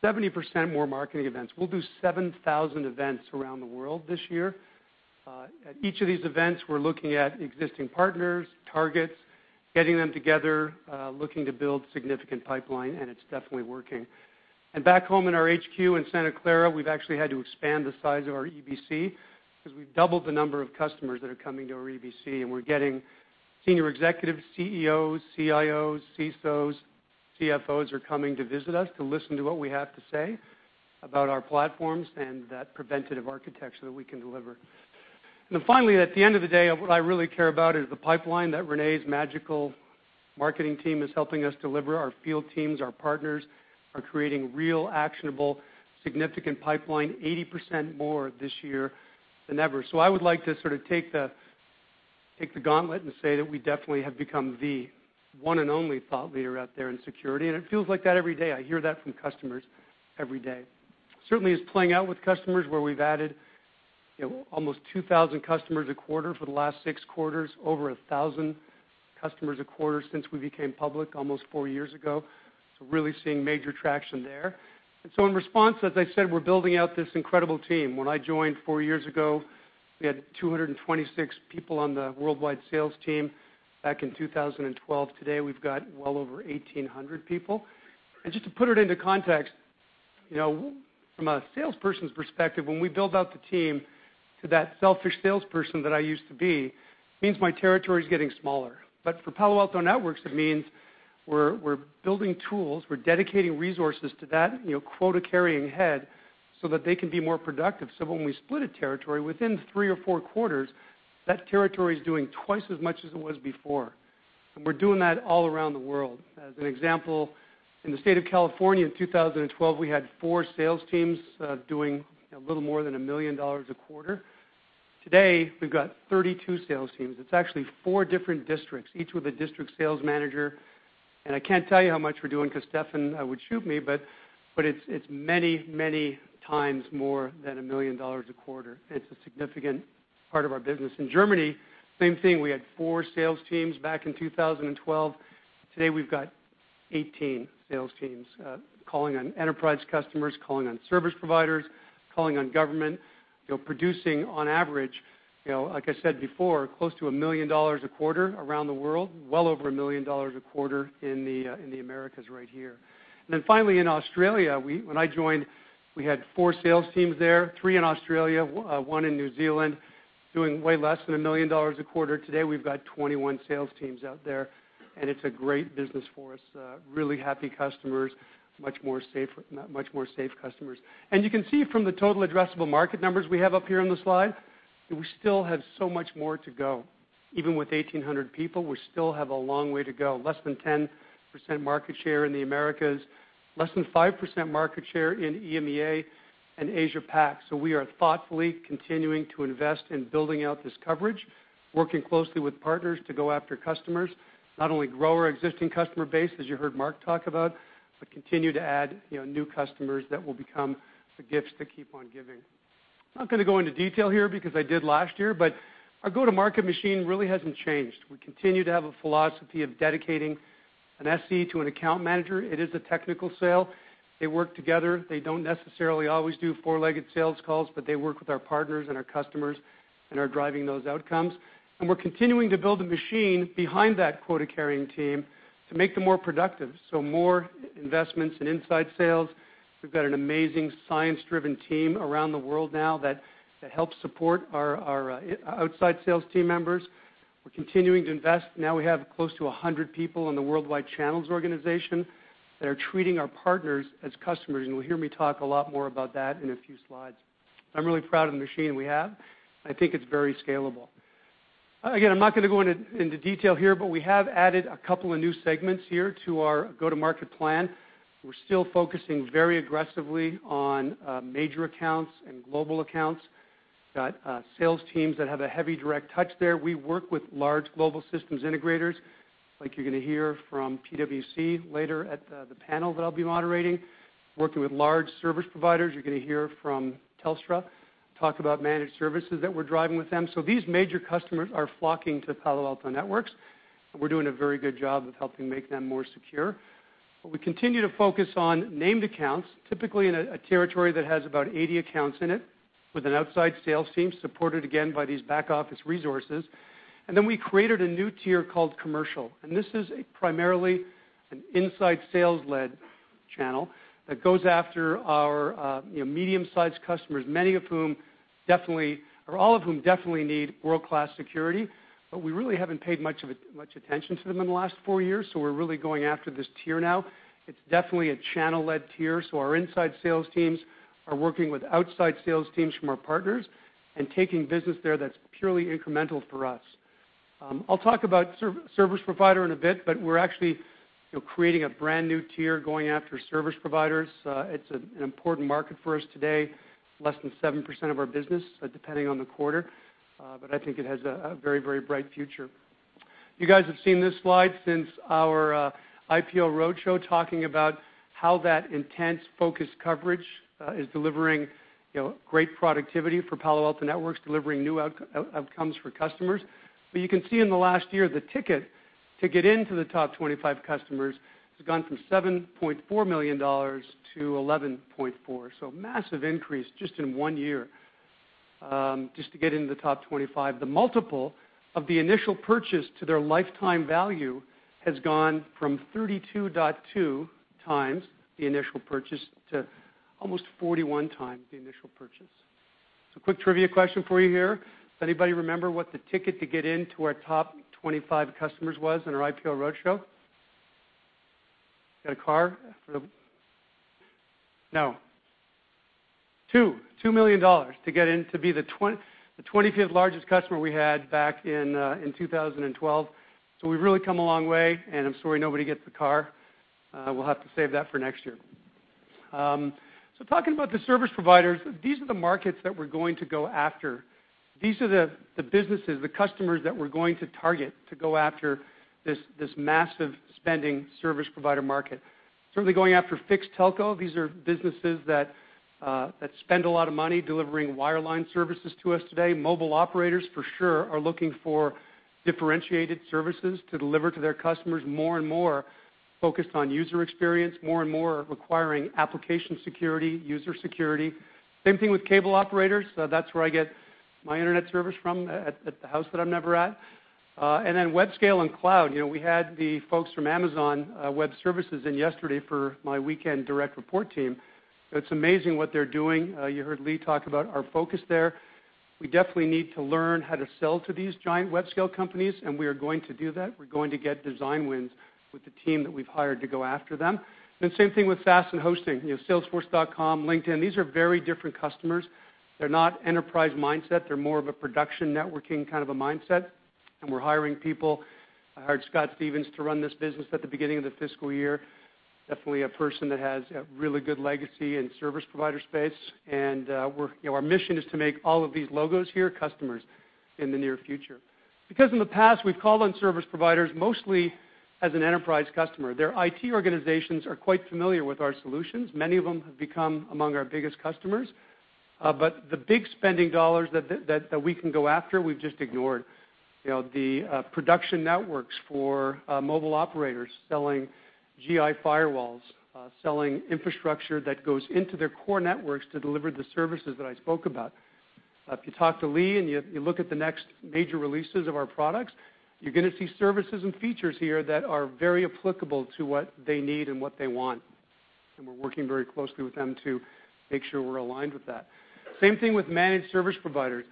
70% more marketing events. We'll do 7,000 events around the world this year. At each of these events, we're looking at existing partners, targets, getting them together, looking to build significant pipeline, it's definitely working. Back home in our HQ in Santa Clara, we've actually had to expand the size of our EBC because we've doubled the number of customers that are coming to our EBC, we're getting senior executives, CEOs, CIOs, CSOs, CFOs are coming to visit us to listen to what we have to say about our platforms and that preventative architecture that we can deliver. Finally, at the end of the day, what I really care about is the pipeline that René's magical marketing team is helping us deliver. Our field teams, our partners are creating real, actionable, significant pipeline, 80% more this year than ever. I would like to sort of take the gauntlet and say that we definitely have become the one and only thought leader out there in security. It feels like that every day. I hear that from customers every day. Certainly is playing out with customers where we've added almost 2,000 customers a quarter for the last six quarters, over 1,000 customers a quarter since we became public almost four years ago. Really seeing major traction there. In response, as I said, we're building out this incredible team. When I joined four years ago, we had 226 people on the worldwide sales team back in 2012. Today, we've got well over 1,800 people. Just to put it into context, from a salesperson's perspective, when we build out the team to that selfish salesperson that I used to be, it means my territory is getting smaller. For Palo Alto Networks, it means we're building tools, we're dedicating resources to that quota-carrying head so that they can be more productive. When we split a territory, within three or four quarters, that territory is doing twice as much as it was before. We're doing that all around the world. As an example, in the state of California in 2012, we had four sales teams doing a little more than $1 million a quarter. Today, we've got 32 sales teams. It's actually four different districts, each with a district sales manager. I can't tell you how much we're doing because Steffan would shoot me, but it's many, many times more than $1 million a quarter, it's a significant part of our business. In Germany, same thing. We had four sales teams back in 2012. Today, we've got 18 sales teams calling on enterprise customers, calling on service providers, calling on government, producing on average, like I said before, close to $1 million a quarter around the world, well over $1 million a quarter in the Americas right here. Finally in Australia, when I joined, we had four sales teams there, three in Australia, one in New Zealand, doing way less than $1 million a quarter. Today, we've got 21 sales teams out there, it's a great business for us. Really happy customers, much more safe customers. You can see from the total addressable market numbers we have up here on the slide, that we still have so much more to go. Even with 1,800 people, we still have a long way to go. Less than 10% market share in the Americas. Less than 5% market share in EMEA and Asia Pac. We are thoughtfully continuing to invest in building out this coverage, working closely with partners to go after customers, not only grow our existing customer base, as you heard Mark talk about, but continue to add new customers that will become the gifts that keep on giving. I'm not going to go into detail here because I did last year, our go-to-market machine really hasn't changed. We continue to have a philosophy of dedicating an SE to an account manager. It is a technical sale. They work together. They don't necessarily always do four-legged sales calls, but they work with our partners and our customers and are driving those outcomes. We're continuing to build a machine behind that quota-carrying team to make them more productive. More investments in inside sales. We've got an amazing science-driven team around the world now that helps support our outside sales team members. We're continuing to invest. Now we have close to 100 people in the worldwide channels organization that are treating our partners as customers, you'll hear me talk a lot more about that in a few slides. I'm really proud of the machine we have. I think it's very scalable. Again, I'm not going to go into detail here, we have added a couple of new segments here to our go-to-market plan. We're still focusing very aggressively on major accounts and global accounts. We've got sales teams that have a heavy direct touch there. We work with large global systems integrators, like you're going to hear from PwC later at the panel that I'll be moderating, working with large service providers. You're going to hear from Telstra talk about managed services that we're driving with them. These major customers are flocking to Palo Alto Networks, we're doing a very good job of helping make them more secure. We continue to focus on named accounts, typically in a territory that has about 80 accounts in it with an outside sales team supported, again, by these back-office resources. We created a new tier called commercial, this is primarily an inside sales-led channel that goes after our medium-sized customers, many of whom definitely, or all of whom definitely need world-class security. We really haven't paid much attention to them in the last four years, we're really going after this tier now. It's definitely a channel-led tier. Our inside sales teams are working with outside sales teams from our partners and taking business there that's purely incremental for us. I'll talk about service provider in a bit, but we're actually creating a brand-new tier going after service providers. It's an important market for us today, less than 7% of our business, depending on the quarter, but I think it has a very bright future. You guys have seen this slide since our IPO roadshow, talking about how that intense focused coverage is delivering great productivity for Palo Alto Networks, delivering new outcomes for customers. You can see in the last year, the ticket to get into the top 25 customers has gone from $7.4 million to $11.4 million, a massive increase just in one year just to get into the top 25. The multiple of the initial purchase to their lifetime value has gone from 32.2x the initial purchase to almost 41x the initial purchase. Quick trivia question for you here. Does anybody remember what the ticket to get into our top 25 customers was on our IPO roadshow? Get a car? No. $2 million to get in to be the 25th largest customer we had back in 2012. We've really come a long way, and I'm sorry nobody gets the car. We'll have to save that for next year. Talking about the service providers, these are the markets that we're going to go after. These are the businesses, the customers that we're going to target to go after this massive spending service provider market. Certainly going after fixed telco. These are businesses that spend a lot of money delivering wireline services to us today. Mobile operators, for sure, are looking for differentiated services to deliver to their customers more and more focused on user experience, more and more requiring application security, user security. Same thing with cable operators. That's where I get my internet service from at the house that I'm never at. Web scale and cloud. We had the folks from Amazon Web Services in yesterday for my weekend direct report team. It's amazing what they're doing. You heard Lee talk about our focus there. We definitely need to learn how to sell to these giant web scale companies, and we are going to do that. We're going to get design wins with the team that we've hired to go after them. Same thing with SaaS and hosting. salesforce.com, LinkedIn, these are very different customers. They're not enterprise mindset, they're more of a production networking kind of a mindset. We're hiring people. I hired Scott Stevens to run this business at the beginning of the fiscal year. Definitely a person that has a really good legacy in service provider space, and our mission is to make all of these logos here customers in the near future. In the past, we've called on service providers mostly as an enterprise customer. Their IT organizations are quite familiar with our solutions. Many of them have become among our biggest customers. The big spending dollars that we can go after, we've just ignored. The production networks for mobile operators selling Gi firewalls, selling infrastructure that goes into their core networks to deliver the services that I spoke about. If you talk to Lee and you look at the next major releases of our products, you're going to see services and features here that are very applicable to what they need and what they want, and we're working very closely with them to make sure we're aligned with that. Same thing with managed service providers.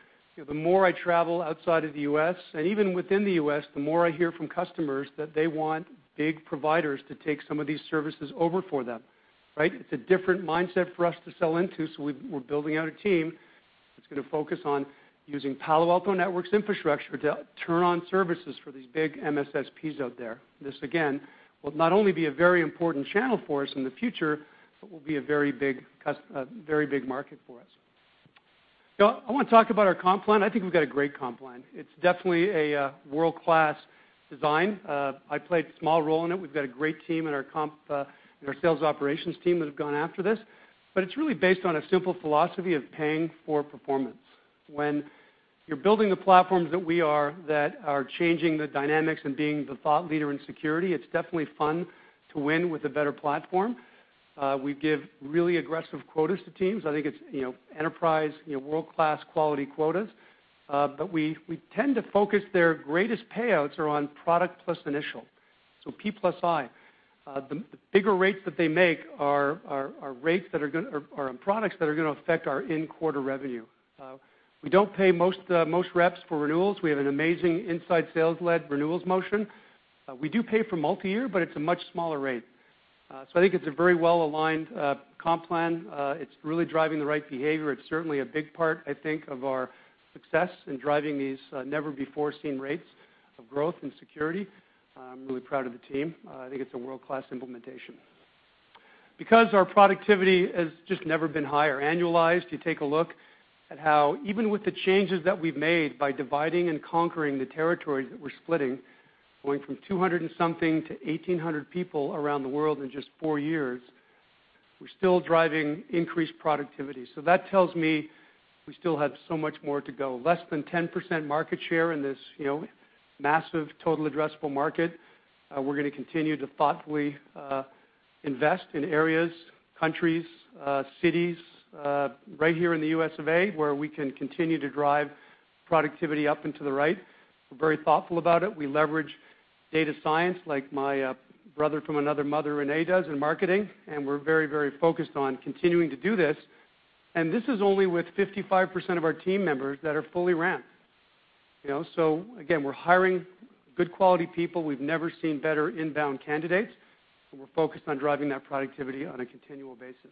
The more I travel outside of the U.S., and even within the U.S., the more I hear from customers that they want big providers to take some of these services over for them, right? It's a different mindset for us to sell into, so we're building out a team. It's going to focus on using Palo Alto Networks infrastructure to turn on services for these big MSSPs out there. This, again, will not only be a very important channel for us in the future, but will be a very big market for us. I want to talk about our comp plan. I think we've got a great comp plan. It's definitely a world-class design. I played a small role in it. We've got a great team in our sales operations team that have gone after this. It's really based on a simple philosophy of paying for performance. When you're building the platforms that we are, that are changing the dynamics and being the thought leader in security, it's definitely fun to win with a better platform. We give really aggressive quotas to teams. I think it's enterprise, world-class quality quotas. We tend to focus their greatest payouts are on product plus initial, so P plus I. The bigger rates that they make are on products that are going to affect our in-quarter revenue. We don't pay most reps for renewals. We have an amazing inside sales-led renewals motion. We do pay for multi-year, but it's a much smaller rate. I think it's a very well-aligned comp plan. It's really driving the right behavior. It's certainly a big part, I think, of our success in driving these never-before-seen rates of growth and security. I'm really proud of the team. I think it's a world-class implementation. Because our productivity has just never been higher, annualized, you take a look at how even with the changes that we've made by dividing and conquering the territories that we're splitting, going from 200 and something to 1,800 people around the world in just four years, we're still driving increased productivity. That tells me we still have so much more to go. Less than 10% market share in this massive total addressable market. We're going to continue to thoughtfully invest in areas, countries, cities, right here in the U.S. of A., where we can continue to drive productivity up and to the right. We're very thoughtful about it. We leverage data science like my brother from another mother, René, does in marketing, and we're very focused on continuing to do this. This is only with 55% of our team members that are fully ramped. Again, we're hiring good quality people. We've never seen better inbound candidates, and we're focused on driving that productivity on a continual basis.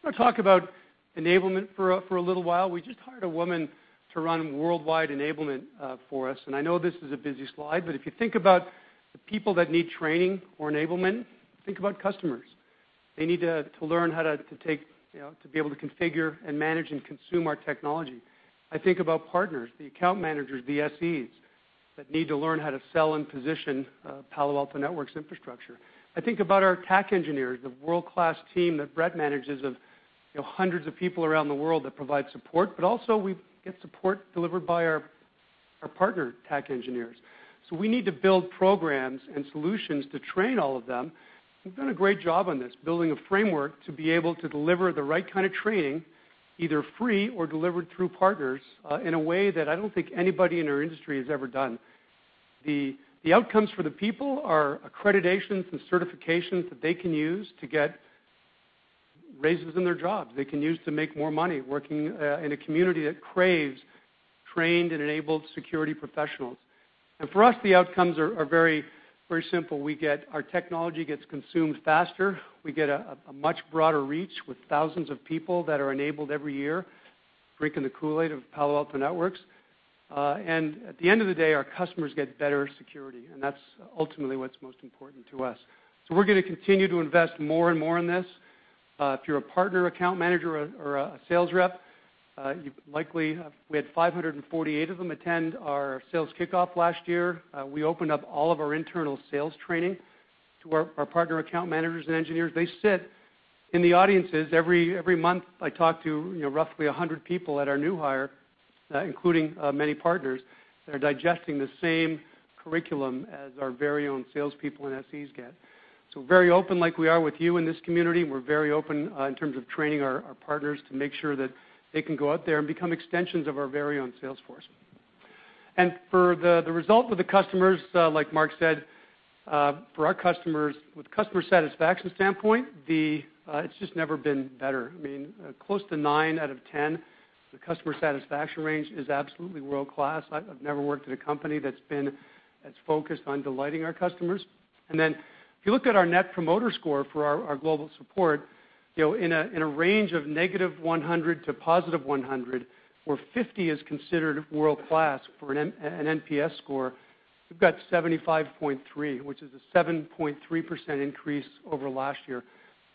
I want to talk about enablement for a little while. We just hired a woman to run worldwide enablement for us, I know this is a busy slide, but if you think about the people that need training or enablement, think about customers. They need to learn how to be able to configure and manage and consume our technology. I think about partners, the account managers, the SEs that need to learn how to sell and position Palo Alto Networks infrastructure. I think about our TAC engineers, the world-class team that Brett manages of hundreds of people around the world that provide support, but also we get support delivered by our partner TAC engineers. We need to build programs and solutions to train all of them. We've done a great job on this, building a framework to be able to deliver the right kind of training, either free or delivered through partners, in a way that I don't think anybody in our industry has ever done. The outcomes for the people are accreditations and certifications that they can use to get raises in their jobs. They can use to make more money working in a community that craves trained and enabled security professionals. For us, the outcomes are very simple. Our technology gets consumed faster. We get a much broader reach with thousands of people that are enabled every year, drinking the Kool-Aid of Palo Alto Networks. At the end of the day, our customers get better security, and that's ultimately what's most important to us. We're going to continue to invest more and more in this. If you're a partner account manager or a sales rep, we had 548 of them attend our sales kickoff last year. We opened up all of our internal sales training to our partner account managers and engineers. They sit in the audiences every month. I talk to roughly 100 people at our new hire, including many partners that are digesting the same curriculum as our very own salespeople and SEs get. Very open like we are with you in this community. We're very open in terms of training our partners to make sure that they can go out there and become extensions of our very own sales force. For the result with the customers, like Mark said, for our customers, with customer satisfaction standpoint, it's just never been better. I mean, close to nine out of 10, the customer satisfaction range is absolutely world-class. I've never worked at a company that's focused on delighting our customers. If you look at our net promoter score for our global support, in a range of negative 100 to positive 100, where 50 is considered world-class for an NPS score, we've got 75.3, which is a 7.3% increase over last year.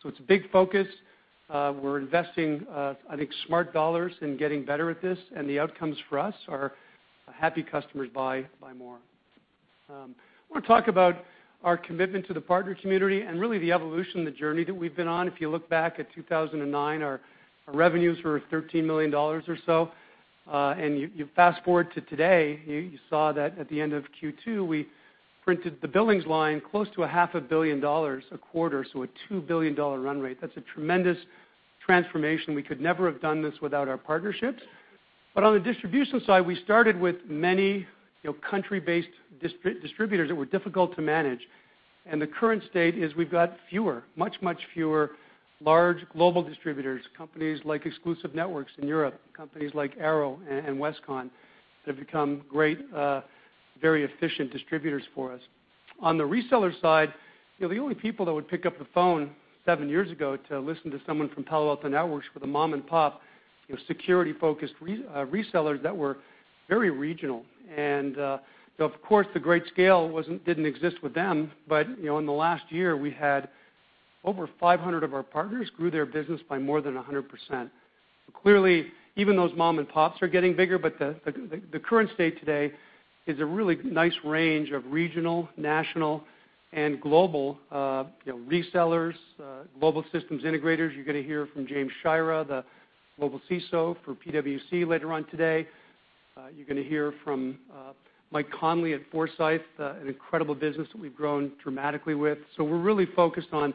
It's a big focus. We're investing, I think, smart dollars in getting better at this, and the outcomes for us are happy customers buy more. I want to talk about our commitment to the partner community and really the evolution, the journey that we've been on. If you look back at 2009, our revenues were $13 million or so. You fast-forward to today, you saw that at the end of Q2, we printed the billings line close to a half a billion dollars a quarter, a $2 billion run rate. That's a tremendous transformation. We could never have done this without our partnerships. But on the distribution side, we started with many country-based distributors that were difficult to manage. The current state is we've got much fewer large global distributors, companies like Exclusive Networks in Europe, companies like Arrow and Westcon that have become great, very efficient distributors for us. On the reseller side, the only people that would pick up the phone 7 years ago to listen to someone from Palo Alto Networks were the mom-and-pop security-focused resellers that were very regional. Of course, the great scale didn't exist with them, but in the last year, we had over 500 of our partners grew their business by more than 100%. Clearly, even those mom-and-pops are getting bigger, the current state today is a really nice range of regional, national, and global resellers, global systems integrators. You're going to hear from James Shira, the global CISO for PwC later on today. You're going to hear from Mike Conley at Forsythe, an incredible business that we've grown dramatically with. We're really focused on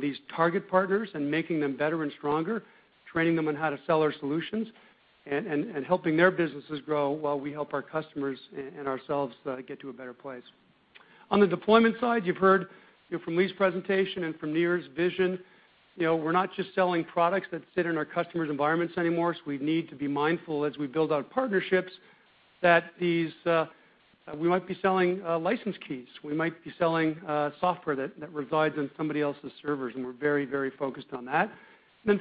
these target partners and making them better and stronger, training them on how to sell our solutions, and helping their businesses grow while we help our customers and ourselves get to a better place. On the deployment side, you've heard from Lee's presentation and from Nir's vision, we're not just selling products that sit in our customers' environments anymore, so we need to be mindful as we build out partnerships, that we might be selling license keys. We might be selling software that resides on somebody else's servers, we're very focused on that.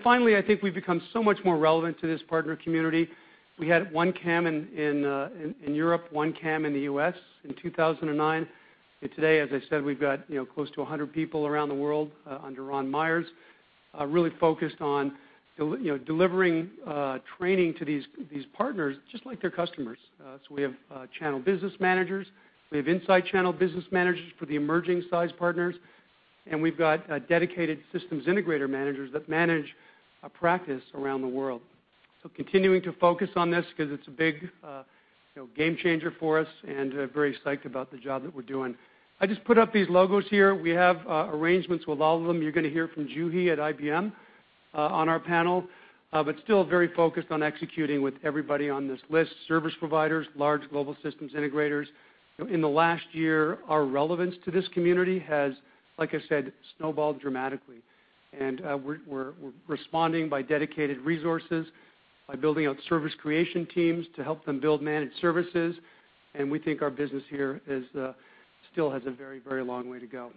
Finally, I think we've become so much more relevant to this partner community. We had one CAM in Europe, one CAM in the U.S. in 2009, today, as I said, we've got close to 100 people around the world under Ron Myers, really focused on delivering training to these partners just like their customers. We have channel business managers, we have inside channel business managers for the emerging size partners, we've got dedicated systems integrator managers that manage a practice around the world. Continuing to focus on this because it's a big game-changer for us and very psyched about the job that we're doing. I just put up these logos here. We have arrangements with all of them. You're going to hear from Juhi at IBM on our panel. Still very focused on executing with everybody on this list, service providers, large global systems integrators. In the last year, our relevance to this community has, like I said, snowballed dramatically. We're responding by dedicated resources, by building out service creation teams to help them build managed services, we think our business here still has a very long way to go.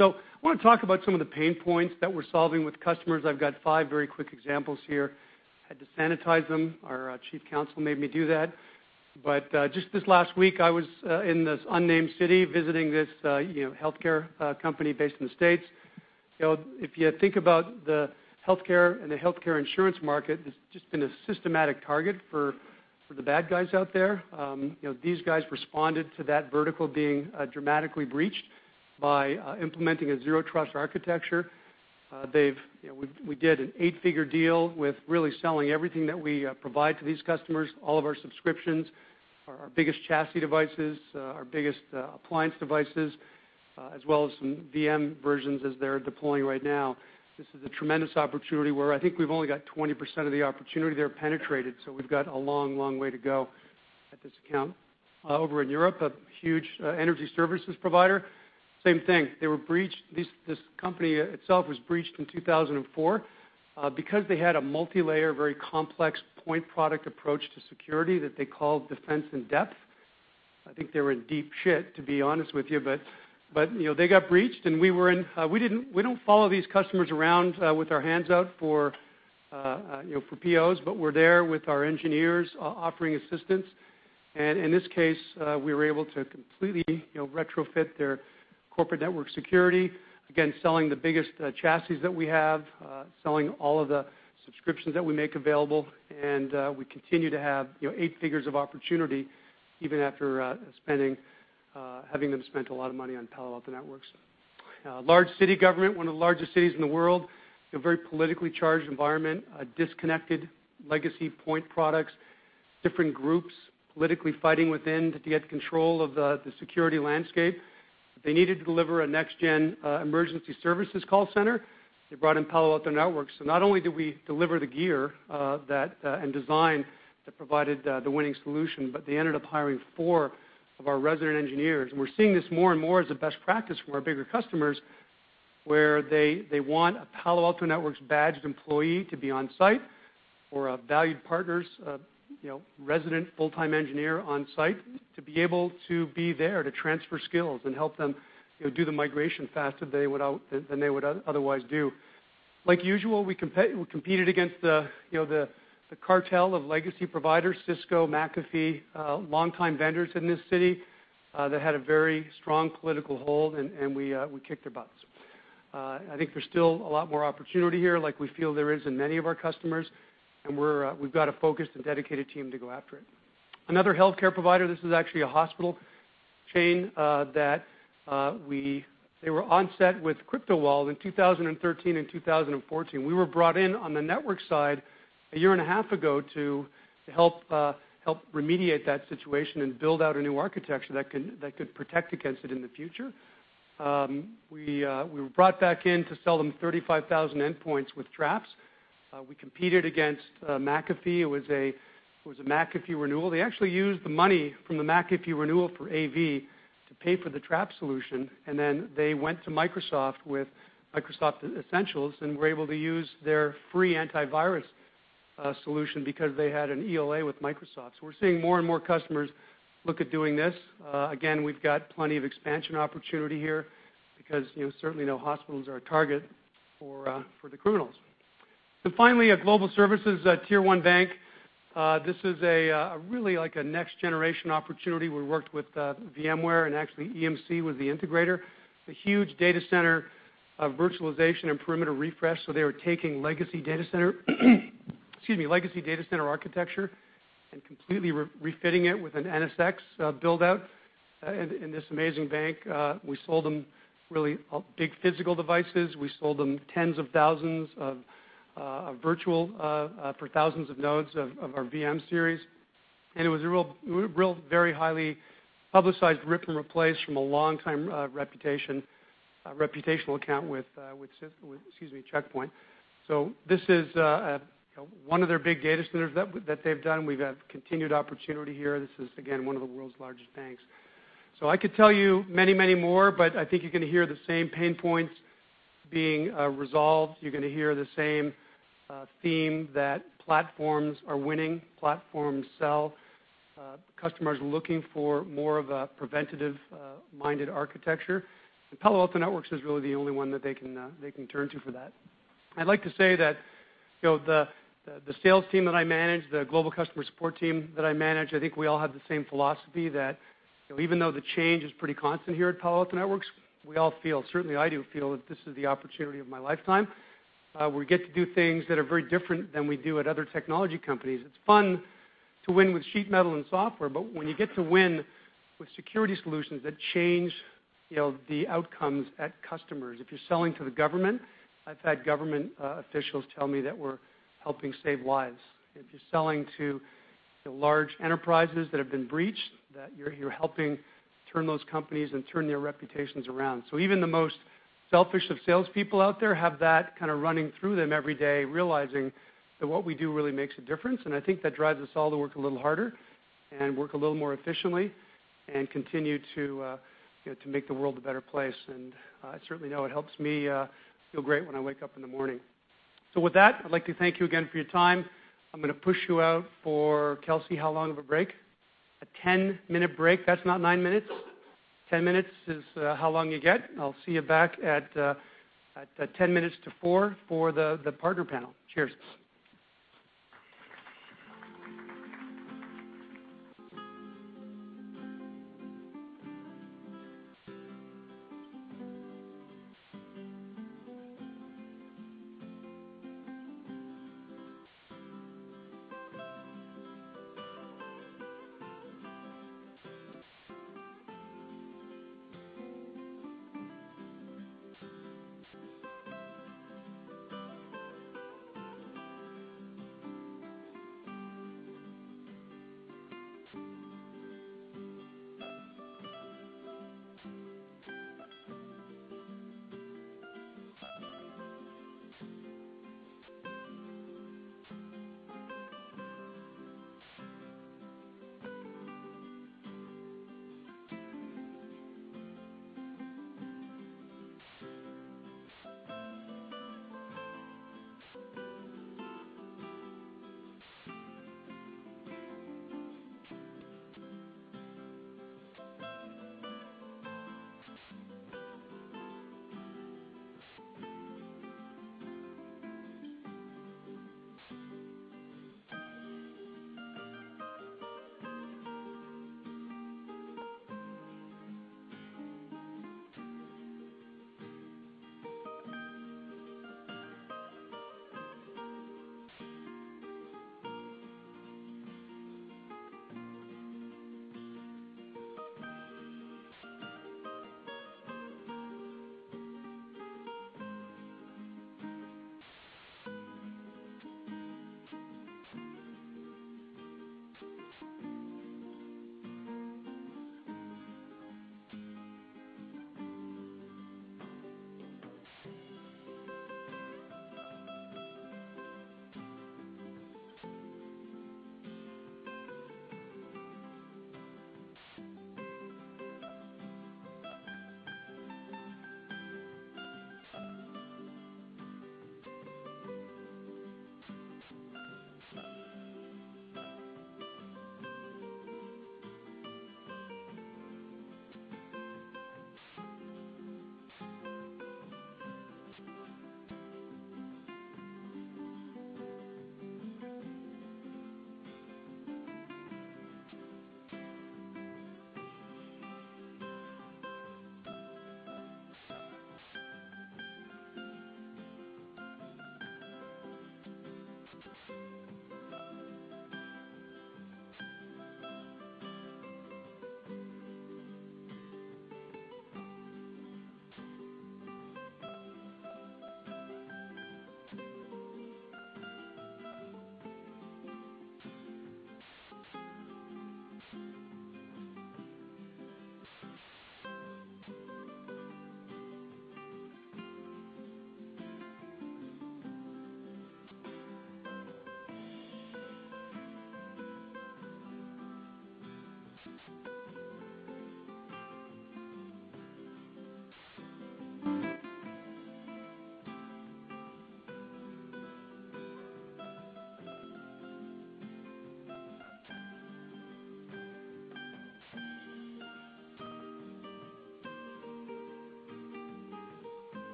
I want to talk about some of the pain points that we're solving with customers. I've got five very quick examples here. I had to sanitize them. Our chief counsel made me do that. Just this last week, I was in this unnamed city visiting this healthcare company based in the U.S. If you think about the healthcare and the healthcare insurance market, it's just been a systematic target for the bad guys out there. These guys responded to that vertical being dramatically breached by implementing a zero trust architecture. We did an eight-figure deal with really selling everything that we provide to these customers, all of our subscriptions, our biggest chassis devices, our biggest appliance devices, as well as some VM versions as they're deploying right now. This is a tremendous opportunity where I think we've only got 20% of the opportunity there penetrated, so we've got a long way to go at this account. Over in Europe, a huge energy services provider, same thing. This company itself was breached in 2004. Because they had a multilayer, very complex point product approach to security that they called defense in-depth, I think they were in deep shit, to be honest with you, but they got breached and we don't follow these customers around with our hands out for POs, but we're there with our engineers offering assistance. In this case, we were able to completely retrofit their corporate network security. Again, selling the biggest chassis that we have, selling all of the subscriptions that we make available, and we continue to have eight figures of opportunity even after having them spend a lot of money on Palo Alto Networks. Large city government, one of the largest cities in the world, a very politically charged environment, disconnected legacy point products, different groups politically fighting within to get control of the security landscape. They needed to deliver a next-gen emergency services call center. They brought in Palo Alto Networks. Not only did we deliver the gear and design that provided the winning solution, but they ended up hiring four of our resident engineers. We're seeing this more and more as a best practice for our bigger customers, where they want a Palo Alto Networks badged employee to be on-site or a valued partner's resident full-time engineer on-site to be able to be there to transfer skills and help them do the migration faster than they would otherwise do. Like usual, we competed against the cartel of legacy providers, Cisco, McAfee, longtime vendors in this city that had a very strong political hold, and we kicked their butts. I think there's still a lot more opportunity here, like we feel there is in many of our customers, and we've got a focused and dedicated team to go after it. Another healthcare provider, this is actually a hospital chain that they were onset with CryptoWall in 2013 and 2014. We were brought in on the network side a year and a half ago to help remediate that situation and build out a new architecture that could protect against it in the future. We were brought back in to sell them 35,000 endpoints with Traps. We competed against McAfee. It was a McAfee renewal. They actually used the money from the McAfee renewal for AV to pay for the Trap solution, and then they went to Microsoft with Microsoft Security Essentials and were able to use their free antivirus solution because they had an ELA with Microsoft. We're seeing more and more customers look at doing this. Again, we've got plenty of expansion opportunity here because certainly no hospitals are a target for the criminals. Finally, a global services tier-one bank. This is really a next-generation opportunity. We worked with VMware, and actually EMC was the integrator. It's a huge data center of virtualization and perimeter refresh. They were taking legacy data center architecture, completely refitting it with an NSX build-out in this amazing bank. We sold them really big physical devices. We sold them tens of thousands of virtual for thousands of nodes of our VM-Series. It was a real, very highly publicized rip and replace from a longtime reputational account with Check Point. This is one of their big data centers that they've done. We've had continued opportunity here. This is, again, one of the world's largest banks. I could tell you many, many more, but I think you're going to hear the same pain points being resolved. You're going to hear the same theme that platforms are winning, platforms sell, customers looking for more of a preventative-minded architecture. Palo Alto Networks is really the only one that they can turn to for that. I'd like to say that the sales team that I manage, the global customer support team that I manage, I think we all have the same philosophy that even though the change is pretty constant here at Palo Alto Networks, we all feel, certainly I do feel that this is the opportunity of my lifetime. We get to do things that are very different than we do at other technology companies. It's fun to win with sheet metal and software, but when you get to win with security solutions that change the outcomes at customers, if you're selling to the government, I've had government officials tell me that we're helping save lives. If you're selling to large enterprises that have been breached, that you're helping turn those companies and turn their reputations around. Even the most selfish of salespeople out there have that kind of running through them every day, realizing that what we do really makes a difference. I think that drives us all to work a little harder and work a little more efficiently and continue to make the world a better place. I certainly know it helps me feel great when I wake up in the morning. With that, I'd like to thank you again for your time. I'm going to push you out for, Kelsey, how long of a break? A 10-minute break. That's not nine minutes. 10 minutes is how long you get. I'll see you back at 10 minutes to 4:00 for the partner panel. Cheers.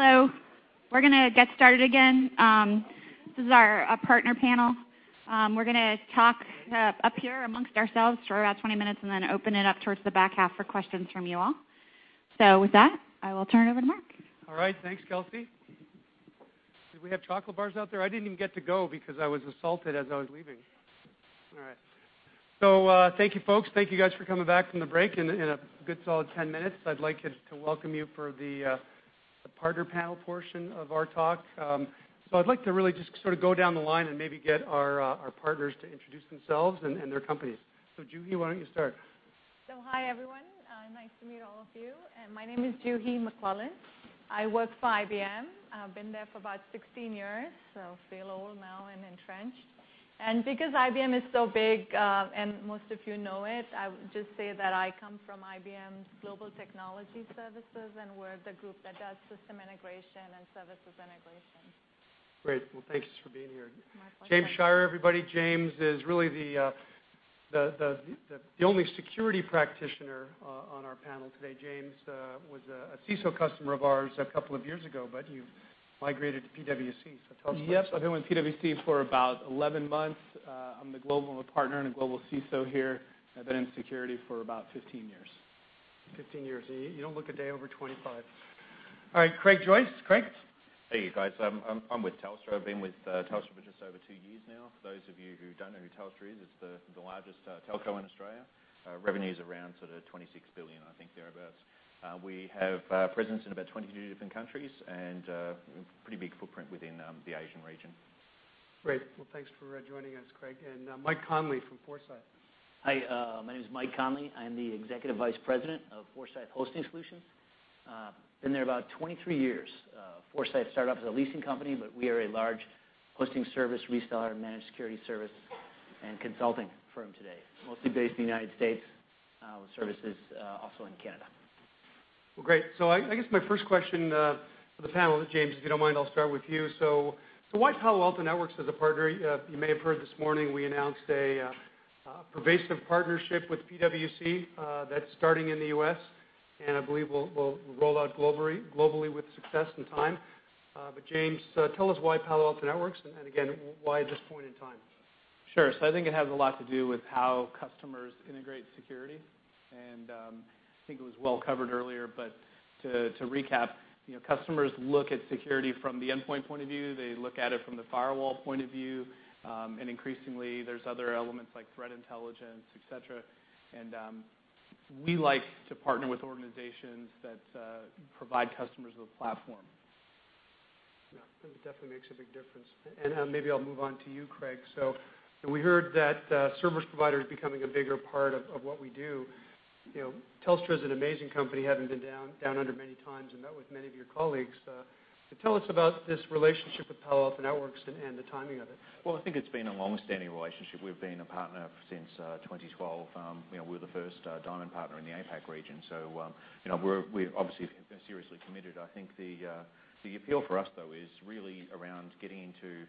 Hello. We're going to get started again. This is our partner panel. We're going to talk up here amongst ourselves for about 20 minutes then open it up towards the back half for questions from you all. With that, I will turn it over to Mark. All right. Thanks, Kelsey. Do we have chocolate bars out there? I didn't even get to go because I was assaulted as I was leaving. All right. Thank you folks. Thank you guys for coming back from the break in a good solid 10 minutes. I'd like to welcome you for the partner panel portion of our talk. I'd like to really just go down the line and maybe get our partners to introduce themselves and their companies. Juhi, why don't you start? Hi, everyone. Nice to meet all of you. My name is Juhi McClelland. I work for IBM. I've been there for about 16 years, so feel old now and entrenched. Because IBM is so big, and most of you know it, I would just say that I come from IBM Global Technology Services, we're the group that does system integration and services integration. Great. Well, thanks for being here. My pleasure. James Shira, everybody. James is really the only security practitioner on our panel today. James was a CISO customer of ours a couple of years ago, but you've migrated to PwC. Tell us about that. Yep. I've been with PwC for about 11 months. I'm the global partner and a global CISO here. I've been in security for about 15 years. 15 years, you don't look a day over 25. All right, Craig Joyce. Craig? Hey, you guys. I'm with Telstra. I've been with Telstra for just over two years now. For those of you who don't know who Telstra is, it's the largest telco in Australia. Revenue's around $26 billion, I think, thereabouts. We have a presence in about 22 different countries and a pretty big footprint within the Asian region. Great. Thanks for joining us, Craig. Mike Conley from Forsythe. Hi, my name is Mike Conley. I'm the Executive Vice President of Forsythe Hosting Solutions. Been there about 23 years. Forsythe started off as a leasing company, but we are a large hosting service reseller, managed security service, and consulting firm today. Mostly based in the U.S., with services also in Canada. Great. I guess my first question for the panel, James, if you don't mind, I'll start with you. Why Palo Alto Networks as a partner? You may have heard this morning we announced a pervasive partnership with PwC, that's starting in the U.S., and I believe will roll out globally with success in time. James, tell us why Palo Alto Networks, and again, why at this point in time? Sure. I think it has a lot to do with how customers integrate security, and I think it was well covered earlier, but to recap, customers look at security from the endpoint point of view. They look at it from the firewall point of view, and increasingly, there's other elements like Threat intelligence, et cetera. We like to partner with organizations that provide customers with a platform. That definitely makes a big difference. Maybe I'll move on to you, Craig. We heard that service provider is becoming a bigger part of what we do. Telstra's an amazing company, having been down under many times and met with many of your colleagues. Tell us about this relationship with Palo Alto Networks and the timing of it. Well, I think it's been a longstanding relationship. We've been a partner since 2012. We were the first diamond partner in the APAC region. We obviously have been seriously committed. I think the appeal for us, though, is really around getting to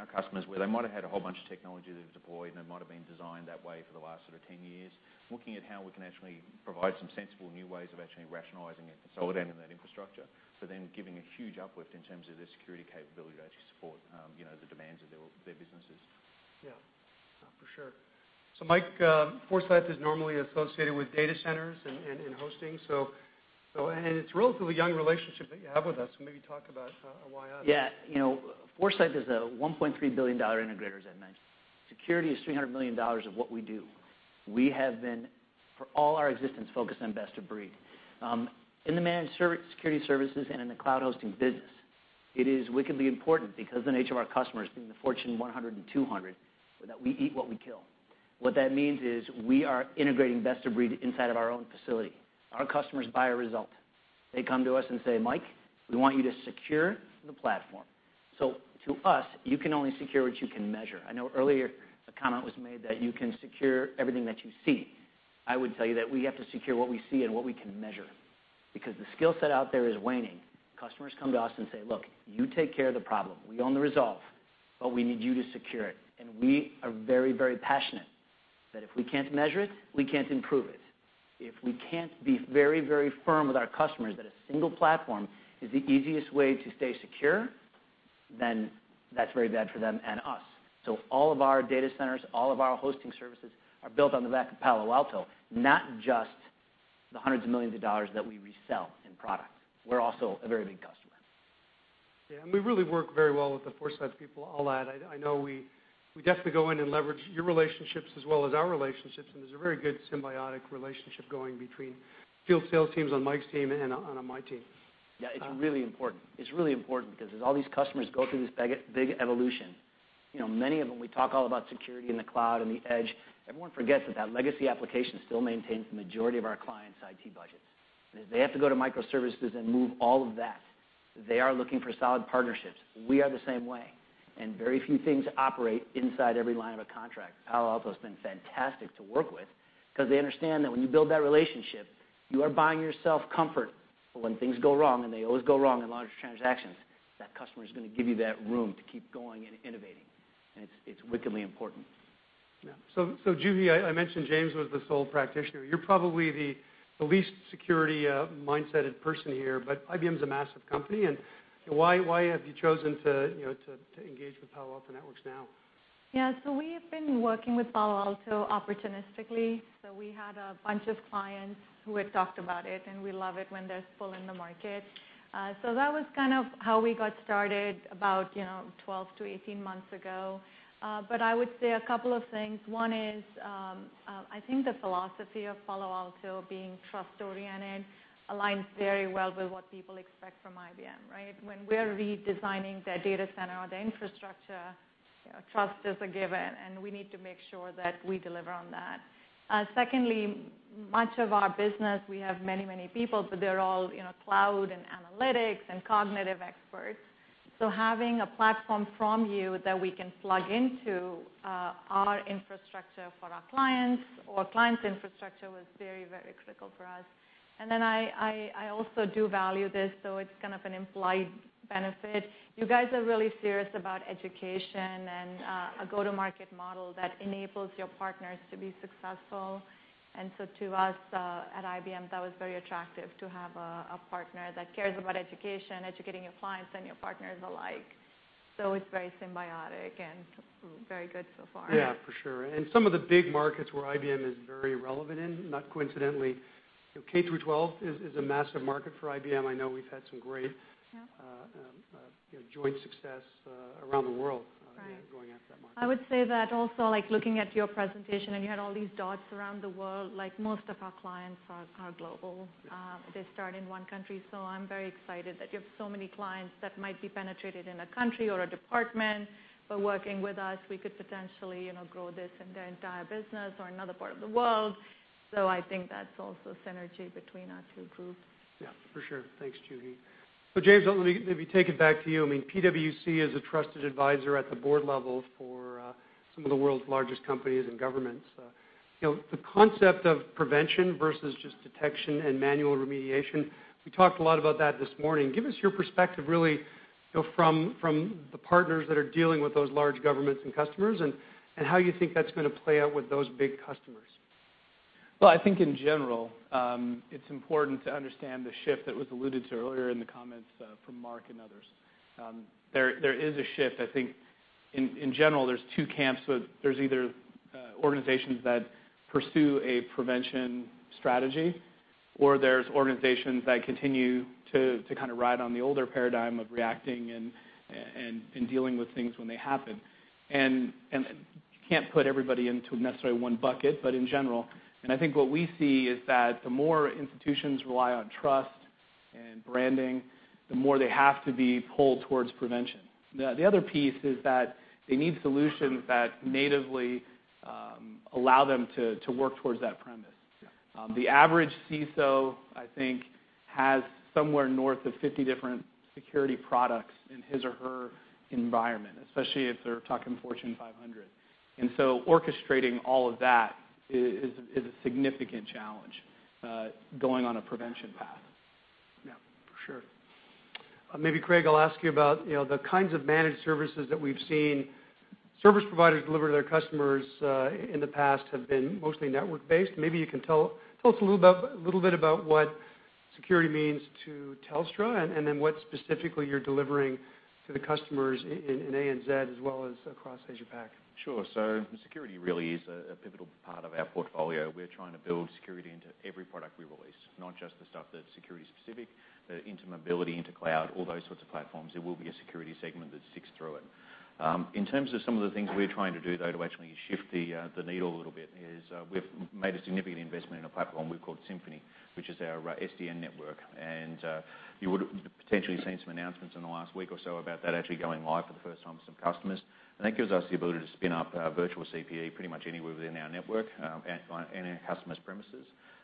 our customers, where they might have had a whole bunch of technology that was deployed, and it might have been designed that way for the last sort of 10 years. Looking at how we can actually provide some sensible new ways of actually rationalizing it. Solidifying. Renewing that infrastructure. Giving a huge uplift in terms of their security capability to actually support the demands of their businesses. Mike, Forsythe is normally associated with data centers and hosting. It's a relatively young relationship that you have with us. Maybe talk about why us. Yeah. Forsythe is a $1.3 billion integrator, as I mentioned. Security is $300 million of what we do. We have been, for all our existence, focused on best of breed. In the managed security services and in the cloud hosting business, it is wickedly important because the nature of our customers, being the Fortune 100 and 200, that we eat what we kill. What that means is we are integrating best of breed inside of our own facility. Our customers buy a result. They come to us and say, "Mike, we want you to secure the platform." To us, you can only secure what you can measure. I know earlier a comment was made that you can secure everything that you see. I would tell you that we have to secure what we see and what we can measure, because the skill set out there is waning. Customers come to us and say, "Look, you take care of the problem. We own the resolve, but we need you to secure it." We are very passionate that if we can't measure it, we can't improve it. If we can't be very firm with our customers that a single platform is the easiest way to stay secure, then that's very bad for them and us. All of our data centers, all of our hosting services are built on the back of Palo Alto, not just the hundreds of millions of dollars that we resell in product. We're also a very big customer. Yeah. We really work very well with the Forsythe people. I'll add, I know we definitely go in and leverage your relationships as well as our relationships, and there's a very good symbiotic relationship going between field sales teams on Mike's team and on my team. It's really important. It's really important because as all these customers go through this big evolution, many of them, we talk all about security in the cloud and the edge. Everyone forgets that that legacy application still maintains the majority of our clients' IT budgets. If they have to go to microservices and move all of that, they are looking for solid partnerships. We are the same way. Very few things operate inside every line of a contract. Palo Alto's been fantastic to work with because they understand that when you build that relationship, you are buying yourself comfort for when things go wrong. They always go wrong in large transactions. That customer is going to give you that room to keep going and innovating. It's wickedly important. Juhi, I mentioned James was the sole practitioner. You're probably the least security-minded person here, but IBM's a massive company. Why have you chosen to engage with Palo Alto Networks now? We've been working with Palo Alto opportunistically. We had a bunch of clients who had talked about it. We love it when they're exploring the market. That was kind of how we got started about 12-18 months ago. I would say a couple of things. One is, I think the philosophy of Palo Alto being trust oriented aligns very well with what people expect from IBM, right? When we're redesigning their data center or their infrastructure, trust is a given. We need to make sure that we deliver on that. Secondly, much of our business, we have many people, but they're all cloud, and analytics, and cognitive experts. Having a platform from you that we can plug into our infrastructure for our clients or our client's infrastructure was very critical for us. I also do value this. It's kind of an implied benefit. You guys are really serious about education and a go-to-market model that enables your partners to be successful. To us, at IBM, that was very attractive to have a partner that cares about education, educating your clients and your partners alike. It's very symbiotic and very good so far. Yeah, for sure. Some of the big markets where IBM is very relevant in, not coincidentally, K-12 is a massive market for IBM. I know we've had some great- Yeah joint success around the world- Right going after that market. I would say that also, looking at your presentation, and you had all these dots around the world, most of our clients are global. Yeah. They start in one country. I'm very excited that you have so many clients that might be penetrated in a country or a department, working with us, we could potentially grow this in their entire business or another part of the world. I think that's also a synergy between our two groups. Yeah, for sure. Thanks, Juhi. James, let me take it back to you. I mean, PwC is a trusted advisor at the board level for some of the world's largest companies and governments. The concept of prevention versus just detection and manual remediation, we talked a lot about that this morning. Give us your perspective, really, from the partners that are dealing with those large governments and customers, and how you think that's going to play out with those big customers. Well, I think in general, it's important to understand the shift that was alluded to earlier in the comments from Mark and others. There is a shift. I think in general, there's two camps. There's either organizations that pursue a prevention strategy, or there's organizations that continue to kind of ride on the older paradigm of reacting and dealing with things when they happen. You can't put everybody into necessarily one bucket, in general, I think what we see is that the more institutions rely on trust and branding, the more they have to be pulled towards prevention. The other piece is that they need solutions that natively allow them to work towards that premise. Yeah. The average CISO, I think, has somewhere north of 50 different security products in his or her environment, especially if they're talking Fortune 500. Orchestrating all of that is a significant challenge, going on a prevention path. Yeah, for sure. Maybe Craig, I'll ask you about the kinds of managed services that we've seen service providers deliver to their customers in the past have been mostly network-based. Maybe you can tell us a little bit about what security means to Telstra, and then what specifically you're delivering to the customers in ANZ as well as across Asia Pac. Sure. Security really is a pivotal part of our portfolio. We're trying to build security into every product we release, not just the stuff that's security specific, but into mobility, into cloud, all those sorts of platforms. There will be a security segment that sticks through it. In terms of some of the things we're trying to do, though, to actually shift the needle a little bit is, we've made a significant investment in a platform we've called Symphony, which is our SDN network. You would've potentially seen some announcements in the last week or so about that actually going live for the first time for some customers. That gives us the ability to spin up a virtual CPE pretty much anywhere within our network, and in our customer's premise.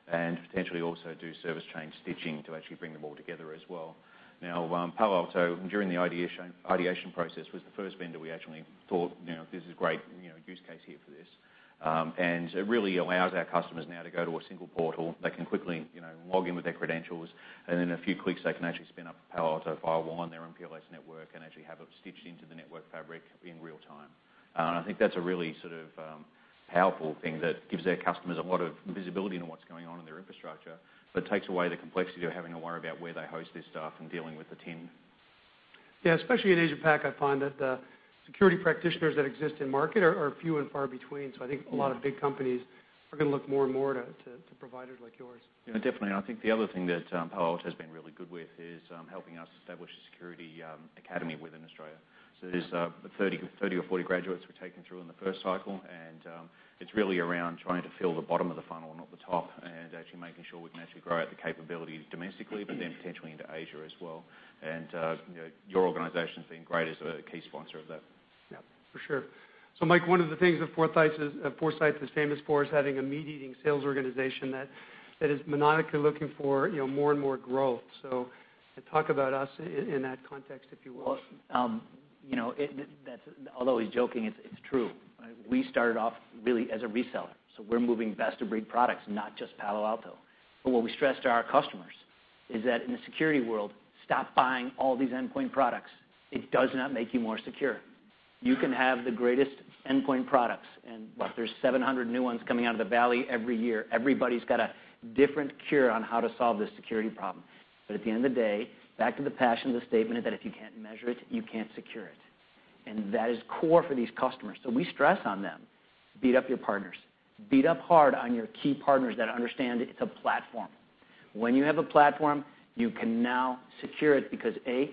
Potentially also do service chain stitching to actually bring them all together as well. Now, Palo Alto, during the ideation process, was the first vendor we actually thought, "This is great use case here for this." It really allows our customers now to go to a single portal. They can quickly log in with their credentials, and in a few clicks they can actually spin up a Palo Alto firewall on their MPLS network and actually have it stitched into the network fabric in real time. I think that's a really powerful thing that gives our customers a lot of visibility into what's going on in their infrastructure, but takes away the complexity of having to worry about where they host this stuff and dealing with the team. Yeah, especially at Asia Pac, I find that the security practitioners that exist in market are few and far between. I think a lot of big companies are going to look more and more to providers like yours. Yeah, definitely. I think the other thing that Palo Alto has been really good with is helping us establish a security academy within Australia. There's 30 or 40 graduates we're taking through in the first cycle, and it's really around trying to fill the bottom of the funnel, not the top, and actually making sure we can actually grow out the capability domestically, but then potentially into Asia as well. Your organization's been great as a key sponsor of that. Yeah, for sure. Mike, one of the things that Forsythe is famous for is having a meat-eating sales organization that is maniacally looking for more and more growth. Talk about us in that context, if you will. Well, although he's joking, it's true. We started off really as a reseller. We're moving best-of-breed products, not just Palo Alto. What we stress to our customers is that in the security world, stop buying all these endpoint products. It does not make you more secure. You can have the greatest endpoint products and what, there's 700 new ones coming out of the Valley every year. Everybody's got a different cure on how to solve this security problem. At the end of the day, back to the passion of the statement is that if you can't measure it, you can't secure it. That is core for these customers. We stress on them, beat up your partners. Beat up hard on your key partners that understand it's a platform. When you have a platform, you can now secure it because, A,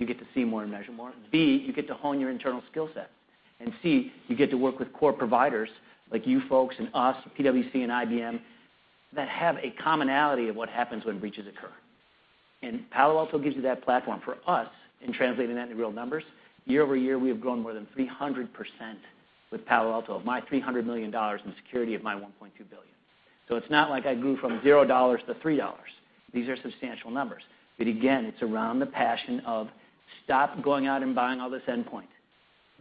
you get to see more and measure more, B, you get to hone your internal skill set, and C, you get to work with core providers like you folks and us, PwC, and IBM, that have a commonality of what happens when breaches occur. Palo Alto gives you that platform. For us, in translating that into real numbers, year-over-year, we have grown more than 300% with Palo Alto of my $300 million in security of my $1.2 billion. It's not like I grew from $0 to $3. These are substantial numbers. Again, it's around the passion of stop going out and buying all this endpoint.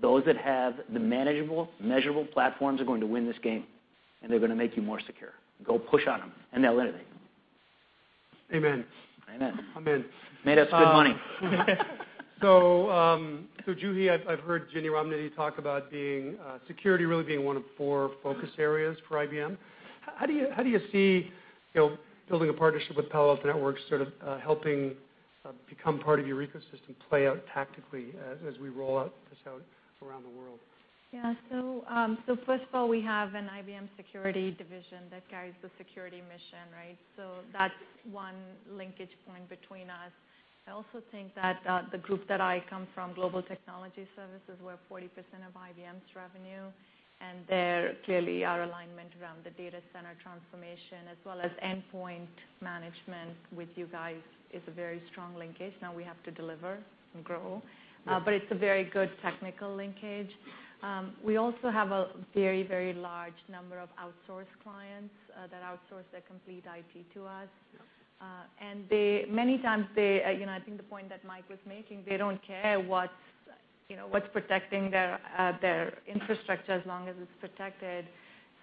Those that have the manageable, measurable platforms are going to win this game, and they're going to make you more secure. Go push on them, and they'll innovate. Amen. Amen. Amen. Made us good money. Juhi, I've heard Ginni Rometty talk about security really being one of four focus areas for IBM. How do you see building a partnership with Palo Alto Networks, sort of helping become part of your ecosystem play out tactically as we roll this out around the world? Yeah. First of all, we have an IBM security division that carries the security mission, right? That's one linkage point between us. I also think that the group that I come from, Global Technology Services, we're 40% of IBM's revenue, and there clearly our alignment around the data center transformation as well as endpoint management with you guys is a very strong linkage. We have to deliver and grow. Yeah. It's a very good technical linkage. We also have a very large number of outsource clients that outsource their complete IT to us. Yeah. Many times they, I think the point that Mike was making, they don't care what's protecting their infrastructure as long as it's protected.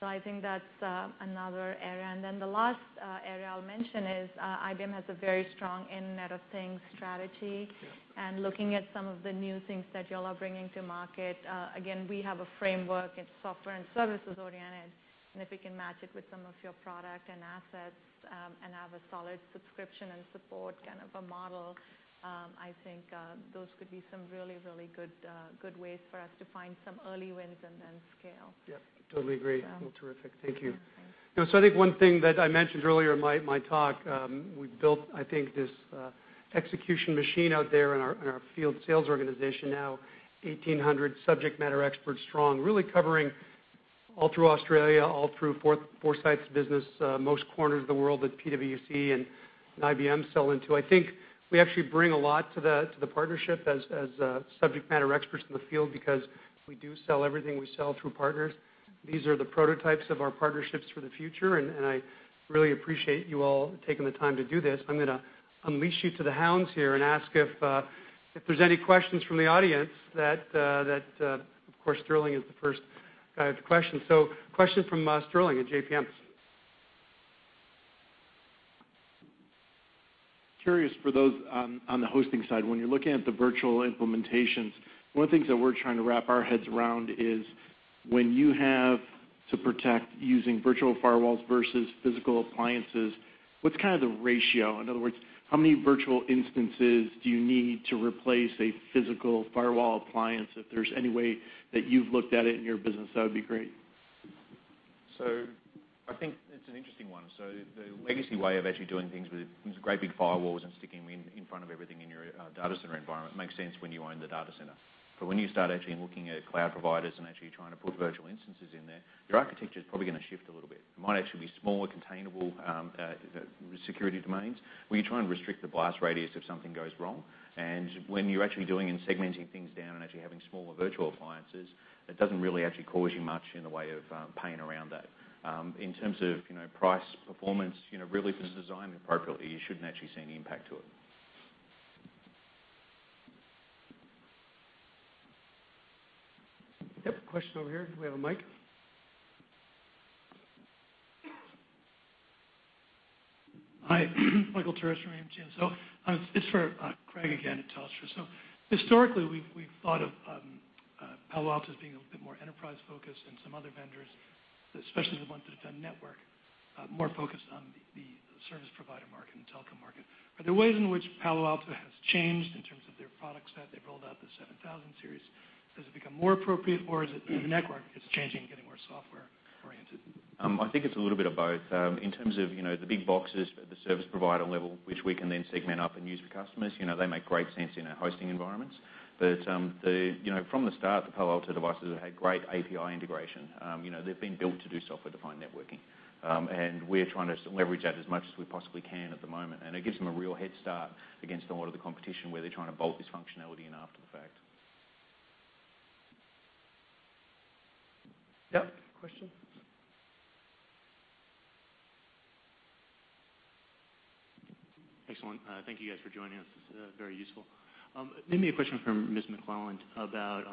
I think that's another area. Then the last area I'll mention is IBM has a very strong Internet of Things strategy. Yeah. Looking at some of the new things that you all are bringing to market, again, we have a framework. It's software and services oriented, and if we can match it with some of your product and assets, and have a solid subscription and support kind of a model, I think those could be some really good ways for us to find some early wins and then scale. Yep, totally agree. Well, terrific. Thank you. Yeah. Thanks. I think one thing that I mentioned earlier in my talk, we've built, I think, this execution machine out there in our field sales organization now, 1,800 subject matter experts strong, really covering all through Australia, all through Forsythe's business, most corners of the world that PwC and IBM sell into. I think we actually bring a lot to the partnership as subject matter experts in the field because we do sell everything we sell through partners. These are the prototypes of our partnerships for the future, and I really appreciate you all taking the time to do this. I'm going to unleash you to the hounds here and ask if there's any questions from the audience. Of course, Sterling is the first guy with a question. Question from Sterling at JPM. Curious for those on the hosting side, when you're looking at the virtual implementations, one of the things that we're trying to wrap our heads around is when you have to protect using virtual firewalls versus physical appliances, what's kind of the ratio? In other words, how many virtual instances do you need to replace a physical firewall appliance? If there's any way that you've looked at it in your business, that would be great. I think it's an interesting one. The legacy way of actually doing things with great big firewalls and sticking them in front of everything in your data center environment makes sense when you own the data center. When you start actually looking at cloud providers and actually trying to put virtual instances in there, your architecture's probably going to shift a little bit. It might actually be smaller, containable security domains, where you try and restrict the blast radius if something goes wrong. When you're actually doing and segmenting things down and actually having smaller virtual appliances, it doesn't really actually cause you much in the way of pain around that. In terms of price, performance, really if it's designed appropriately, you shouldn't actually see any impact to it. Yep. Question over here. Do we have a mic? Hi, Michael Turits from Raymond James. This is for Craig again, at Telstra. Historically, we've thought of Palo Alto as being a bit more enterprise-focused than some other vendors, especially the ones that have done network, more focused on the service provider market and telecom market. Are there ways in which Palo Alto has changed in terms of their product set? They've rolled out the 7000 series. Has it become more appropriate, or is it the network that's changing, getting more software-oriented? I think it's a little bit of both. In terms of the big boxes at the service provider level, which we can then segment up and use for customers, they make great sense in a hosting environment. From the start, the Palo Alto devices have had great API integration. They've been built to do software-defined networking. We're trying to leverage that as much as we possibly can at the moment, and it gives them a real head start against a lot of the competition, where they're trying to bolt this functionality in after the fact. Yep. Question? Excellent. Thank you guys for joining us. This is very useful. Maybe a question for Ms. McClelland about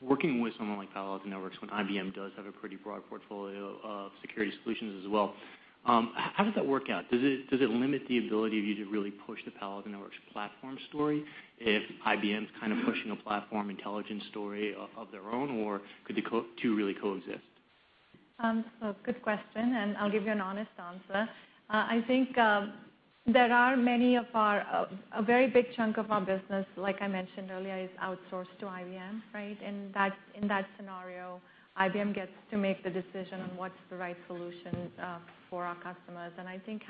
working with someone like Palo Alto Networks when IBM does have a pretty broad portfolio of security solutions as well. How does that work out? Does it limit the ability of you to really push the Palo Alto Networks platform story if IBM's kind of pushing a platform intelligence story of their own, or could the two really coexist? Good question. I'll give you an honest answer. I think a very big chunk of our business, like I mentioned earlier, is outsourced to IBM, right? In that scenario, IBM gets to make the decision on what's the right solution for our customers. I think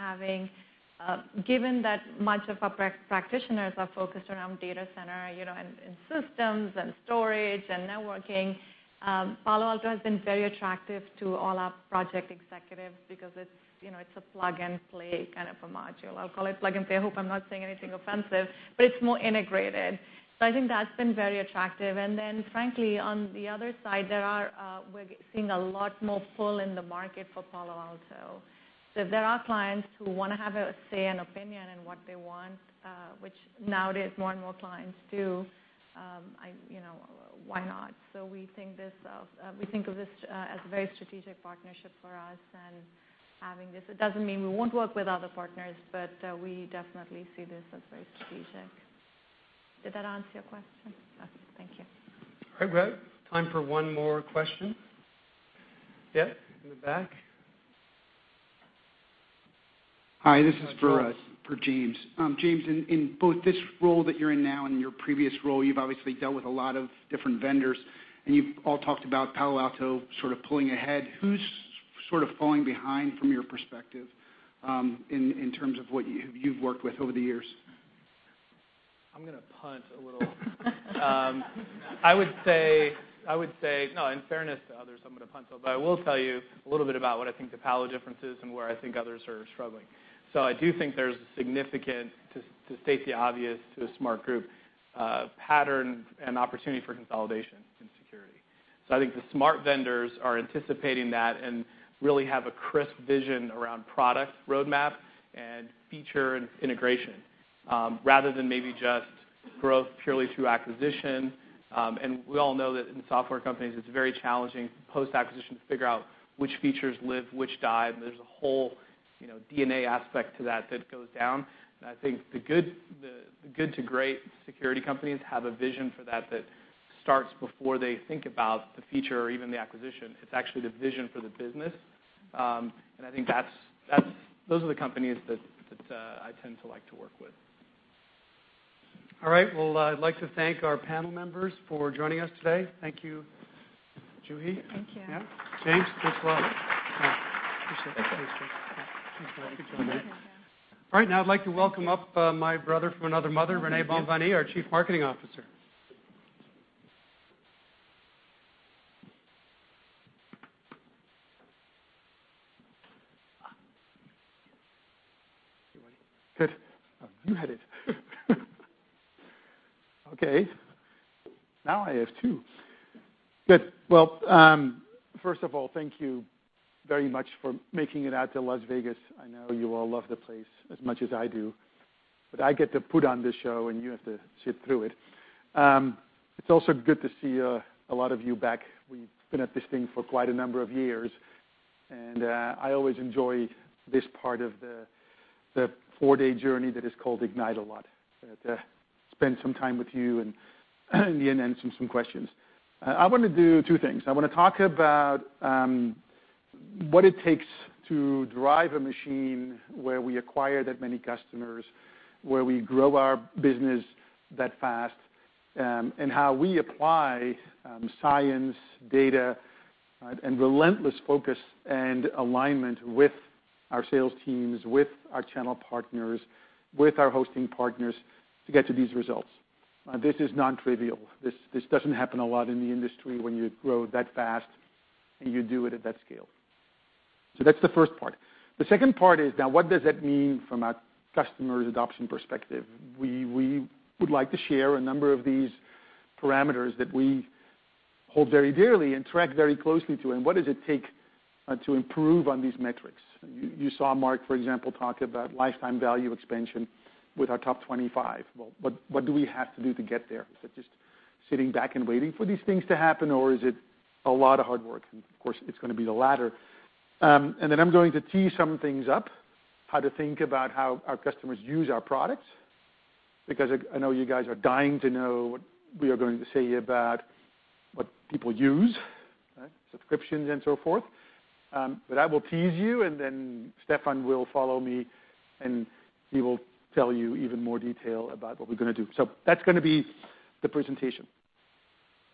given that much of our practitioners are focused around data center, and systems, and storage, and networking, Palo Alto has been very attractive to all our project executives because it's a plug-and-play kind of a module. I'll call it plug-and-play. I hope I'm not saying anything offensive, but it's more integrated. I think that's been very attractive. Then frankly, on the other side, we're seeing a lot more pull in the market for Palo Alto. There are clients who want to have a say and opinion in what they want, which nowadays more and more clients do. Why not? We think of this as a very strategic partnership for us. It doesn't mean we won't work with other partners, but we definitely see this as very strategic. Did that answer your question? Okay. Thank you. All right, great. Time for one more question. Yep, in the back. Hi. Josh James. James, in both this role that you're in now and your previous role, you've obviously dealt with a lot of different vendors, and you've all talked about Palo Alto sort of pulling ahead. Who's sort of falling behind from your perspective, in terms of who you've worked with over the years? I'm going to punt a little. I would say, no, in fairness to others, I'm going to punt a little. I will tell you a little bit about what I think the Palo difference is and where I think others are struggling. I do think there's significant, to state the obvious to a smart group, pattern and opportunity for consolidation in security. I think the smart vendors are anticipating that and really have a crisp vision around product roadmap and feature and integration, rather than maybe just growth purely through acquisition. We all know that in software companies, it's very challenging post-acquisition to figure out which features live, which die, and there's a whole DNA aspect to that that goes down. I think the good to great security companies have a vision for that that starts before they think about the feature or even the acquisition. It's actually the vision for the business. I think those are the companies that I tend to like to work with. All right. Well, I'd like to thank our panel members for joining us today. Thank you, Juhi. Thank you. Yeah. James, as well. Yeah, appreciate it. Thank you. Yeah. Keep going. Thank you. All right. I'd like to welcome up my brother from another mother, René Bonvanie, our Chief Marketing Officer. You ready? Good. You had it. Now I have two. Good. First of all, thank you very much for making it out to Las Vegas. I know you all love the place as much as I do. I get to put on this show, and you have to sit through it. It's also good to see a lot of you back. We've been at this thing for quite a number of years. I always enjoy this part of the four-day journey that is called Ignite a lot, to spend some time with you and in the end, answer some questions. I want to do two things. I want to talk about what it takes to drive a machine where we acquire that many customers, where we grow our business that fast, and how we apply science, data, and relentless focus and alignment with our sales teams, with our channel partners, with our hosting partners to get to these results. This is non-trivial. This doesn't happen a lot in the industry when you grow that fast, and you do it at that scale. That's the first part. The second part is, now what does that mean from a customer's adoption perspective? We would like to share a number of these parameters that we hold very dearly and track very closely to, and what does it take to improve on these metrics? You saw Mark, for example, talk about lifetime value expansion with our top 25. What do we have to do to get there? Is it just sitting back and waiting for these things to happen, or is it a lot of hard work? Of course, it's going to be the latter. I'm going to tee some things up, how to think about how our customers use our products. Because I know you guys are dying to know what we are going to say about what people use, subscriptions, and so forth. I will tease you. Steffan will follow me. He will tell you even more detail about what we're going to do. That's going to be the presentation.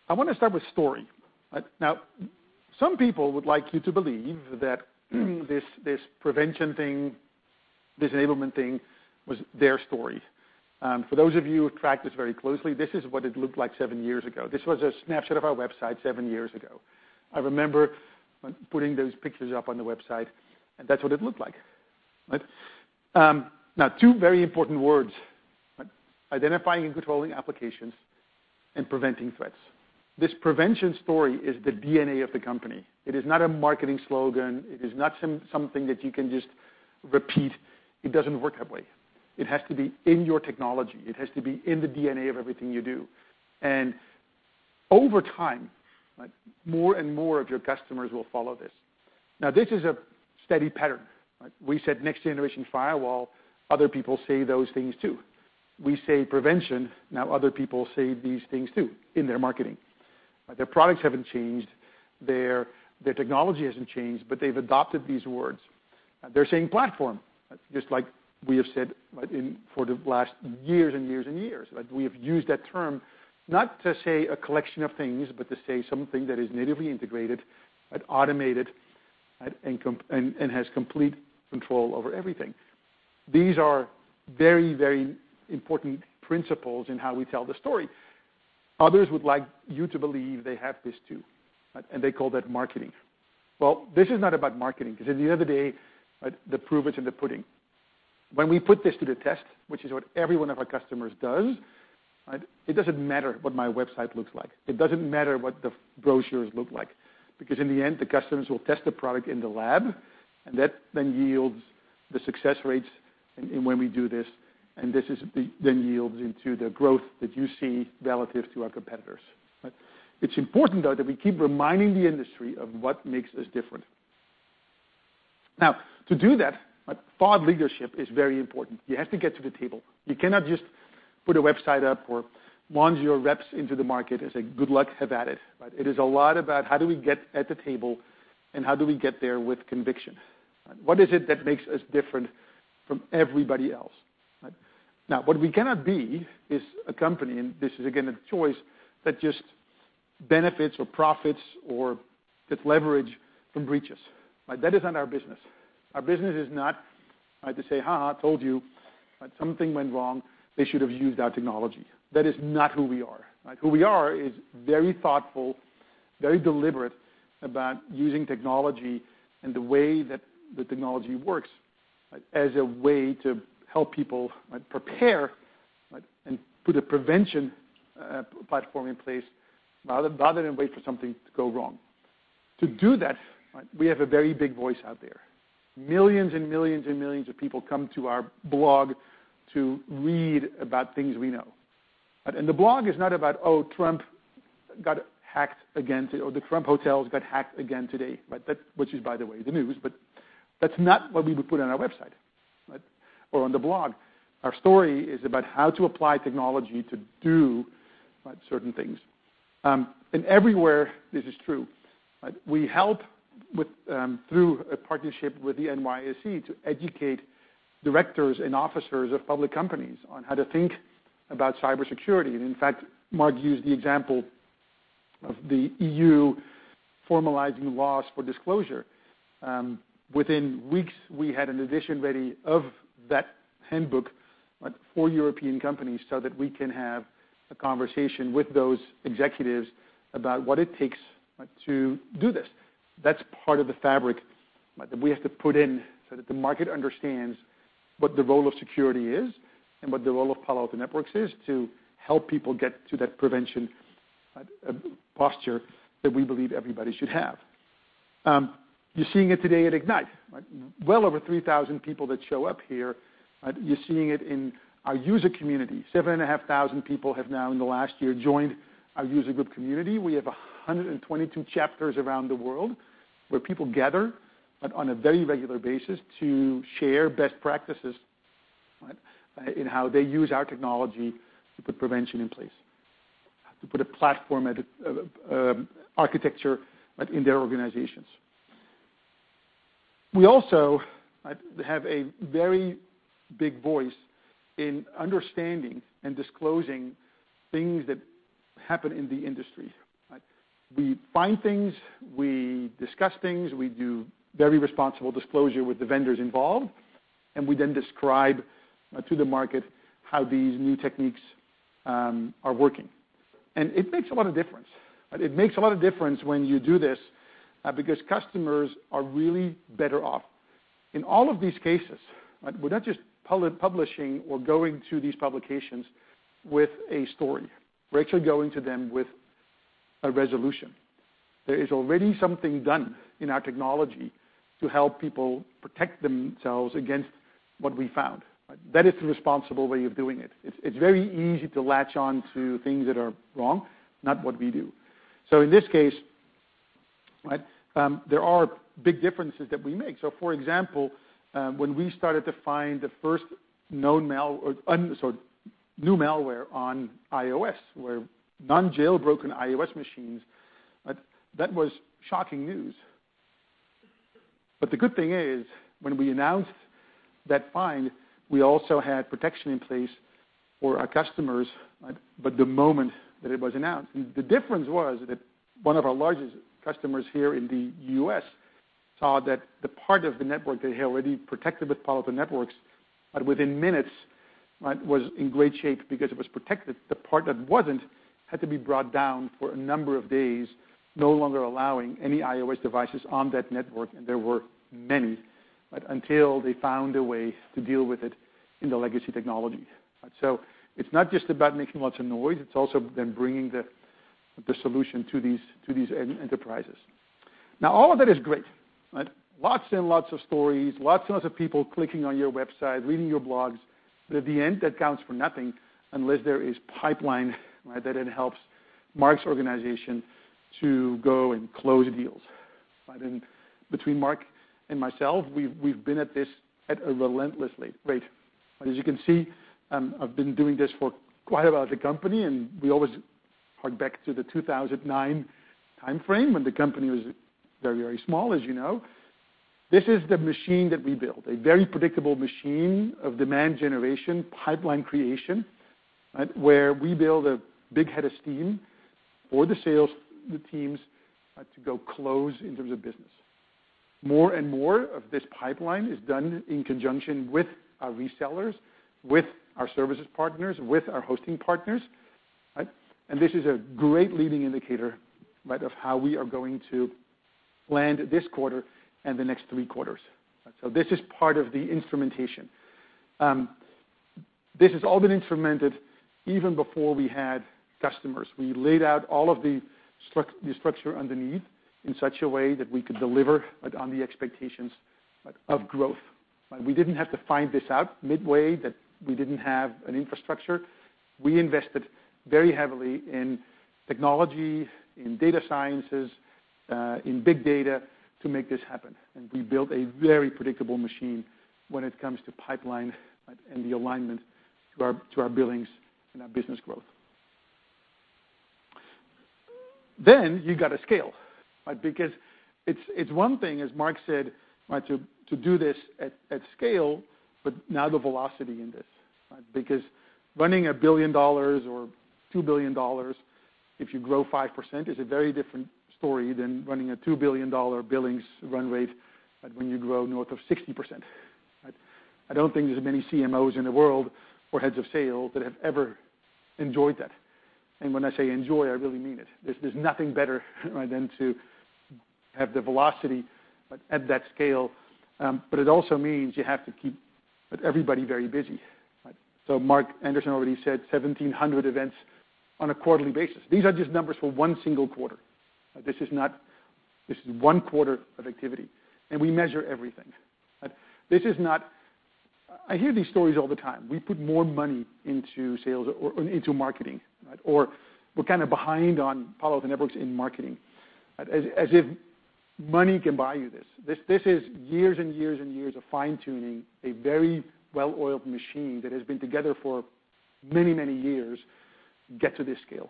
I want to start with story. Some people would like you to believe that this prevention thing, this enablement thing, was their story. For those of you who have tracked this very closely, this is what it looked like seven years ago. This was a snapshot of our website seven years ago. I remember putting those pictures up on the website, and that's what it looked like. Two very important words. Identifying and controlling applications and preventing threats. This prevention story is the DNA of the company. It is not a marketing slogan. It is not something that you can just repeat. It doesn't work that way. It has to be in your technology. It has to be in the DNA of everything you do. Over time, more and more of your customers will follow this. This is a steady pattern. We said next-generation firewall. Other people say those things, too. We say prevention. Other people say these things, too, in their marketing. Their products haven't changed, their technology hasn't changed, but they've adopted these words. They're saying platform, just like we have said for the last years. We have used that term not to say a collection of things, but to say something that is natively integrated and automated and has complete control over everything. These are very, very important principles in how we tell the story. Others would like you to believe they have this, too, and they call that marketing. This is not about marketing, because at the end of the day, the proof is in the pudding. When we put this to the test, which is what every one of our customers does, it doesn't matter what my website looks like. It doesn't matter what the brochures look like, because in the end, the customers will test the product in the lab. That then yields the success rates when we do this. This then yields into the growth that you see relative to our competitors. It's important, though, that we keep reminding the industry of what makes us different. To do that, thought leadership is very important. You have to get to the table. You cannot just put a website up or launch your reps into the market and say, "Good luck, have at it." It is a lot about how do we get at the table and how do we get there with conviction? What is it that makes us different from everybody else? What we cannot be is a company, and this is again, a choice, that just benefits or profits or that leverage from breaches. That is not our business. Our business is not to say, "Ha ha, told you. Something went wrong. They should have used our technology." That is not who we are. Who we are is very thoughtful, very deliberate about using technology and the way that the technology works as a way to help people prepare and put a prevention platform in place rather than wait for something to go wrong. To do that, we have a very big voice out there. Millions of people come to our blog to read about things we know. The blog is not about, oh, Trump got hacked again, or the Trump hotels got hacked again today. Which is, by the way, the news, but that's not what we would put on our website or on the blog. Our story is about how to apply technology to do certain things. Everywhere this is true. We help through a partnership with the NYSE to educate directors and officers of public companies on how to think about cybersecurity. In fact, Mark used the example of the EU formalizing laws for disclosure. Within weeks, we had an edition ready of that handbook for European companies so that we can have a conversation with those executives about what it takes to do this. That's part of the fabric that we have to put in so that the market understands what the role of security is and what the role of Palo Alto Networks is to help people get to that prevention posture that we believe everybody should have. You're seeing it today at Ignite. Well over 3,000 people that show up here. You're seeing it in our user community. 7,500 people have now in the last year joined our user group community. We have 122 chapters around the world where people gather on a very regular basis to share best practices in how they use our technology to put prevention in place, to put a platform architecture in their organizations. We also have a very big voice in understanding and disclosing things that happen in the industry. We find things, we discuss things, we do very responsible disclosure with the vendors involved, and we then describe to the market how these new techniques are working. It makes a lot of difference. It makes a lot of difference when you do this because customers are really better off. In all of these cases, we're not just publishing or going to these publications with a story. We're actually going to them with a resolution. There is already something done in our technology to help people protect themselves against what we found. That is the responsible way of doing it. It's very easy to latch on to things that are wrong, not what we do. In this case, there are big differences that we make. For example, when we started to find the first new malware on iOS, where non-jailbroken iOS machines, that was shocking news. The good thing is, when we announced that find, we also had protection in place for our customers by the moment that it was announced. The difference was that one of our largest customers here in the U.S. saw that the part of the network they had already protected with Palo Alto Networks, within minutes, was in great shape because it was protected. The part that wasn't had to be brought down for a number of days, no longer allowing any iOS devices on that network, and there were many, until they found a way to deal with it in the legacy technology. It's not just about making lots of noise, it's also then bringing the solution to these enterprises. All of that is great. Lots and lots of stories, lots and lots of people clicking on your website, reading your blogs. At the end, that counts for nothing unless there is pipeline, that it helps Mark's organization to go and close deals. Between Mark and myself, we've been at this at a relentless rate. As you can see, I've been doing this for quite a while at the company, and we always hark back to the 2009 timeframe when the company was very small, as you know. This is the machine that we built, a very predictable machine of demand generation, pipeline creation, where we build a big head of steam for the sales teams to go close in terms of business. More and more of this pipeline is done in conjunction with our resellers, with our services partners, with our hosting partners. This is a great leading indicator of how we are going to land this quarter and the next three quarters. This is part of the instrumentation. This has all been instrumented even before we had customers. We laid out all of the structure underneath in such a way that we could deliver on the expectations of growth. We didn't have to find this out midway, that we didn't have an infrastructure. We invested very heavily in technology, in data sciences, in big data to make this happen. We built a very predictable machine when it comes to pipeline and the alignment to our billings and our business growth. You got to scale. Because it's one thing, as Mark said, to do this at scale, but now the velocity in this. Because running a $1 billion or $2 billion, if you grow 5%, is a very different story than running a $2 billion billings run rate when you grow north of 60%. I don't think there's many CMOs in the world or heads of sales that have ever enjoyed that. When I say enjoy, I really mean it. There's nothing better than to have the velocity at that scale. It also means you have to keep everybody very busy. Mark Anderson already said 1,700 events on a quarterly basis. These are just numbers for one single quarter. This is one quarter of activity, and we measure everything. I hear these stories all the time. We put more money into marketing, or we're kind of behind on Palo Alto Networks in marketing, as if money can buy you this. This is years and years of fine-tuning a very well-oiled machine that has been together for many years get to this scale.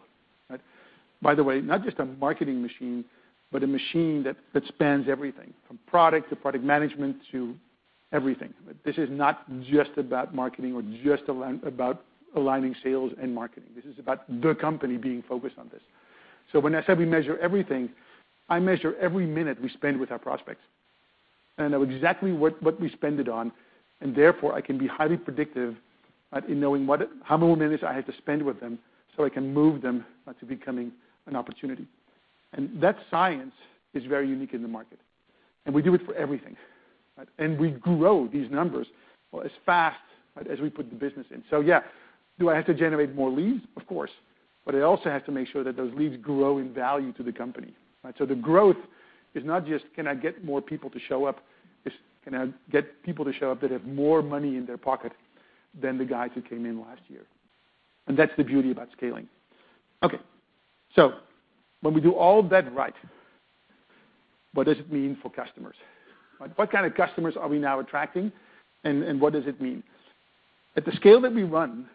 By the way, not just a marketing machine, but a machine that spans everything, from product to product management to everything. This is not just about marketing or just about aligning sales and marketing. This is about the company being focused on this. When I said we measure everything, I measure every minute we spend with our prospects, and I know exactly what we spend it on, and therefore, I can be highly predictive in knowing how many minutes I have to spend with them so I can move them to becoming an opportunity. That science is very unique in the market. We do it for everything. We grow these numbers as fast as we put the business in. Yeah, do I have to generate more leads? Of course. I also have to make sure that those leads grow in value to the company. The growth is not just can I get more people to show up? It's can I get people to show up that have more money in their pocket than the guys who came in last year? That's the beauty about scaling. When we do all of that right, what does it mean for customers? What kind of customers are we now attracting, and what does it mean? At the scale that we run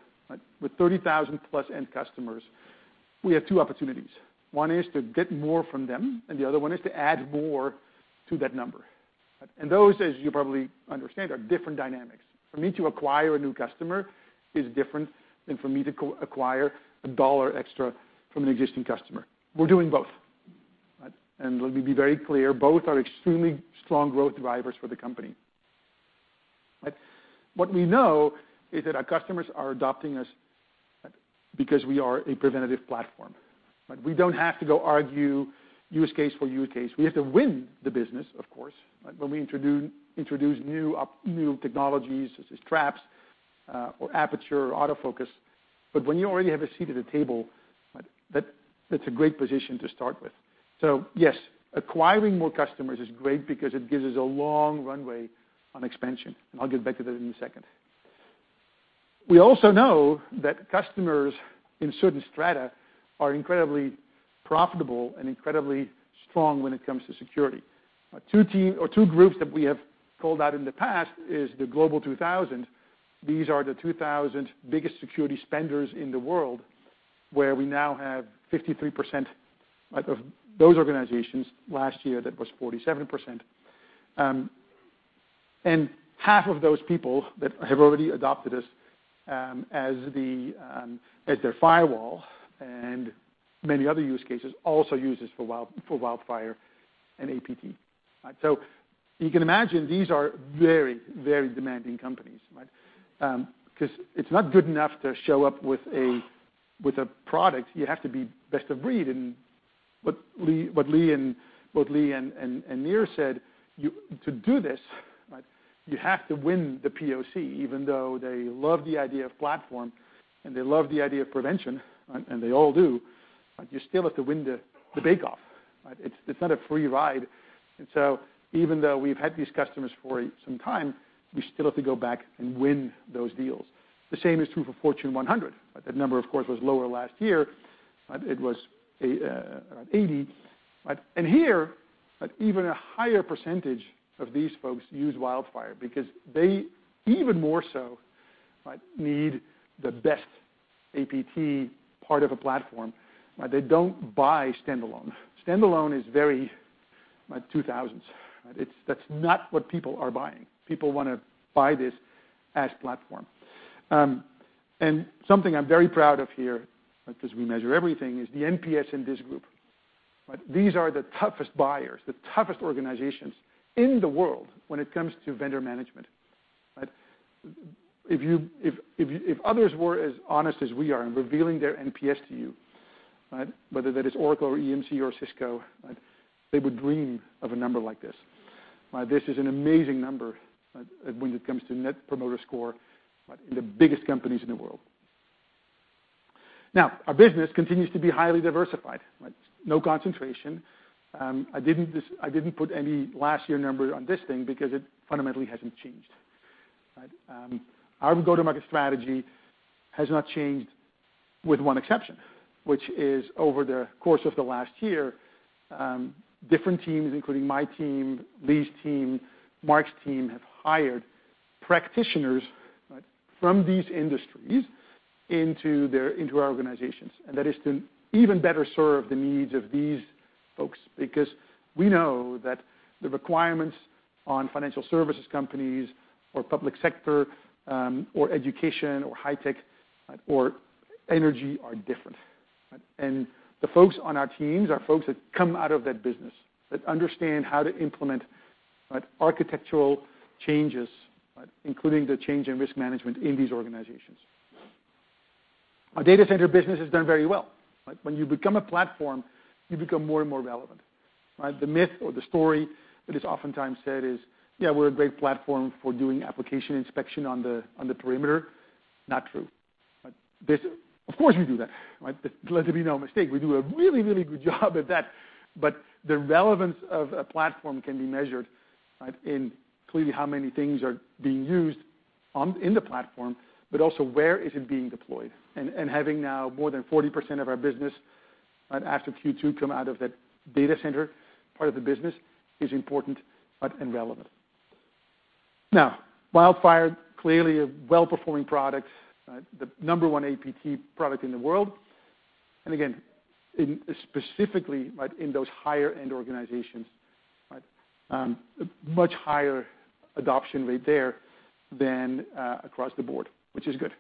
with 30,000-plus end customers, we have two opportunities. One is to get more from them, and the other one is to add more to that number. Those, as you probably understand, are different dynamics. For me to acquire a new customer is different than for me to acquire a dollar extra from an existing customer. We're doing both. Let me be very clear, both are extremely strong growth drivers for the company. What we know is that our customers are adopting us because we are a preventative platform. We don't have to go argue use case for use case. We have to win the business, of course, when we introduce new technologies, such as Traps or Aperture or AutoFocus, but when you already have a seat at a table, that's a great position to start with. Yes, acquiring more customers is great because it gives us a long runway on expansion. I'll get back to that in a second. We also know that customers in certain strata are incredibly profitable and incredibly strong when it comes to security. Two teams or two groups that we have called out in the past is the Global 2000. These are the 2,000 biggest security spenders in the world, where we now have 53% of those organizations. Last year, that was 47%. Half of those people that have already adopted us as their firewall and many other use cases, also use us for WildFire and APT. You can imagine, these are very demanding companies. Because it's not good enough to show up with a product. You have to be best of breed. What Lee and Nir said, to do this, you have to win the POC, even though they love the idea of platform and they love the idea of prevention, and they all do, you still have to win the bake-off. It's not a free ride. Even though we've had these customers for some time, we still have to go back and win those deals. The same is true for Fortune 100. That number, of course, was lower last year. It was around 80. Here, even a higher percentage of these folks use WildFire because they even more so need the best APT part of a platform. They don't buy standalone. Standalone is very 2000s. That's not what people are buying. People want to buy this as platform. Something I'm very proud of here, because we measure everything, is the NPS in this group. These are the toughest buyers, the toughest organizations in the world when it comes to vendor management. If others were as honest as we are in revealing their NPS to you, whether that is Oracle or EMC or Cisco, they would dream of a number like this. This is an amazing number when it comes to net promoter score in the biggest companies in the world. Our business continues to be highly diversified. No concentration. I didn't put any last year numbers on this thing because it fundamentally hasn't changed. Our go-to-market strategy has not changed, with one exception, which is over the course of the last year, different teams, including my team, Lee's team, Mark's team, have hired practitioners from these industries into our organizations, and that is to even better serve the needs of these folks. Because we know that the requirements on financial services companies or public sector, or education or high tech or energy are different. The folks on our teams are folks that come out of that business, that understand how to implement architectural changes, including the change in risk management in these organizations. Our data center business has done very well. When you become a platform, you become more and more relevant. The myth or the story that is oftentimes said is, "Yeah, we're a great platform for doing application inspection on the perimeter." Not true. Of course, we do that. Let there be no mistake, we do a really good job at that. The relevance of a platform can be measured in clearly how many things are being used in the platform, but also where is it being deployed. Having now more than 40% of our business after Q2 come out of that data center part of the business is important and relevant. WildFire, clearly a well-performing product, the number 1 APT product in the world, again, specifically in those higher-end organizations. Much higher adoption rate there than across the board, which is good.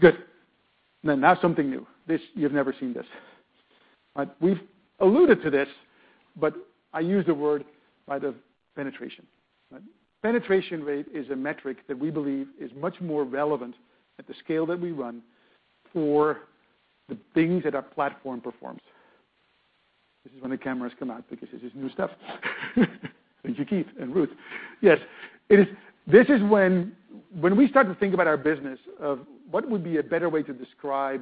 Good. Something new. This, you've never seen this. We've alluded to this, I use the word, the penetration. Penetration rate is a metric that we believe is much more relevant at the scale that we run for the things that our platform performs. This is when the cameras come out because this is new stuff. Thank you, Keith and Ruth. Yes. When we start to think about our business of what would be a better way to describe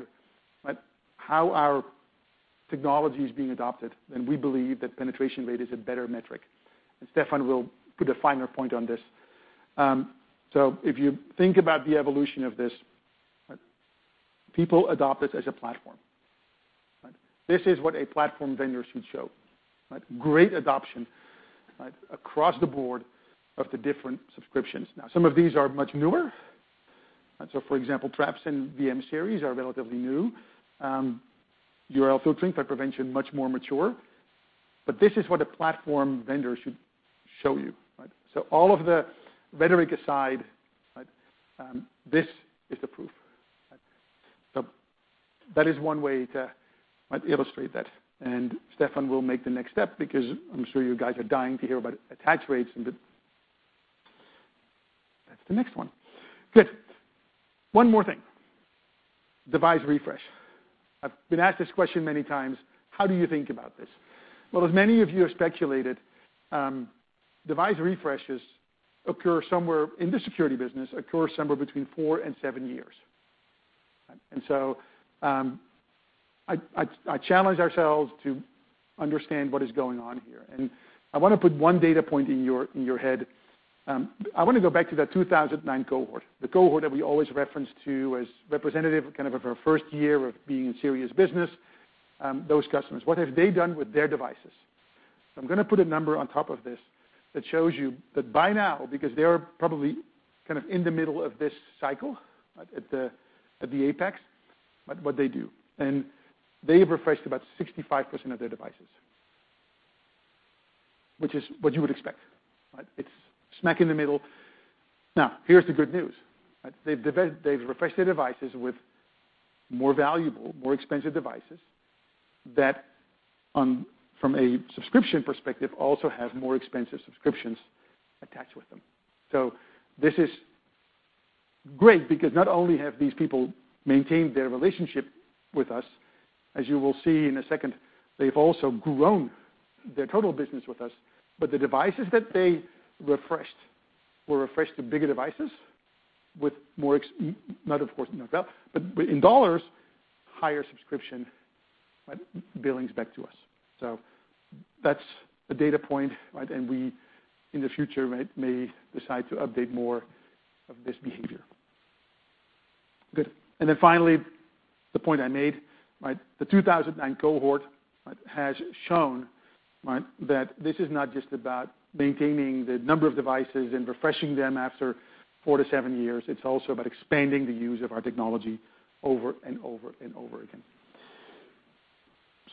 how our technology is being adopted, we believe that penetration rate is a better metric. Steffan will put a finer point on this. If you think about the evolution of this, people adopt it as a platform. This is what a platform vendor should show. Great adoption across the board of the different subscriptions. Some of these are much newer. For example, Traps and VM-Series are relatively new. URL Filtering, Threat Prevention, much more mature. This is what a platform vendor should show you. All of the rhetoric aside, this is the proof. That is one way to illustrate that. Steffan will make the next step because I'm sure you guys are dying to hear about attach rates and that's the next one. Good. One more thing, device refresh. I've been asked this question many times. How do you think about this? As many of you have speculated, device refreshes occur somewhere, in the security business, occur somewhere between four and seven years. I challenge ourselves to understand what is going on here, I want to put one data point in your head. I want to go back to that 2009 cohort, the cohort that we always reference to as representative of our first year of being in serious business, those customers. What have they done with their devices? I'm going to put a number on top of this that shows you that by now, because they are probably in the middle of this cycle, at the apex, what they do, and they have refreshed about 65% of their devices, which is what you would expect. It's smack in the middle. Here's the good news. They've refreshed their devices with more valuable, more expensive devices that from a subscription perspective, also have more expensive subscriptions attached with them. This is great because not only have these people maintained their relationship with us, as you will see in a second, they've also grown their total business with us, but the devices that they refreshed were refreshed to bigger devices with more, not of course, but in dollars, higher subscription billings back to us. That's a data point, and we, in the future, may decide to update more of this behavior. Good. Finally, the point I made. The 2009 cohort has shown that this is not just about maintaining the number of devices and refreshing them after four to seven years. It's also about expanding the use of our technology over and over and over again.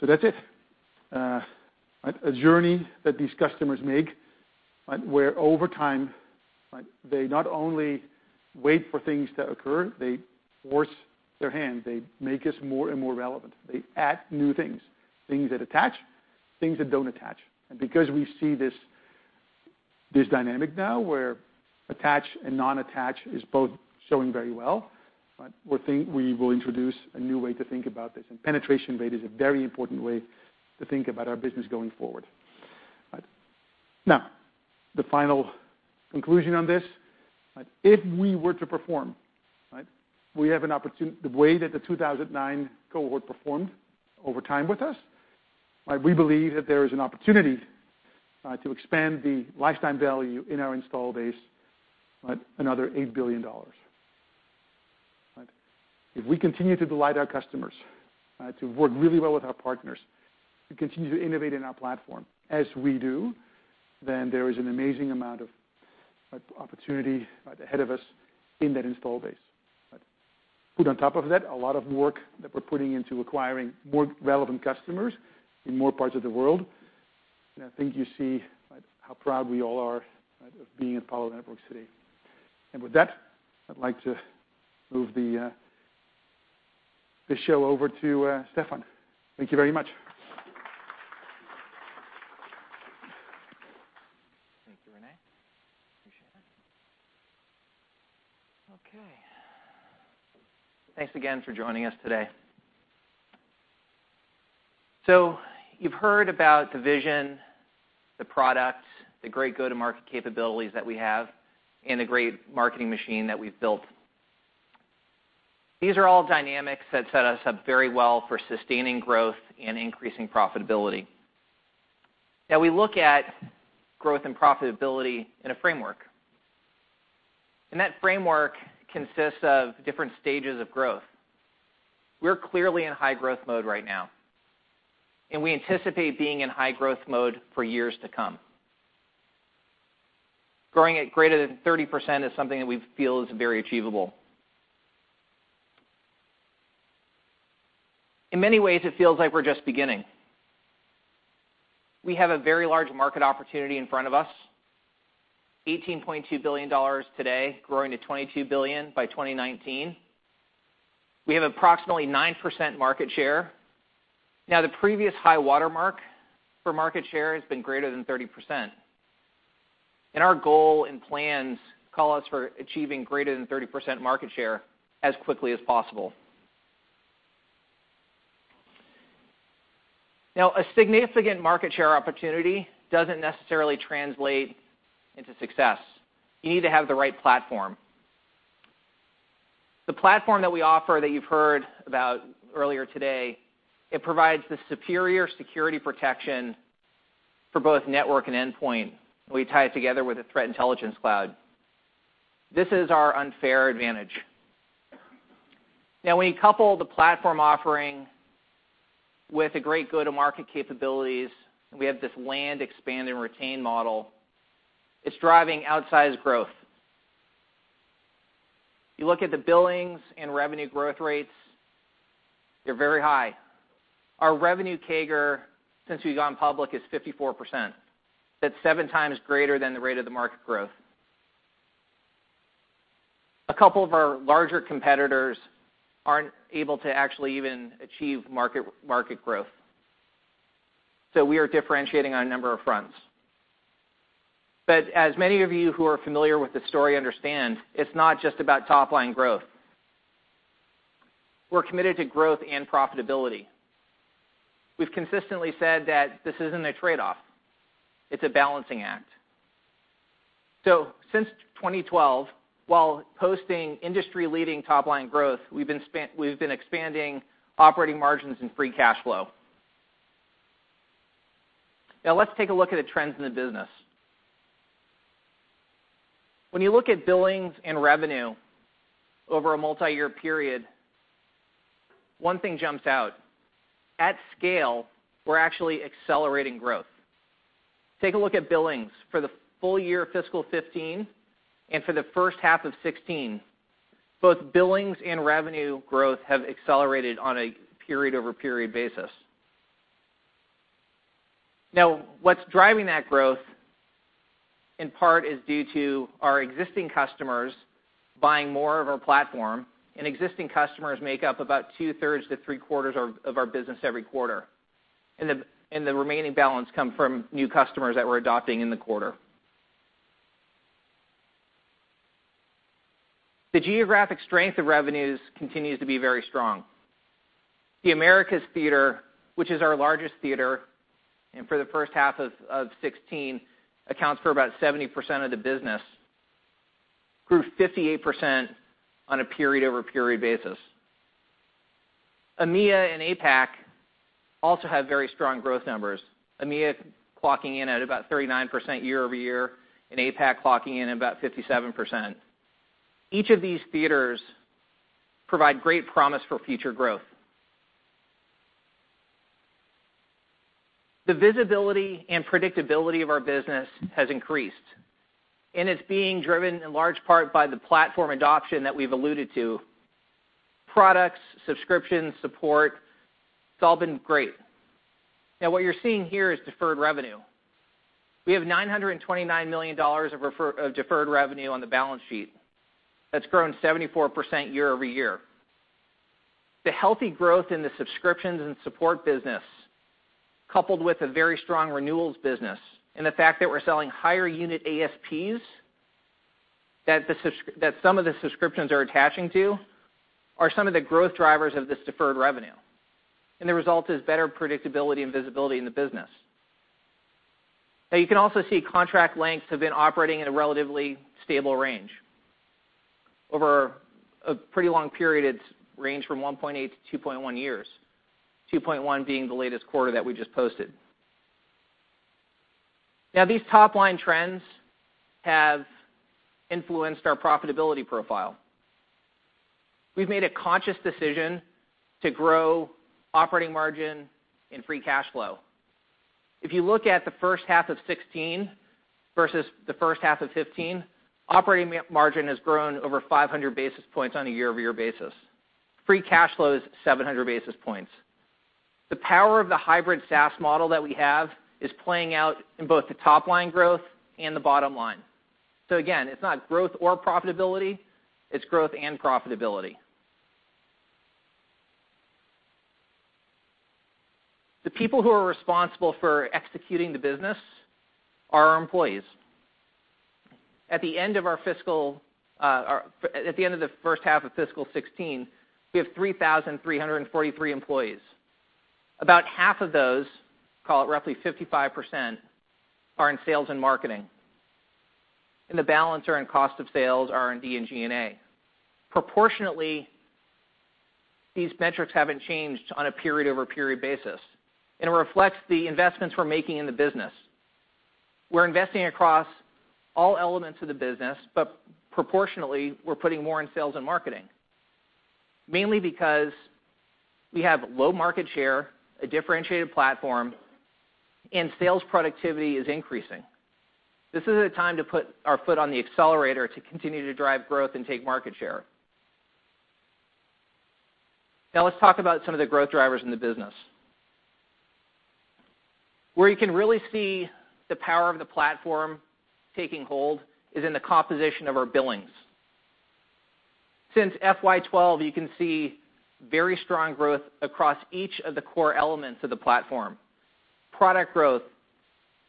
That's it. A journey that these customers make, where over time they not only wait for things to occur, they force their hand. They make us more and more relevant. They add new things that attach, things that don't attach. Because we see this dynamic now where attached and non-attached is both showing very well, we will introduce a new way to think about this. Penetration rate is a very important way to think about our business going forward. The final conclusion on this. If we were to perform the way that the 2009 cohort performed over time with us, we believe that there is an opportunity to expand the lifetime value in our install base another $8 billion. If we continue to delight our customers, to work really well with our partners, to continue to innovate in our platform as we do, then there is an amazing amount of opportunity ahead of us in that install base. Put on top of that, a lot of work that we're putting into acquiring more relevant customers in more parts of the world. I think you see how proud we all are of being at Palo Alto Networks today. With that, I'd like to move the show over to Steffan. Thank you very much. Thank you, René. Appreciate it. Thanks again for joining us today. You've heard about the vision, the product, the great go-to-market capabilities that we have, and the great marketing machine that we've built. These are all dynamics that set us up very well for sustaining growth and increasing profitability. We look at growth and profitability in a framework, and that framework consists of different stages of growth. We're clearly in high growth mode right now, and we anticipate being in high growth mode for years to come. Growing at greater than 30% is something that we feel is very achievable. In many ways, it feels like we're just beginning. We have a very large market opportunity in front of us, $18.2 billion today, growing to $22 billion by 2019. We have approximately 9% market share. The previous high watermark for market share has been greater than 30%, and our goal, and plans call us for achieving greater than 30% market share as quickly as possible. A significant market share opportunity doesn't necessarily translate into success. You need to have the right platform. The platform that we offer that you've heard about earlier today, it provides the superior security protection for both network and endpoint. We tie it together with a threat intelligence cloud. This is our unfair advantage. When you couple the platform offering with the great go-to-market capabilities, and we have this land, expand, and retain model, it's driving outsized growth. You look at the billings and revenue growth rates, they're very high. Our revenue CAGR since we've gone public is 54%. That's seven times greater than the rate of the market growth. A couple of our larger competitors aren't able to actually even achieve market growth. We are differentiating on a number of fronts. As many of you who are familiar with the story understand, it's not just about top-line growth. We're committed to growth and profitability. We've consistently said that this isn't a trade-off. It's a balancing act. Since 2012, while posting industry-leading top-line growth, we've been expanding operating margins and free cash flow. Let's take a look at the trends in the business. When you look at billings and revenue over a multi-year period, one thing jumps out. At scale, we're actually accelerating growth. Take a look at billings for the full year of fiscal 2015 and for the first half of 2016. Both billings and revenue growth have accelerated on a period-over-period basis. What's driving that growth, in part, is due to our existing customers buying more of our platform, and existing customers make up about two-thirds to three-quarters of our business every quarter. The remaining balance come from new customers that we're adopting in the quarter. The geographic strength of revenues continues to be very strong. The Americas theater, which is our largest theater, and for the first half of 2016 accounts for about 70% of the business, grew 58% on a period-over-period basis. EMEA and APAC also have very strong growth numbers. EMEA clocking in at about 39% year-over-year and APAC clocking in about 57%. Each of these theaters provide great promise for future growth. The visibility and predictability of our business has increased, and it's being driven in large part by the platform adoption that we've alluded to. Products, subscriptions, support, it's all been great. What you're seeing here is deferred revenue. We have $929 million of deferred revenue on the balance sheet. That's grown 74% year-over-year. The healthy growth in the subscriptions and support business, coupled with a very strong renewals business and the fact that we're selling higher unit ASPs that some of the subscriptions are attaching to, are some of the growth drivers of this deferred revenue. The result is better predictability and visibility in the business. You can also see contract lengths have been operating at a relatively stable range. Over a pretty long period, it's ranged from 1.8 to 2.1 years. 2.1 being the latest quarter that we just posted. These top-line trends have influenced our profitability profile. We've made a conscious decision to grow operating margin and free cash flow. If you look at the first half of 2016 versus the first half of 2015, operating margin has grown over 500 basis points on a year-over-year basis. Free cash flow is 700 basis points. The power of the hybrid SaaS model that we have is playing out in both the top-line growth and the bottom line. Again, it's not growth or profitability, it's growth and profitability. The people who are responsible for executing the business are our employees. At the end of the first half of fiscal 2016, we have 3,343 employees. About half of those, call it roughly 55%, are in sales and marketing, and the balance are in cost of sales, R&D, and G&A. Proportionately, these metrics haven't changed on a period-over-period basis, and it reflects the investments we're making in the business. We're investing across all elements of the business, proportionally, we're putting more in sales and marketing, mainly because we have low market share, a differentiated platform, and sales productivity is increasing. This is a time to put our foot on the accelerator to continue to drive growth and take market share. Let's talk about some of the growth drivers in the business. Where you can really see the power of the platform taking hold is in the composition of our billings. Since FY 2012, you can see very strong growth across each of the core elements of the platform. Product growth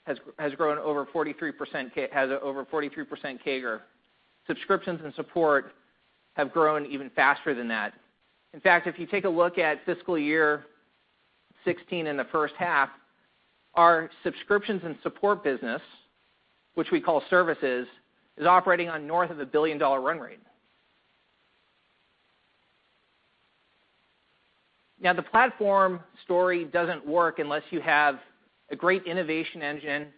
has grown over 43% CAGR. Subscriptions and support have grown even faster than that. In fact, if you take a look at fiscal year 2016 in the first half, our subscriptions and support business, which we call services, is operating on north of a billion-dollar run rate. The platform story doesn't work unless you have a great innovation engine,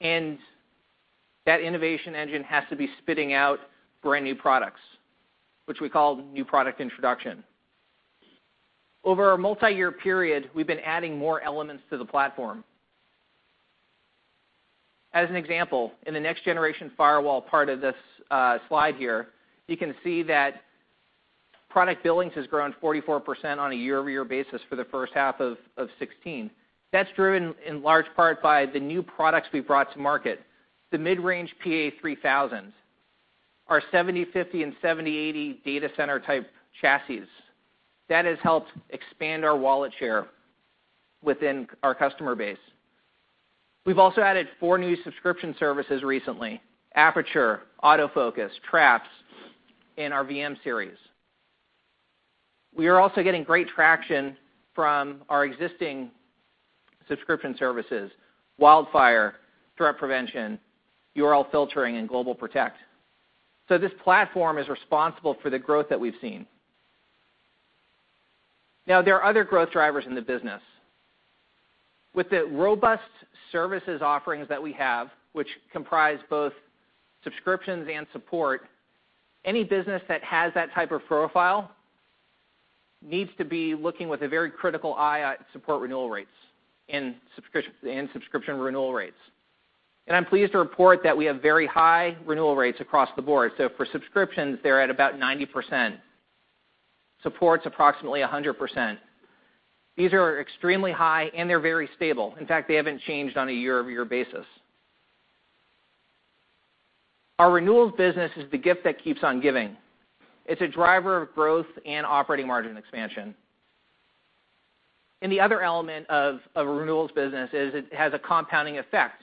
and that innovation engine has to be spitting out brand-new products, which we call new product introduction. Over a multi-year period, we've been adding more elements to the platform. As an example, in the next-generation firewall part of this slide here, you can see that Product billings has grown 44% on a year-over-year basis for the first half of 2016. That's driven in large part by the new products we've brought to market. The mid-range PA-3000, our 7050 and 7080 data center type chassis. That has helped expand our wallet share within our customer base. We've also added four new subscription services recently, Aperture, AutoFocus, Traps, and our VM-Series. We are also getting great traction from our existing subscription services, WildFire, Threat Prevention, URL Filtering, and GlobalProtect. This platform is responsible for the growth that we've seen. There are other growth drivers in the business. With the robust services offerings that we have, which comprise both subscriptions and support, any business that has that type of profile needs to be looking with a very critical eye at support renewal rates and subscription renewal rates. I'm pleased to report that we have very high renewal rates across the board. For subscriptions, they're at about 90%. Support's approximately 100%. These are extremely high, and they're very stable. In fact, they haven't changed on a year-over-year basis. Our renewals business is the gift that keeps on giving. It's a driver of growth and operating margin expansion. The other element of the renewals business is it has a compounding effect,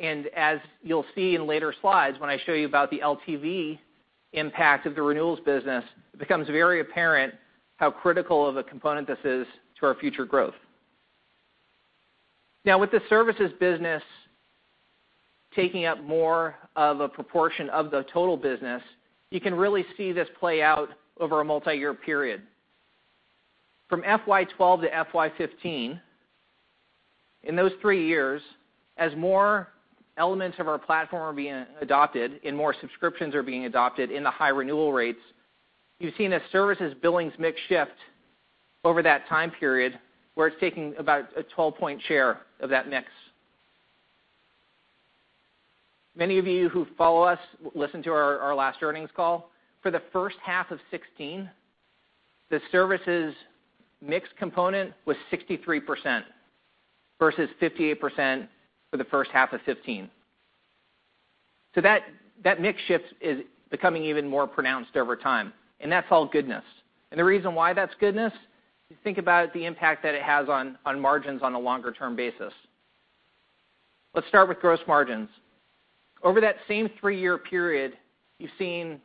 and as you'll see in later slides, when I show you about the LTV impact of the renewals business, it becomes very apparent how critical of a component this is to our future growth. With the services business taking up more of a proportion of the total business, you can really see this play out over a multi-year period. From FY 2012 to FY 2015, in those three years, as more elements of our platform are being adopted and more subscriptions are being adopted in the high renewal rates, you've seen a services billings mix shift over that time period, where it's taking about a 12-point share of that mix. Many of you who follow us, listened to our last earnings call. For the first half of 2016, the services mix component was 63% versus 58% for the first half of 2015. That mix shift is becoming even more pronounced over time, and that's all goodness. The reason why that's goodness, if you think about the impact that it has on margins on a longer term basis. Let's start with gross margins. Over that same three-year period, you've seen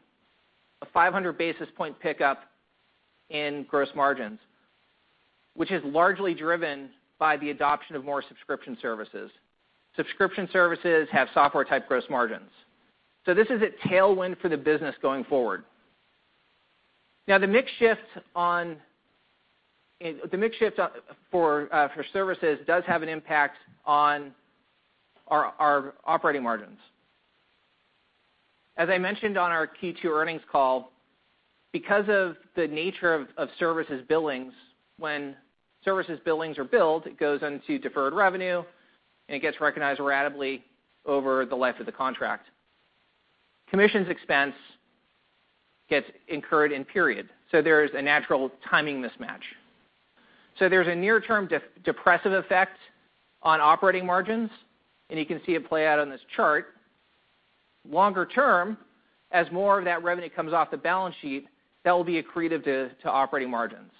a 500-basis point pickup in gross margins, which is largely driven by the adoption of more subscription services. Subscription services have software-type gross margins. This is a tailwind for the business going forward. The mix shift for services does have an impact on our operating margins. As I mentioned on our Q2 earnings call, because of the nature of services billings, when services billings are billed, it goes into deferred revenue, and it gets recognized ratably over the life of the contract. Commissions expense gets incurred in period. There is a natural timing mismatch. There's a near-term depressive effect on operating margins, and you can see it play out on this chart. Longer term, as more of that revenue comes off the balance sheet, that will be accretive to operating margins.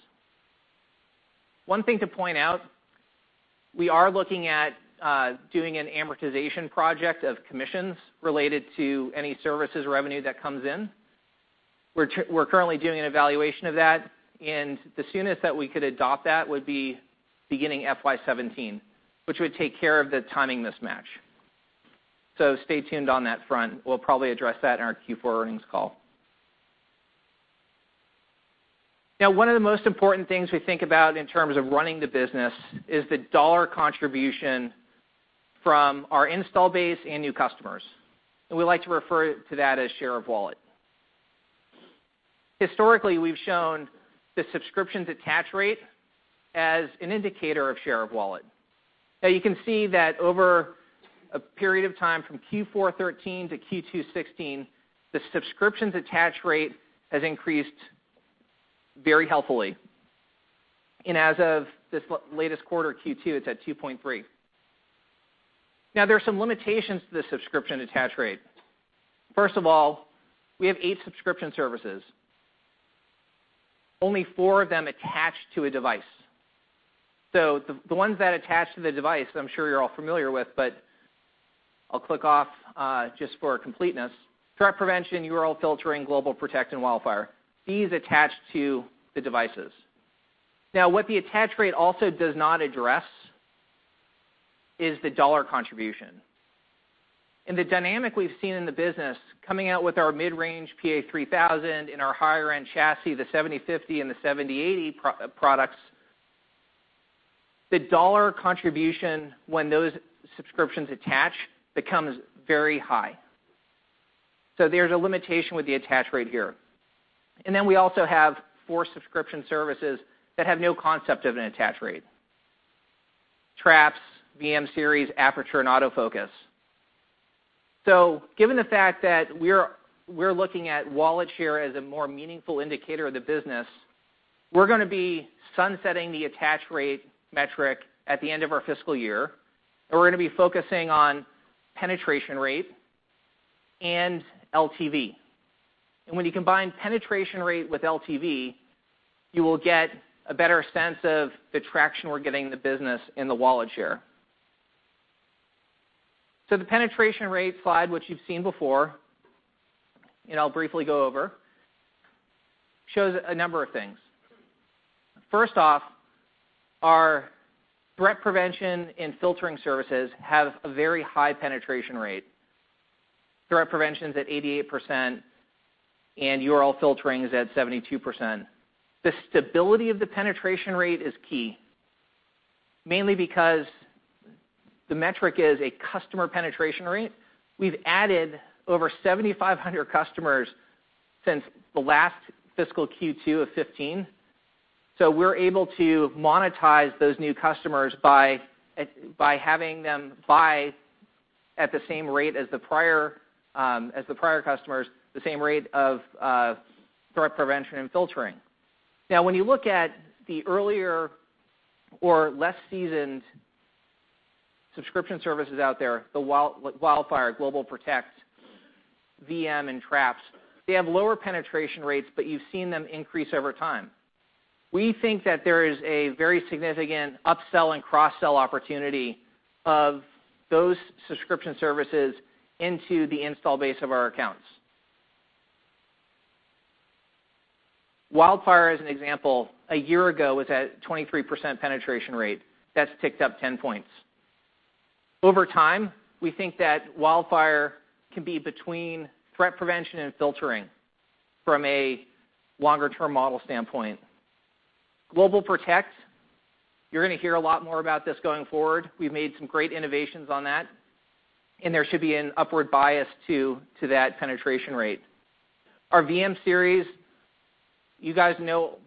One thing to point out, we are looking at doing an amortization project of commissions related to any services revenue that comes in. We're currently doing an evaluation of that, and the soonest that we could adopt that would be beginning FY 2017, which would take care of the timing mismatch. Stay tuned on that front. We'll probably address that in our Q4 earnings call. One of the most important things we think about in terms of running the business is the dollar contribution from our install base and new customers, and we like to refer to that as share of wallet. Historically, we've shown the subscriptions attach rate as an indicator of share of wallet. You can see that over a period of time, from Q4 2013 to Q2 2016, the subscriptions attach rate has increased very healthily. As of this latest quarter, Q2, it's at 2.3. There are some limitations to the subscription attach rate. First of all, we have eight subscription services. Only four of them attach to a device. The ones that attach to the device, I'm sure you're all familiar with, but I'll click off, just for completeness. Threat Prevention, URL Filtering, GlobalProtect, and WildFire. These attach to the devices. What the attach rate also does not address is the dollar contribution. The dynamic we’ve seen in the business, coming out with our mid-range PA-3000 and our higher-end chassis, the PA-7050 and the PA-7080 products, the dollar contribution when those subscriptions attach becomes very high. There is a limitation with the attach rate here. We also have four subscription services that have no concept of an attach rate. Traps, VM, Aperture, and AutoFocus. Given the fact that we’re looking at wallet share as a more meaningful indicator of the business, we’re going to be sunsetting the attach rate metric at the end of our fiscal year. We’re going to be focusing on penetration rate and LTV. When you combine penetration rate with LTV, you will get a better sense of the traction we’re getting in the business in the wallet share. The penetration rate slide, which you’ve seen before, and I’ll briefly go over, shows a number of things. First off, our Threat Prevention and filtering services have a very high penetration rate. Threat Prevention is at 88%, and URL Filtering is at 72%. The stability of the penetration rate is key, mainly because the metric is a customer penetration rate. We’ve added over 7,500 customers since the last fiscal Q2 of 2015. We’re able to monetize those new customers by having them buy at the same rate as the prior customers, the same rate of Threat Prevention and filtering. When you look at the earlier or less seasoned subscription services out there, like WildFire, GlobalProtect, VM, and Traps, they have lower penetration rates, but you’ve seen them increase over time. We think that there is a very significant upsell and cross-sell opportunity of those subscription services into the install base of our accounts. WildFire, as an example, a year ago was at 23% penetration rate. That’s ticked up 10 points. Over time, we think that WildFire can be between Threat Prevention and filtering from a longer-term model standpoint. GlobalProtect, you’re going to hear a lot more about this going forward. We’ve made some great innovations on that, and there should be an upward bias, too, to that penetration rate. Our VM-Series, you guys know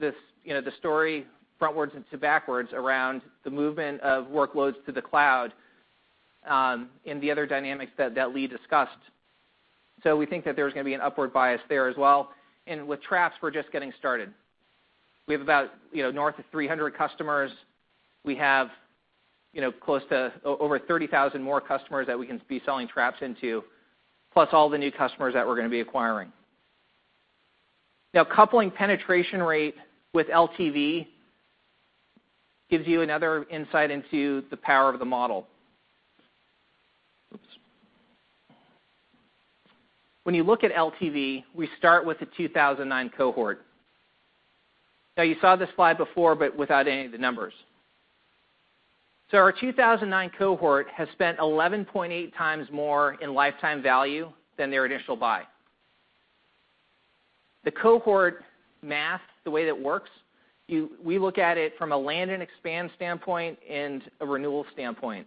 the story frontwards and to backwards around the movement of workloads to the cloud, and the other dynamics that Lee discussed. We think that there’s going to be an upward bias there as well. With Traps, we’re just getting started. We have about north of 300 customers. We have close to over 30,000 more customers that we can be selling Traps into, plus all the new customers that we’re going to be acquiring. Coupling penetration rate with LTV gives you another insight into the power of the model. Oops. When you look at LTV, we start with the 2009 cohort. You saw this slide before, but without any of the numbers. Our 2009 cohort has spent 11.8 times more in lifetime value than their initial buy. The cohort math, the way that it works, we look at it from a land and expand standpoint and a renewal standpoint.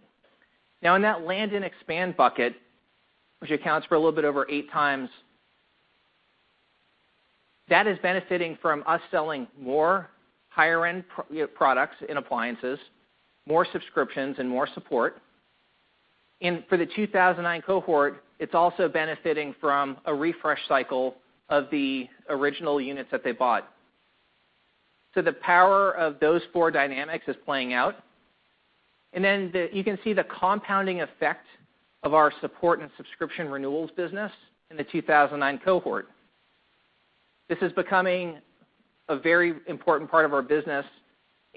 In that land and expand bucket, which accounts for a little bit over 8 times, that is benefiting from us selling more higher-end products and appliances, more subscriptions, and more support. For the 2009 cohort, it's also benefiting from a refresh cycle of the original units that they bought. The power of those four dynamics is playing out. Then you can see the compounding effect of our support and subscription renewals business in the 2009 cohort. This is becoming a very important part of our business,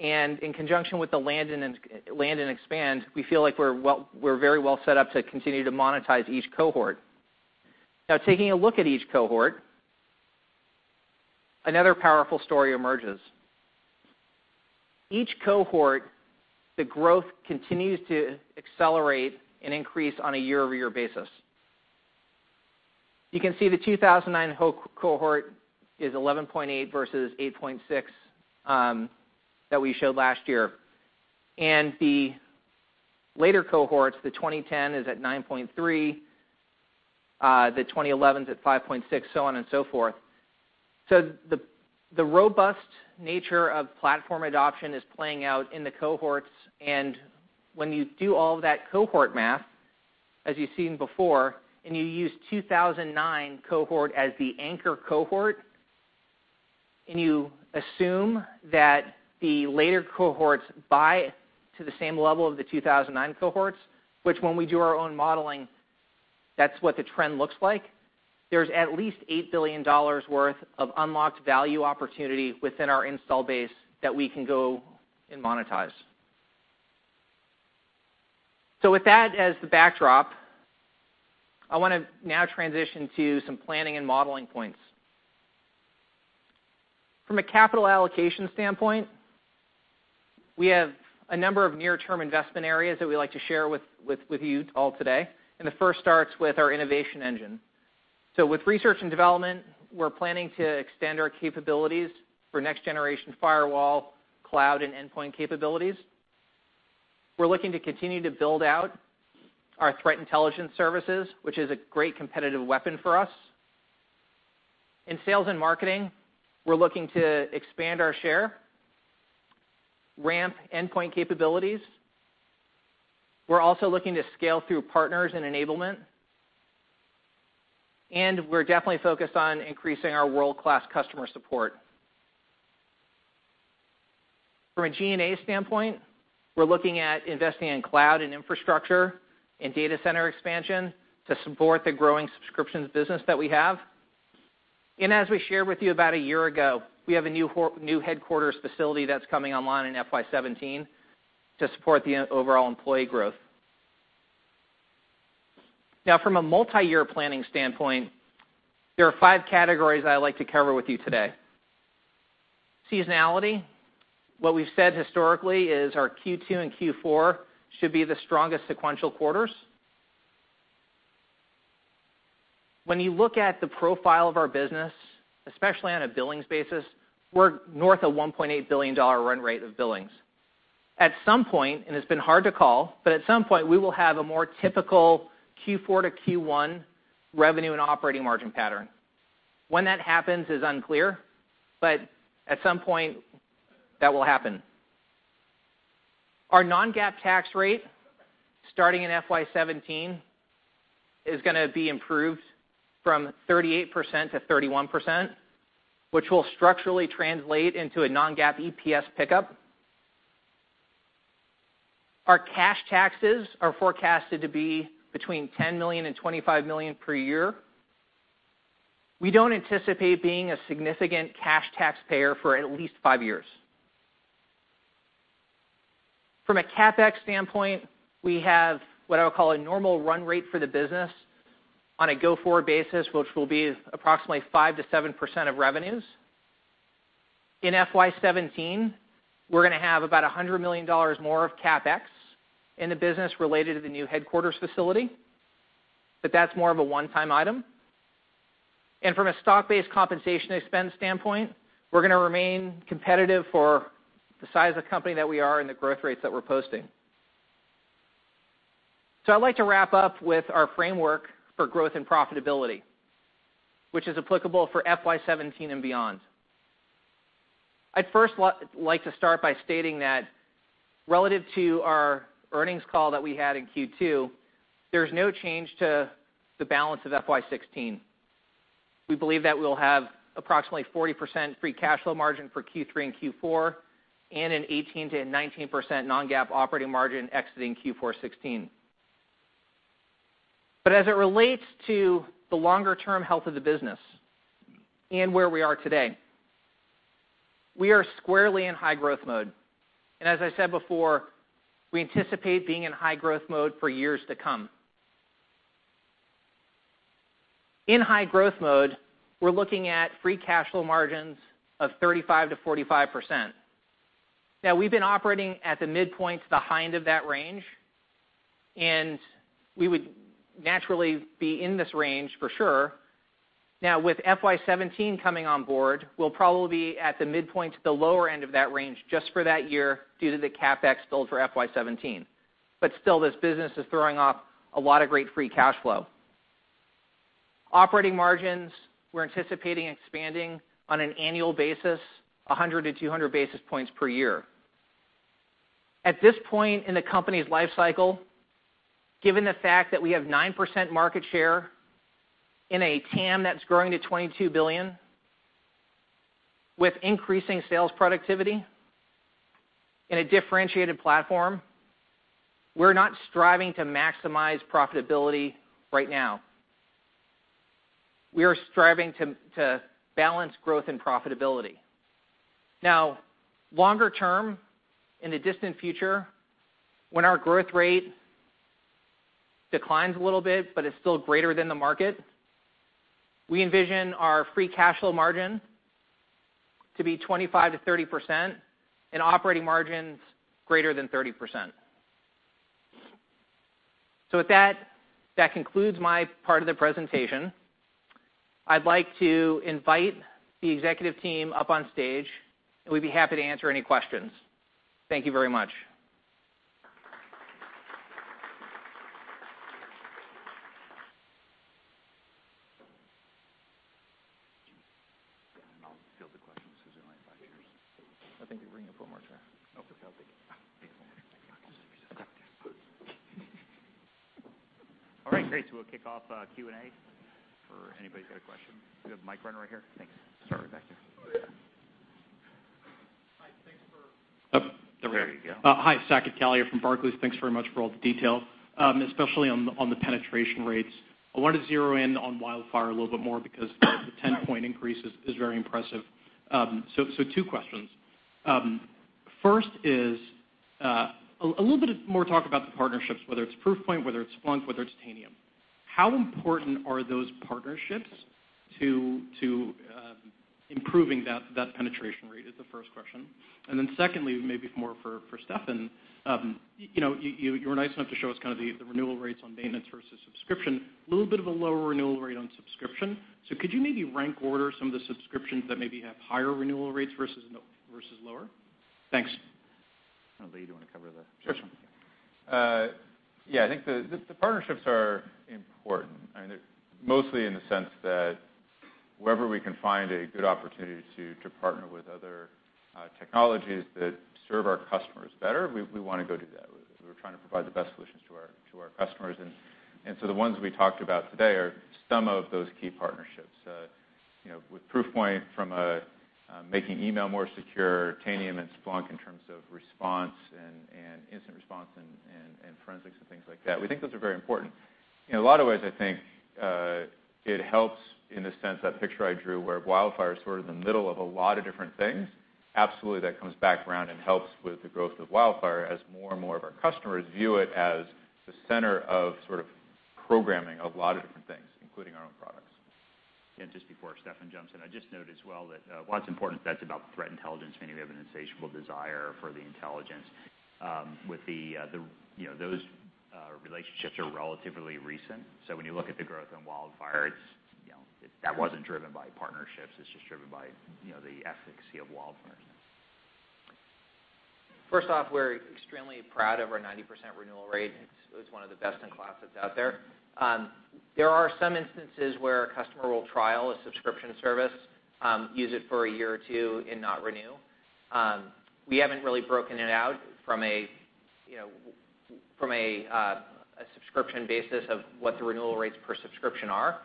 and in conjunction with the land and expand, we feel like we're very well set up to continue to monetize each cohort. Taking a look at each cohort, another powerful story emerges. Each cohort, the growth continues to accelerate and increase on a year-over-year basis. You can see the 2009 cohort is 11.8 versus 8.6 that we showed last year. The later cohorts, the 2010 is at 9.3, the 2011's at 5.6, so on and so forth. The robust nature of platform adoption is playing out in the cohorts, and when you do all of that cohort math, as you've seen before, and you use 2009 cohort as the anchor cohort, and you assume that the later cohorts buy to the same level of the 2009 cohorts, which when we do our own modeling, that's what the trend looks like, there's at least $8 billion worth of unlocked value opportunity within our install base that we can go and monetize. With that as the backdrop, I want to now transition to some planning and modeling points. From a capital allocation standpoint, we have a number of near-term investment areas that we'd like to share with you all today, and the first starts with our innovation engine. With research and development, we're planning to extend our capabilities for next-generation firewall, cloud, and endpoint capabilities. We're looking to continue to build out our threat intelligence services, which is a great competitive weapon for us. In sales and marketing, we're looking to expand our share, ramp endpoint capabilities. We're also looking to scale through partners and enablement. We're definitely focused on increasing our world-class customer support. From a G&A standpoint, we're looking at investing in cloud and infrastructure, and data center expansion to support the growing subscriptions business that we have. As we shared with you about a year ago, we have a new headquarters facility that's coming online in FY 2017 to support the overall employee growth. From a multi-year planning standpoint, there are five categories I'd like to cover with you today. Seasonality. What we've said historically is our Q2 and Q4 should be the strongest sequential quarters. When you look at the profile of our business, especially on a billings basis, we're north of $1.8 billion run rate of billings. At some point, and it's been hard to call, but at some point, we will have a more typical Q4 to Q1 revenue and operating margin pattern. When that happens is unclear, but at some point, that will happen. Our non-GAAP tax rate, starting in FY 2017, is going to be improved from 38% to 31%, which will structurally translate into a non-GAAP EPS pickup. Our cash taxes are forecasted to be between $10 million-$25 million per year. We don't anticipate being a significant cash taxpayer for at least five years. From a CapEx standpoint, we have what I would call a normal run rate for the business on a go-forward basis, which will be approximately 5%-7% of revenues. In FY 2017, we're going to have about $100 million more of CapEx in the business related to the new headquarters facility. That's more of a one-time item. From a stock-based compensation expense standpoint, we're going to remain competitive for the size of the company that we are and the growth rates that we're posting. I'd like to wrap up with our framework for growth and profitability, which is applicable for FY 2017 and beyond. I'd first like to start by stating that relative to our earnings call that we had in Q2, there's no change to the balance of FY 2016. We believe that we'll have approximately 40% free cash flow margin for Q3 and Q4, and an 18%-19% non-GAAP operating margin exiting Q4 2016. As it relates to the longer-term health of the business and where we are today, we are squarely in high-growth mode. As I said before, we anticipate being in high-growth mode for years to come. In high-growth mode, we're looking at free cash flow margins of 35%-45%. We've been operating at the midpoint to the high-end of that range, and we would naturally be in this range for sure. With FY 2017 coming on board, we'll probably be at the midpoint to the lower end of that range just for that year due to the CapEx build for FY 2017. Still, this business is throwing off a lot of great free cash flow. Operating margins, we're anticipating expanding on an annual basis, 100-200 basis points per year. At this point in the company's life cycle, given the fact that we have 9% market share in a TAM that's growing to $22 billion, with increasing sales productivity in a differentiated platform, we're not striving to maximize profitability right now. We are striving to balance growth and profitability. Longer term, in the distant future, when our growth rate declines a little bit, but it's still greater than the market, we envision our free cash flow margin to be 25%-30%, and operating margins greater than 30%. With that concludes my part of the presentation. I'd like to invite the executive team up on stage, and we'd be happy to answer any questions. Thank you very much. Yeah. I'll field the questions, since I'm right by the chairs. I think you're bringing up one more chair. Oh, for Palihapitiya. Bring up one more chair. Okay. All right, great. We'll kick off Q&A for anybody who's got a question. We have a mic runner right here. Thanks. Start right back there. Oh, yeah. Hi, thanks. There we go. Hi, Saket Kalia from Barclays. Thanks very much for all the detail, especially on the penetration rates. I wanted to zero in on WildFire a little bit more because the 10-point increase is very impressive. Two questions. First is a little bit more talk about the partnerships, whether it's Proofpoint, whether it's Splunk, whether it's Tanium. How important are those partnerships to improving that penetration rate? Is the first question. Secondly, maybe more for Steffan. You were nice enough to show us the renewal rates on maintenance versus subscription. A little bit of a lower renewal rate on subscription. Could you maybe rank order some of the subscriptions that maybe have higher renewal rates versus lower? Thanks. Lee, do you want to cover that one? Sure. Yeah, I think the partnerships are important. Mostly in the sense that wherever we can find a good opportunity to partner with other technologies that serve our customers better, we want to go do that. We're trying to provide the best solutions to our customers. The ones we talked about today are some of those key partnerships. With Proofpoint from making email more secure, Tanium and Splunk in terms of response and incident response and forensics and things like that. We think those are very important. In a lot of ways, I think it helps in the sense that picture I drew where WildFire's sort of in the middle of a lot of different things. Absolutely that comes back around and helps with the growth of WildFire as more and more of our customers view it as the center of programming of a lot of different things, including our own products. Yeah, just before Steffan jumps in, I just note as well that while it's important that's about threat intelligence, and we have an insatiable desire for the intelligence, those relationships are relatively recent. When you look at the growth in WildFire, that wasn't driven by partnerships, it's just driven by the efficacy of WildFire. First off, we're extremely proud of our 90% renewal rate. It's one of the best in class that's out there. There are some instances where a customer will trial a subscription service, use it for a year or two, and not renew. We haven't really broken it out from a subscription basis of what the renewal rates per subscription are.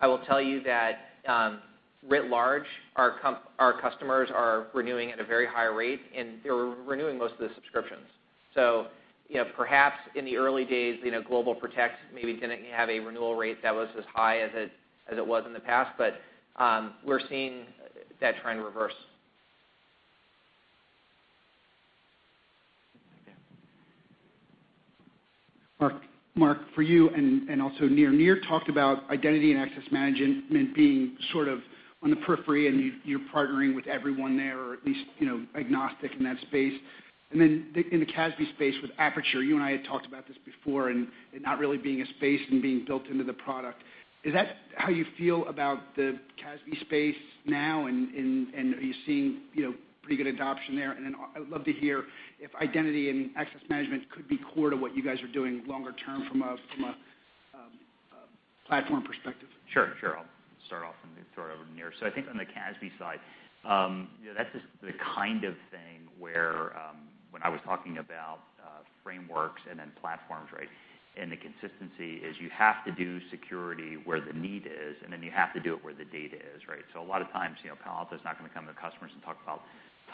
I will tell you that writ large, our customers are renewing at a very high rate, and they're renewing most of the subscriptions. Perhaps in the early days, GlobalProtect maybe didn't have a renewal rate that was as high as it was in the past, but we're seeing that trend reverse. Okay. Mark, for you, also Nir. Nir talked about identity and access management being sort of on the periphery, and you're partnering with everyone there, or at least agnostic in that space. Then in the CASB space with Aperture, you and I had talked about this before, and it not really being a space and being built into the product. Is that how you feel about the CASB space now, and are you seeing pretty good adoption there? Then I would love to hear if identity and access management could be core to what you guys are doing longer term from a platform perspective. Sure. I'll start off and then throw it over to Nir. I think on the CASB side, that's the kind of thing where when I was talking about frameworks and then platforms, and the consistency is you have to do security where the need is, and then you have to do it where the data is. A lot of times, Palo Alto's not going to come to customers and talk about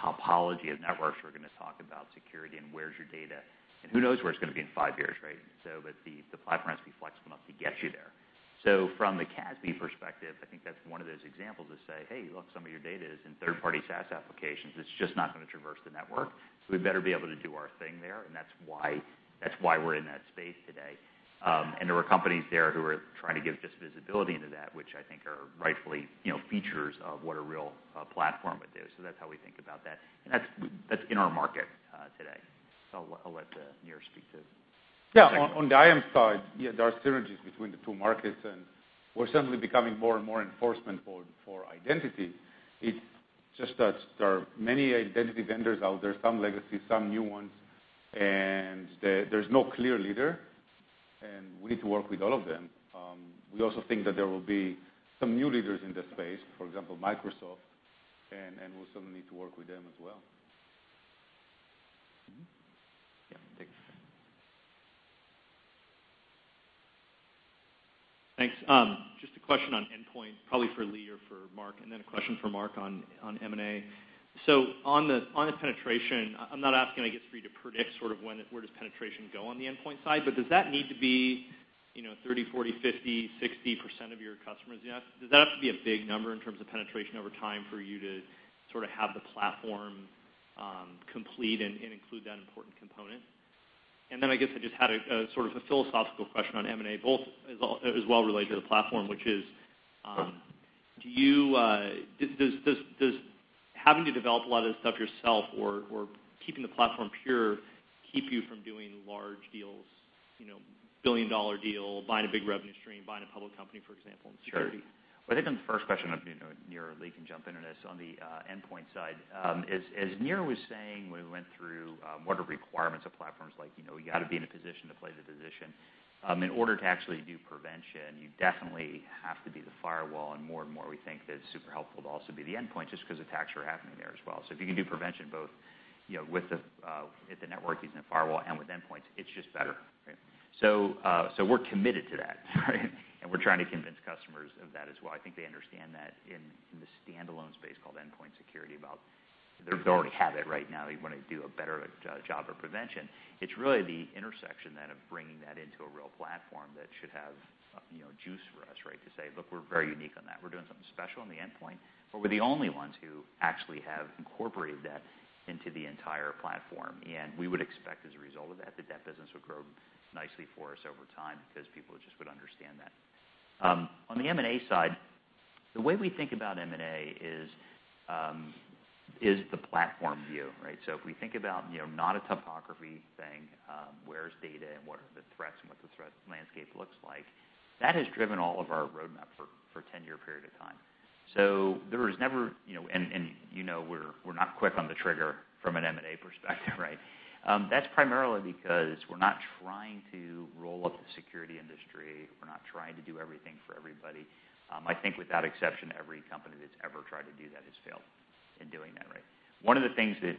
topology of networks. We're going to talk about security and where's your data, and who knows where it's going to be in five years, right? The platform has to be flexible enough to get you there. From the CASB perspective, I think that's one of those examples to say, "Hey, look, some of your data is in third-party SaaS applications. It's just not going to traverse the network, so we better be able to do our thing there." That's why we're in that space today. There are companies there who are trying to give just visibility into that, which I think are rightfully features of what a real platform would do. That's how we think about that. That's in our market today. I'll let Nir speak to. On the IAM side, there are synergies between the two markets, we're suddenly becoming more and more enforcement for identity. It's just that there are many identity vendors out there, some legacy, some new ones, there's no clear leader, we need to work with all of them. We also think that there will be some new leaders in that space, for example, Microsoft, we'll certainly need to work with them as well. Thanks. Thanks. Just a question on endpoint, probably for Lee or for Mark, then a question for Mark on M&A. On the penetration, I'm not asking, I guess, for you to predict where does penetration go on the endpoint side, but does that need to be 30%, 40%, 50%, 60% of your customers yet? Does that have to be a big number in terms of penetration over time for you to have the platform complete and include that important component? Then I guess I just had a philosophical question on M&A, both as well related to the platform, which is, does having to develop a lot of this stuff yourself or keeping the platform pure keep you from doing large deals, billion-dollar deal, buying a big revenue stream, buying a public company, for example, in security? Sure. I think on the first question, I don't know if Nir or Lee can jump into this on the endpoint side. As Nir was saying, when we went through what are requirements of platforms like, you got to be in a position to play the position. In order to actually do prevention, you definitely have to be the firewall, more and more we think that it's super helpful to also be the endpoint just because attacks are happening there as well. If you can do prevention both with the networking and the firewall and with endpoints, it's just better. We're committed to that, right? We're trying to convince customers of that as well. I think they understand that in the standalone space called endpoint security about they already have it right now. They want to do a better job of prevention. It's really the intersection of bringing that into a real platform that should have juice for us, to say, "Look, we're very unique on that. We're doing something special on the endpoint, but we're the only ones who actually have incorporated that into the entire platform." We would expect as a result of that that business would grow nicely for us over time because people just would understand that. On the M&A side. The way we think about M&A is the platform view, right? If we think about not a topography thing, where's data and what are the threats and what the threat landscape looks like, that has driven all of our roadmap for a 10-year period of time. There was never. You know, we're not quick on the trigger from an M&A perspective, right? That's primarily because we're not trying to roll up the security industry. We're not trying to do everything for everybody. I think without exception, every company that's ever tried to do that has failed in doing that, right? One of the things that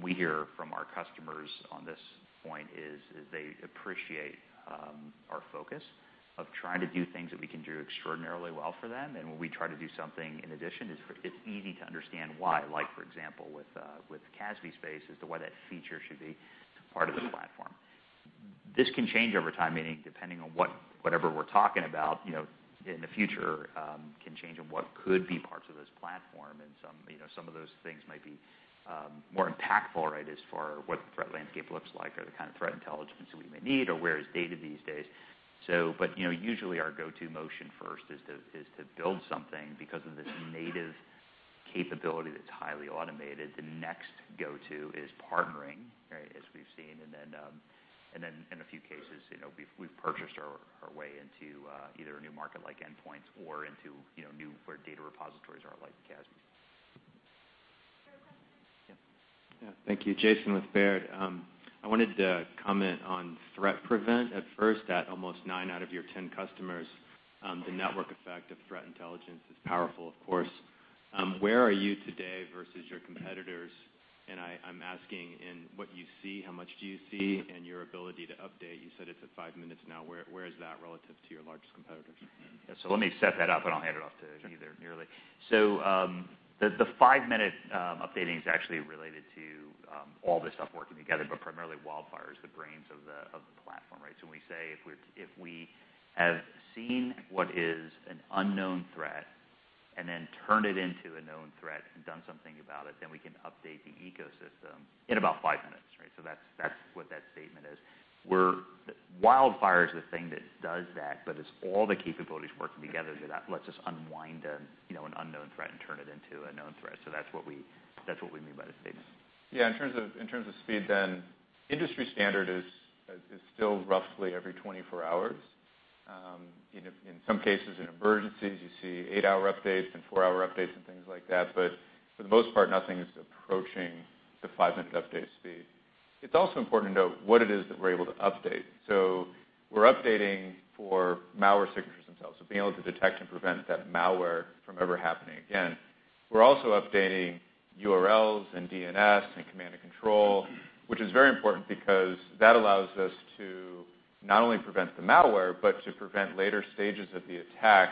we hear from our customers on this point is they appreciate our focus of trying to do things that we can do extraordinarily well for them. When we try to do something in addition, it's easy to understand why. Like for example, with the CASB space, as to why that feature should be part of the platform. This can change over time, meaning depending on whatever we're talking about in the future, can change on what could be parts of this platform. Some of those things might be more impactful, right, as for what the threat landscape looks like or the kind of threat intelligence that we may need, or where is data these days. Usually, our go-to motion first is to build something because of this native capability that's highly automated. The next go-to is partnering, right, as we've seen. Then in a few cases, we've purchased our way into either a new market like endpoints or into new where data repositories are, like CASB. Is there a question? Yeah. Thank you. Jason with Baird. I wanted to comment on Threat Prevention. At first, at almost 9 out of your 10 customers, the network effect of threat intelligence is powerful, of course. Where are you today versus your competitors? I'm asking in what you see, how much do you see in your ability to update? You said it's at 5 minutes now. Where is that relative to your largest competitors? Let me set that up, and I'll hand it off to Nir Zuk. The 5-minute updating is actually related to all this stuff working together, but primarily WildFire is the brains of the platform, right? When we say if we have seen what is an unknown threat and then turned it into a known threat and done something about it, we can update the ecosystem in about five minutes, right? That's what that statement is. WildFire is the thing that does that, but it's all the capabilities working together that lets us unwind an unknown threat and turn it into a known threat. That's what we mean by the statement. In terms of speed, industry standard is still roughly every 24 hours. In some cases, in emergencies, you see eight-hour updates and four-hour updates and things like that. For the most part, nothing is approaching the five-minute update speed. It's also important to note what it is that we're able to update. We're updating for malware signatures themselves, being able to detect and prevent that malware from ever happening again. We're also updating URLs and DNS and command and control, which is very important because that allows us to not only prevent the malware, but to prevent later stages of the attack.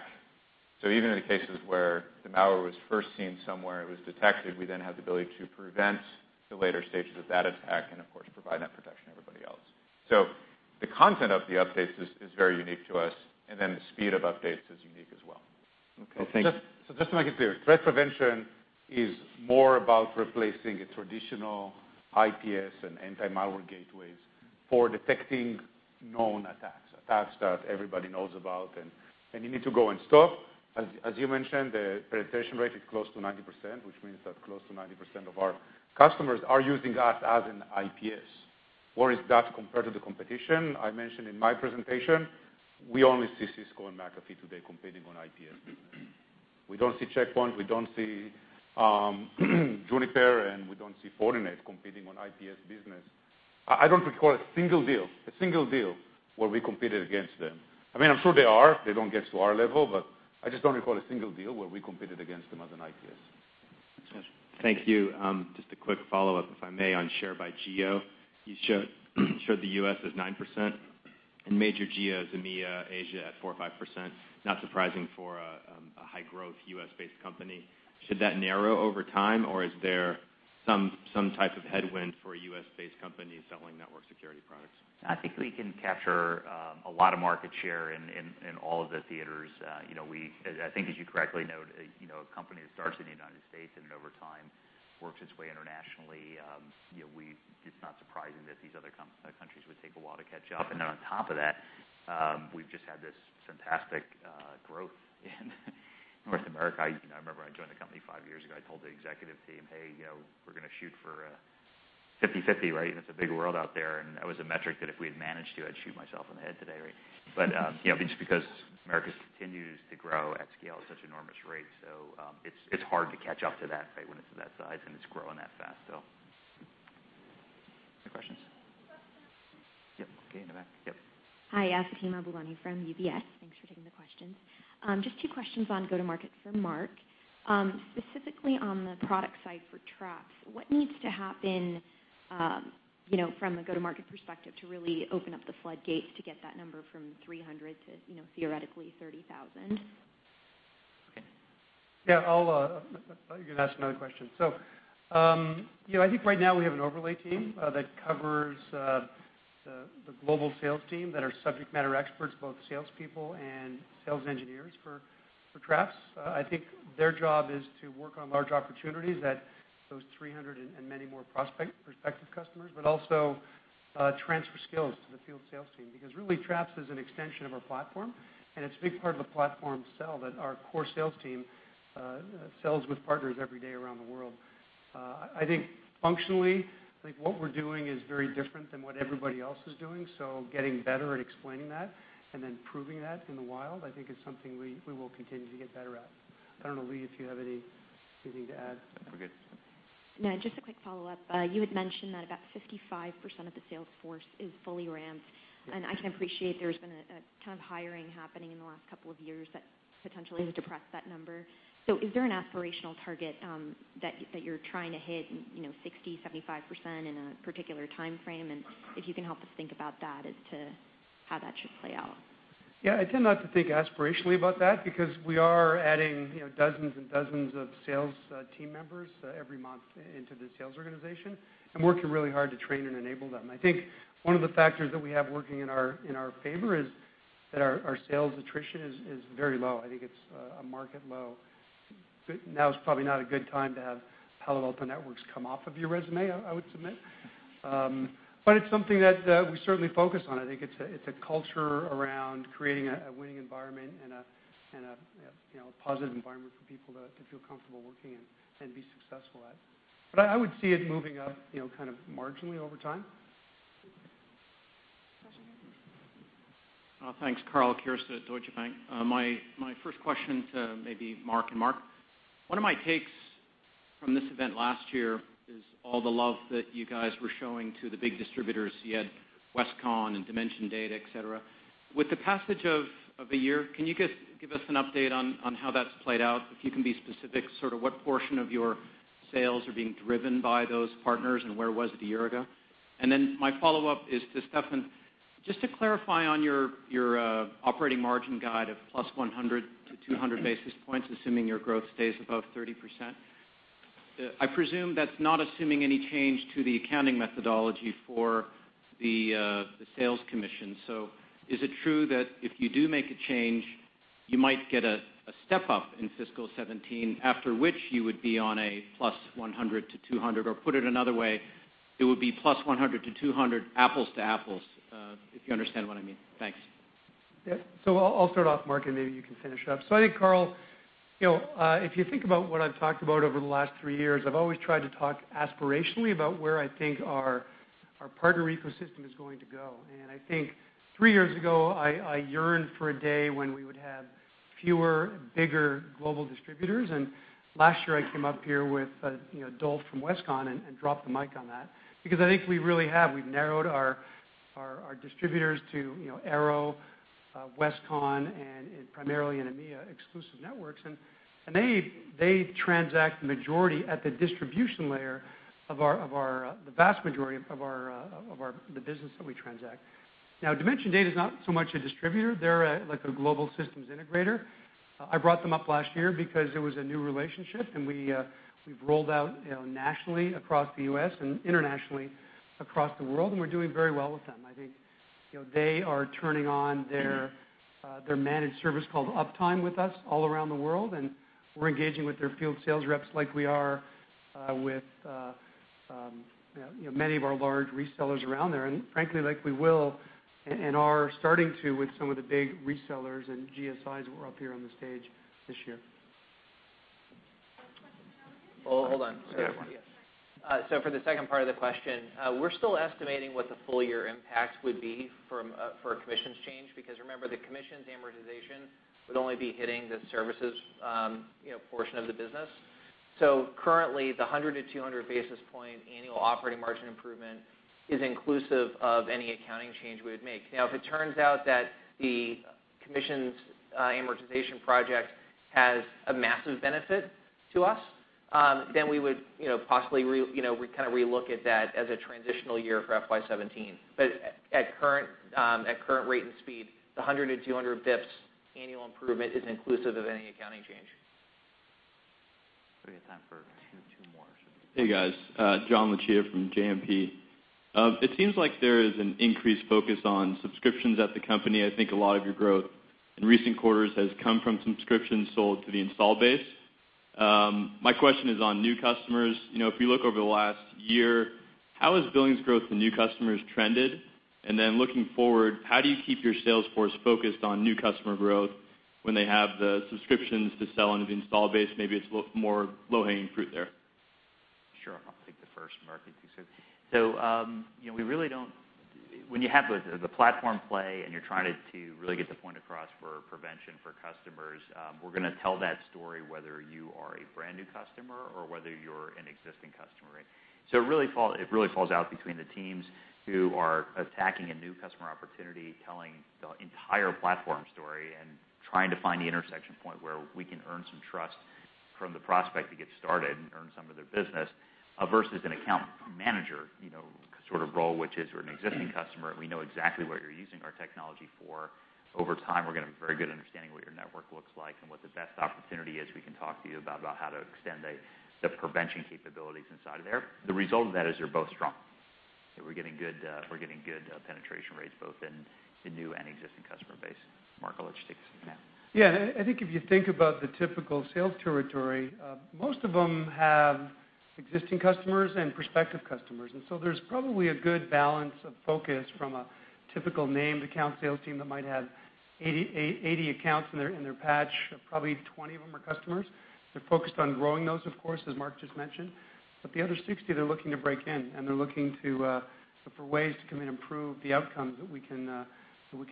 Even in the cases where the malware was first seen somewhere, it was detected, we then have the ability to prevent the later stages of that attack and, of course, provide that protection to everybody else. The content of the updates is very unique to us, and the speed of updates is unique as well. Okay. Thank you. Just to make it clear, Threat Prevention is more about replacing a traditional IPS and anti-malware gateways for detecting known attacks that everybody knows about and you need to go and stop. As you mentioned, the presentation rate is close to 90%, which means that close to 90% of our customers are using us as an IPS. Where is that compared to the competition? I mentioned in my presentation, we only see Cisco and McAfee today competing on IPS business. We don't see Check Point, we don't see Juniper, and we don't see Fortinet competing on IPS business. I don't recall a single deal where we competed against them. I mean, I'm sure they are. They don't get to our level, but I just don't recall a single deal where we competed against them as an IPS. Yes. Thank you. Just a quick follow-up, if I may, on share by geo. You showed the U.S. as 9% and major geos, EMEA, Asia, at 4% or 5%. Not surprising for a high-growth, U.S.-based company. Should that narrow over time, or is there some type of headwind for a U.S.-based company selling network security products? I think we can capture a lot of market share in all of the theaters. I think as you correctly note, a company that starts in the United States and then over time works its way internationally, it's not surprising that these other countries would take a while to catch up. On top of that, we've just had this fantastic growth in North America. I remember I joined the company five years ago. I told the executive team, "Hey, we're going to shoot for 50/50, right? It's a big world out there." That was a metric that if we had managed to, I'd shoot myself in the head today, right? Just because America continues to grow at scale at such enormous rates, it's hard to catch up to that when it's that size and it's growing that fast. Any questions? Questions. Yep. Okay, in the back. Yep. Hi. Asima Bhallani from UBS. Thanks for taking the questions. Just two questions on go-to-market for Mark. Specifically on the product side for Traps, what needs to happen from the go-to-market perspective to really open up the floodgates to get that number from 300 to theoretically 30,000? Okay. Yeah. You can ask another question. I think right now we have an overlay team that covers the global sales team that are subject matter experts, both salespeople and sales engineers for Traps. Their job is to work on large opportunities at those 300 and many more prospective customers, also transfer skills to the field sales team, because really, Traps is an extension of our platform and it's a big part of the platform sell that our core sales team sells with partners every day around the world. I think functionally, what we're doing is very different than what everybody else is doing. Getting better at explaining that and then proving that in the wild, I think is something we will continue to get better at. I don't know, Lee, if you have anything to add. We're good. No, just a quick follow-up. You had mentioned that about 55% of the sales force is fully ramped, I can appreciate there's been a ton of hiring happening in the last couple of years that potentially has depressed that number. Is there an aspirational target that you're trying to hit, 60%-75% in a particular timeframe? If you can help us think about that as to how that should play out. Yeah. I tend not to think aspirationally about that because we are adding dozens and dozens of sales team members every month into the sales organization and working really hard to train and enable them. I think one of the factors that we have working in our favor is that our sales attrition is very low. I think it's a market low. Now's probably not a good time to have Palo Alto Networks come off of your resume, I would submit. It's something that we certainly focus on. I think it's a culture around creating a winning environment and a positive environment for people to feel comfortable working in and be successful at. I would see it moving up marginally over time. Question here. Thanks. Karl Keirstead at Deutsche Bank. My first question to maybe Mark and Mark, one of my takes from this event last year is all the love that you guys were showing to the big distributors. You had Westcon and Dimension Data, et cetera. With the passage of a year, can you give us an update on how that's played out? If you can be specific, what portion of your sales are being driven by those partners, and where was it a year ago? My follow-up is to Steffan, just to clarify on your operating margin guide of +100-200 basis points, assuming your growth stays above 30%. I presume that's not assuming any change to the accounting methodology for the sales commission. Is it true that if you do make a change, you might get a step-up in fiscal 2017, after which you would be on a +100 to +200, or put it another way, it would be +100 to +200 apples to apples? If you understand what I mean. Thanks. Yeah. I'll start off, Mark, and maybe you can finish up. I think, Karl, if you think about what I've talked about over the last three years, I've always tried to talk aspirationally about where I think our partner ecosystem is going to go. Three years ago, I yearned for a day when we would have fewer, bigger global distributors, and last year I came up here with Dolph from Westcon and dropped the mic on that because I think we really have. We've narrowed our distributors to Arrow, Westcon, and primarily in EMEA, Exclusive Networks. They transact the majority at the distribution layer, the vast majority of the business that we transact. Dimension Data is not so much a distributor. They're like a global systems integrator. I brought them up last year because it was a new relationship, and we've rolled out nationally across the U.S. and internationally across the world, and we're doing very well with them. I think they are turning on their managed service called Uptime with us all around the world, and we're engaging with their field sales reps like we are with many of our large resellers around there, and frankly, like we will and are starting to with some of the big resellers and GSIs who are up here on the stage this year. One question from Allison. Oh, hold on. Yeah. For the second part of the question, we're still estimating what the full-year impact would be for a commissions change, because remember, the commissions amortization would only be hitting the services portion of the business. Currently, the 100 to 200 basis point annual operating margin improvement is inclusive of any accounting change we would make. If it turns out that the commissions amortization project has a massive benefit to us, then we would possibly relook at that as a transitional year for FY 2017. At current rate and speed, the 100 to 200 basis points annual improvement is inclusive of any accounting change. We have time for two more. Hey, guys. John Lucia from JMP. It seems like there is an increased focus on subscriptions at the company. I think a lot of your growth in recent quarters has come from subscriptions sold to the install base. My question is on new customers. If you look over the last year, how has billings growth for new customers trended? Looking forward, how do you keep your sales force focused on new customer growth when they have the subscriptions to sell on the install base? Maybe it's more low-hanging fruit there. Sure. I'll take the first, Mark. When you have the platform play and you're trying to really get the point across for prevention for customers, we're going to tell that story whether you are a brand new customer or whether you're an existing customer, right? It really falls out between the teams who are attacking a new customer opportunity, telling the entire platform story, and trying to find the intersection point where we can earn some trust from the prospect to get started and earn some of their business, versus an account manager sort of role, which is, you're an existing customer, and we know exactly what you're using our technology for. Over time, we're going to have a very good understanding of what your network looks like and what the best opportunity is we can talk to you about how to extend the prevention capabilities inside of there. The result of that is they're both strong. We're getting good penetration rates both in the new and existing customer base. Mark, I'll let you take us from here. Yeah. I think if you think about the typical sales territory, most of them have existing customers and prospective customers. There's probably a good balance of focus from a typical named account sales team that might have 80 accounts in their patch, probably 20 of them are customers. They're focused on growing those, of course, as Mark just mentioned. The other 60, they're looking to break in, and they're looking for ways to come in and prove the outcomes that we can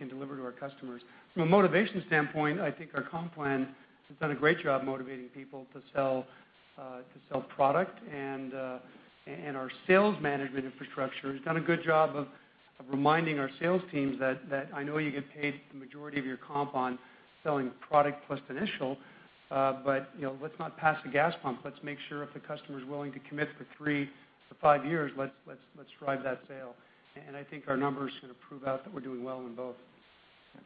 deliver to our customers. From a motivation standpoint, I think our comp plan has done a great job motivating people to sell product. Our sales management infrastructure has done a good job of reminding our sales teams that I know you get paid the majority of your comp on selling product plus initial, let's not pass the gas pump. Let's make sure if the customer's willing to commit for three to five years, let's drive that sale. I think our numbers sort of prove out that we're doing well in both. Okay.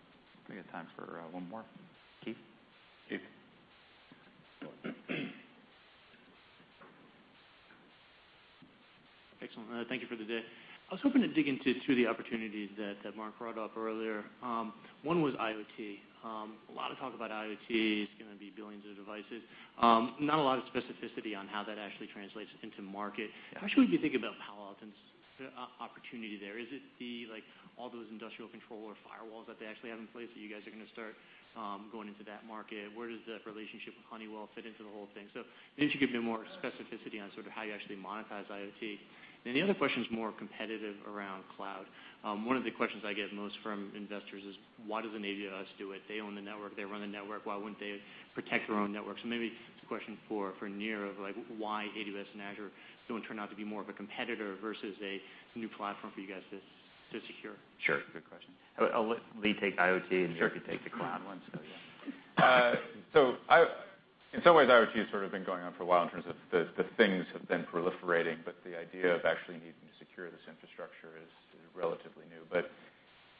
We got time for one more. Keith? Keith. Excellent. Thank you for the day. I was hoping to dig into two of the opportunities that Mark brought up earlier. One was IoT. A lot of talk about IoT. It's going to be billions of devices. Not a lot of specificity on how that actually translates into market. Yeah. How should we think about Palo Alto's opportunity there? Is it all those industrial control or firewalls that they actually have in place that you guys are going to start going into that market? Where does that relationship with Honeywell fit into the whole thing? If you could give me more specificity on how you actually monetize IoT. The other question is more competitive around cloud. One of the questions I get most from investors is, why doesn't AWS do it? They own the network, they run the network, why wouldn't they protect their own network? Maybe it's a question for Nir, of why AWS and Azure don't turn out to be more of a competitor versus a new platform for you guys to secure. Sure. Good question. I'll let Lee take IoT. Sure Nir can take the cloud one. In some ways, IoT has sort of been going on for a while in terms of the things have been proliferating, but the idea of actually needing to secure this infrastructure is relatively new.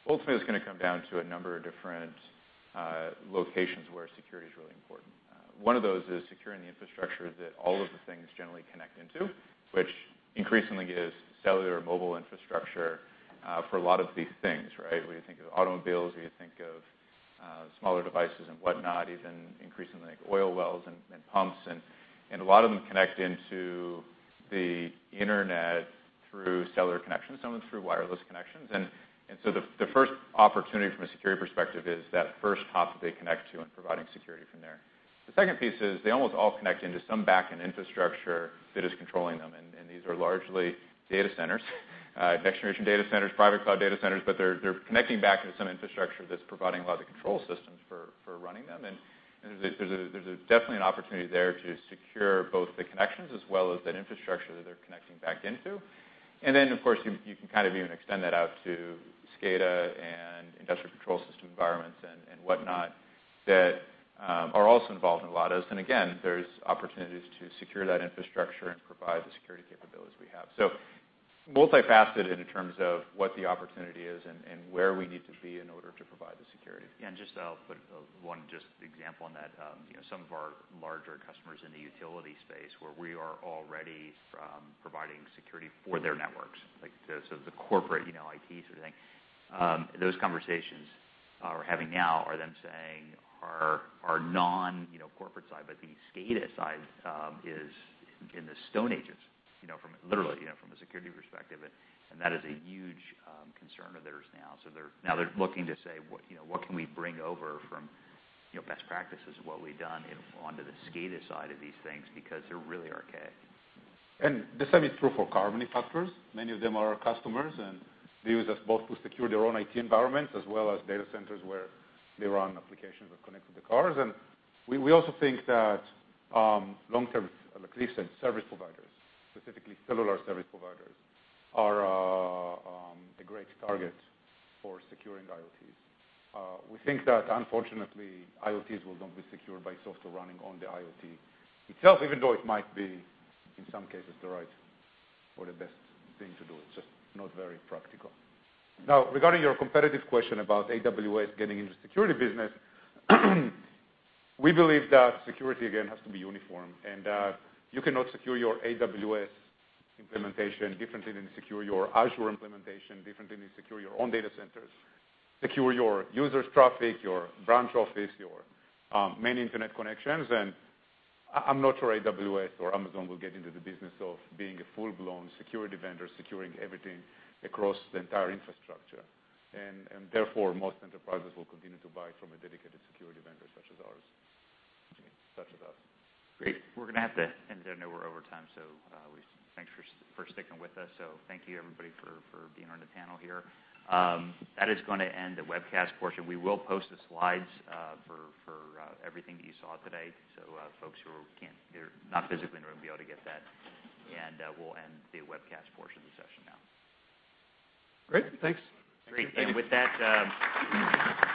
Ultimately, it's going to come down to a number of different locations where security is really important. One of those is securing the infrastructure that all of the things generally connect into, which increasingly is cellular mobile infrastructure for a lot of these things, right? Whether you think of automobiles, whether you think of smaller devices and whatnot, even increasingly like oil wells and pumps. A lot of them connect into the internet through cellular connections, some of them through wireless connections. The first opportunity from a security perspective is that first hop that they connect to and providing security from there. The second piece is they almost all connect into some backend infrastructure that is controlling them, and these are largely data centers, next generation data centers, private cloud data centers. They're connecting back into some infrastructure that's providing a lot of the control systems for running them. There's definitely an opportunity there to secure both the connections as well as that infrastructure that they're connecting back into. Of course, you can even extend that out to SCADA and industrial control system environments and whatnot that are also involved in a lot of those. Again, there's opportunities to secure that infrastructure and provide the security capabilities we have. Multifaceted in terms of what the opportunity is and where we need to be in order to provide the security. I'll put one just example on that. Some of our larger customers in the utility space where we are already providing security for their networks, like the corporate IT sort of thing. Those conversations we're having now are them saying our non-corporate side, but the SCADA side is in the Stone Ages, literally, from a security perspective. That is a huge concern of theirs now. Now they're looking to say, "What can we bring over from best practices of what we've done onto the SCADA side of these things?" Because they're really archaic. The same is true for car manufacturers. Many of them are our customers, and they use us both to secure their own IT environments as well as data centers where they run applications that connect to the cars. We also think that long-term, like Lee said, service providers, specifically cellular service providers, are a great target for securing IoTs. We think that unfortunately, IoTs will not be secured by software running on the IoT itself, even though it might be, in some cases, the right or the best thing to do. It's just not very practical. Regarding your competitive question about AWS getting into security business, we believe that security, again, has to be uniform, and you cannot secure your AWS implementation differently than you secure your Azure implementation, differently than you secure your own data centers, secure your users' traffic, your branch office, your many internet connections. I'm not sure AWS or Amazon will get into the business of being a full-blown security vendor securing everything across the entire infrastructure. Therefore, most enterprises will continue to buy from a dedicated security vendor such as ours. Such as us. Great. We're going to have to end there. I know we're over time, so thanks for sticking with us. Thank you everybody for being on the panel here. That is going to end the webcast portion. We will post the slides for everything that you saw today, so folks who are not physically in the room will be able to get that. We'll end the webcast portion of the session now. Great. Thanks. Great. With that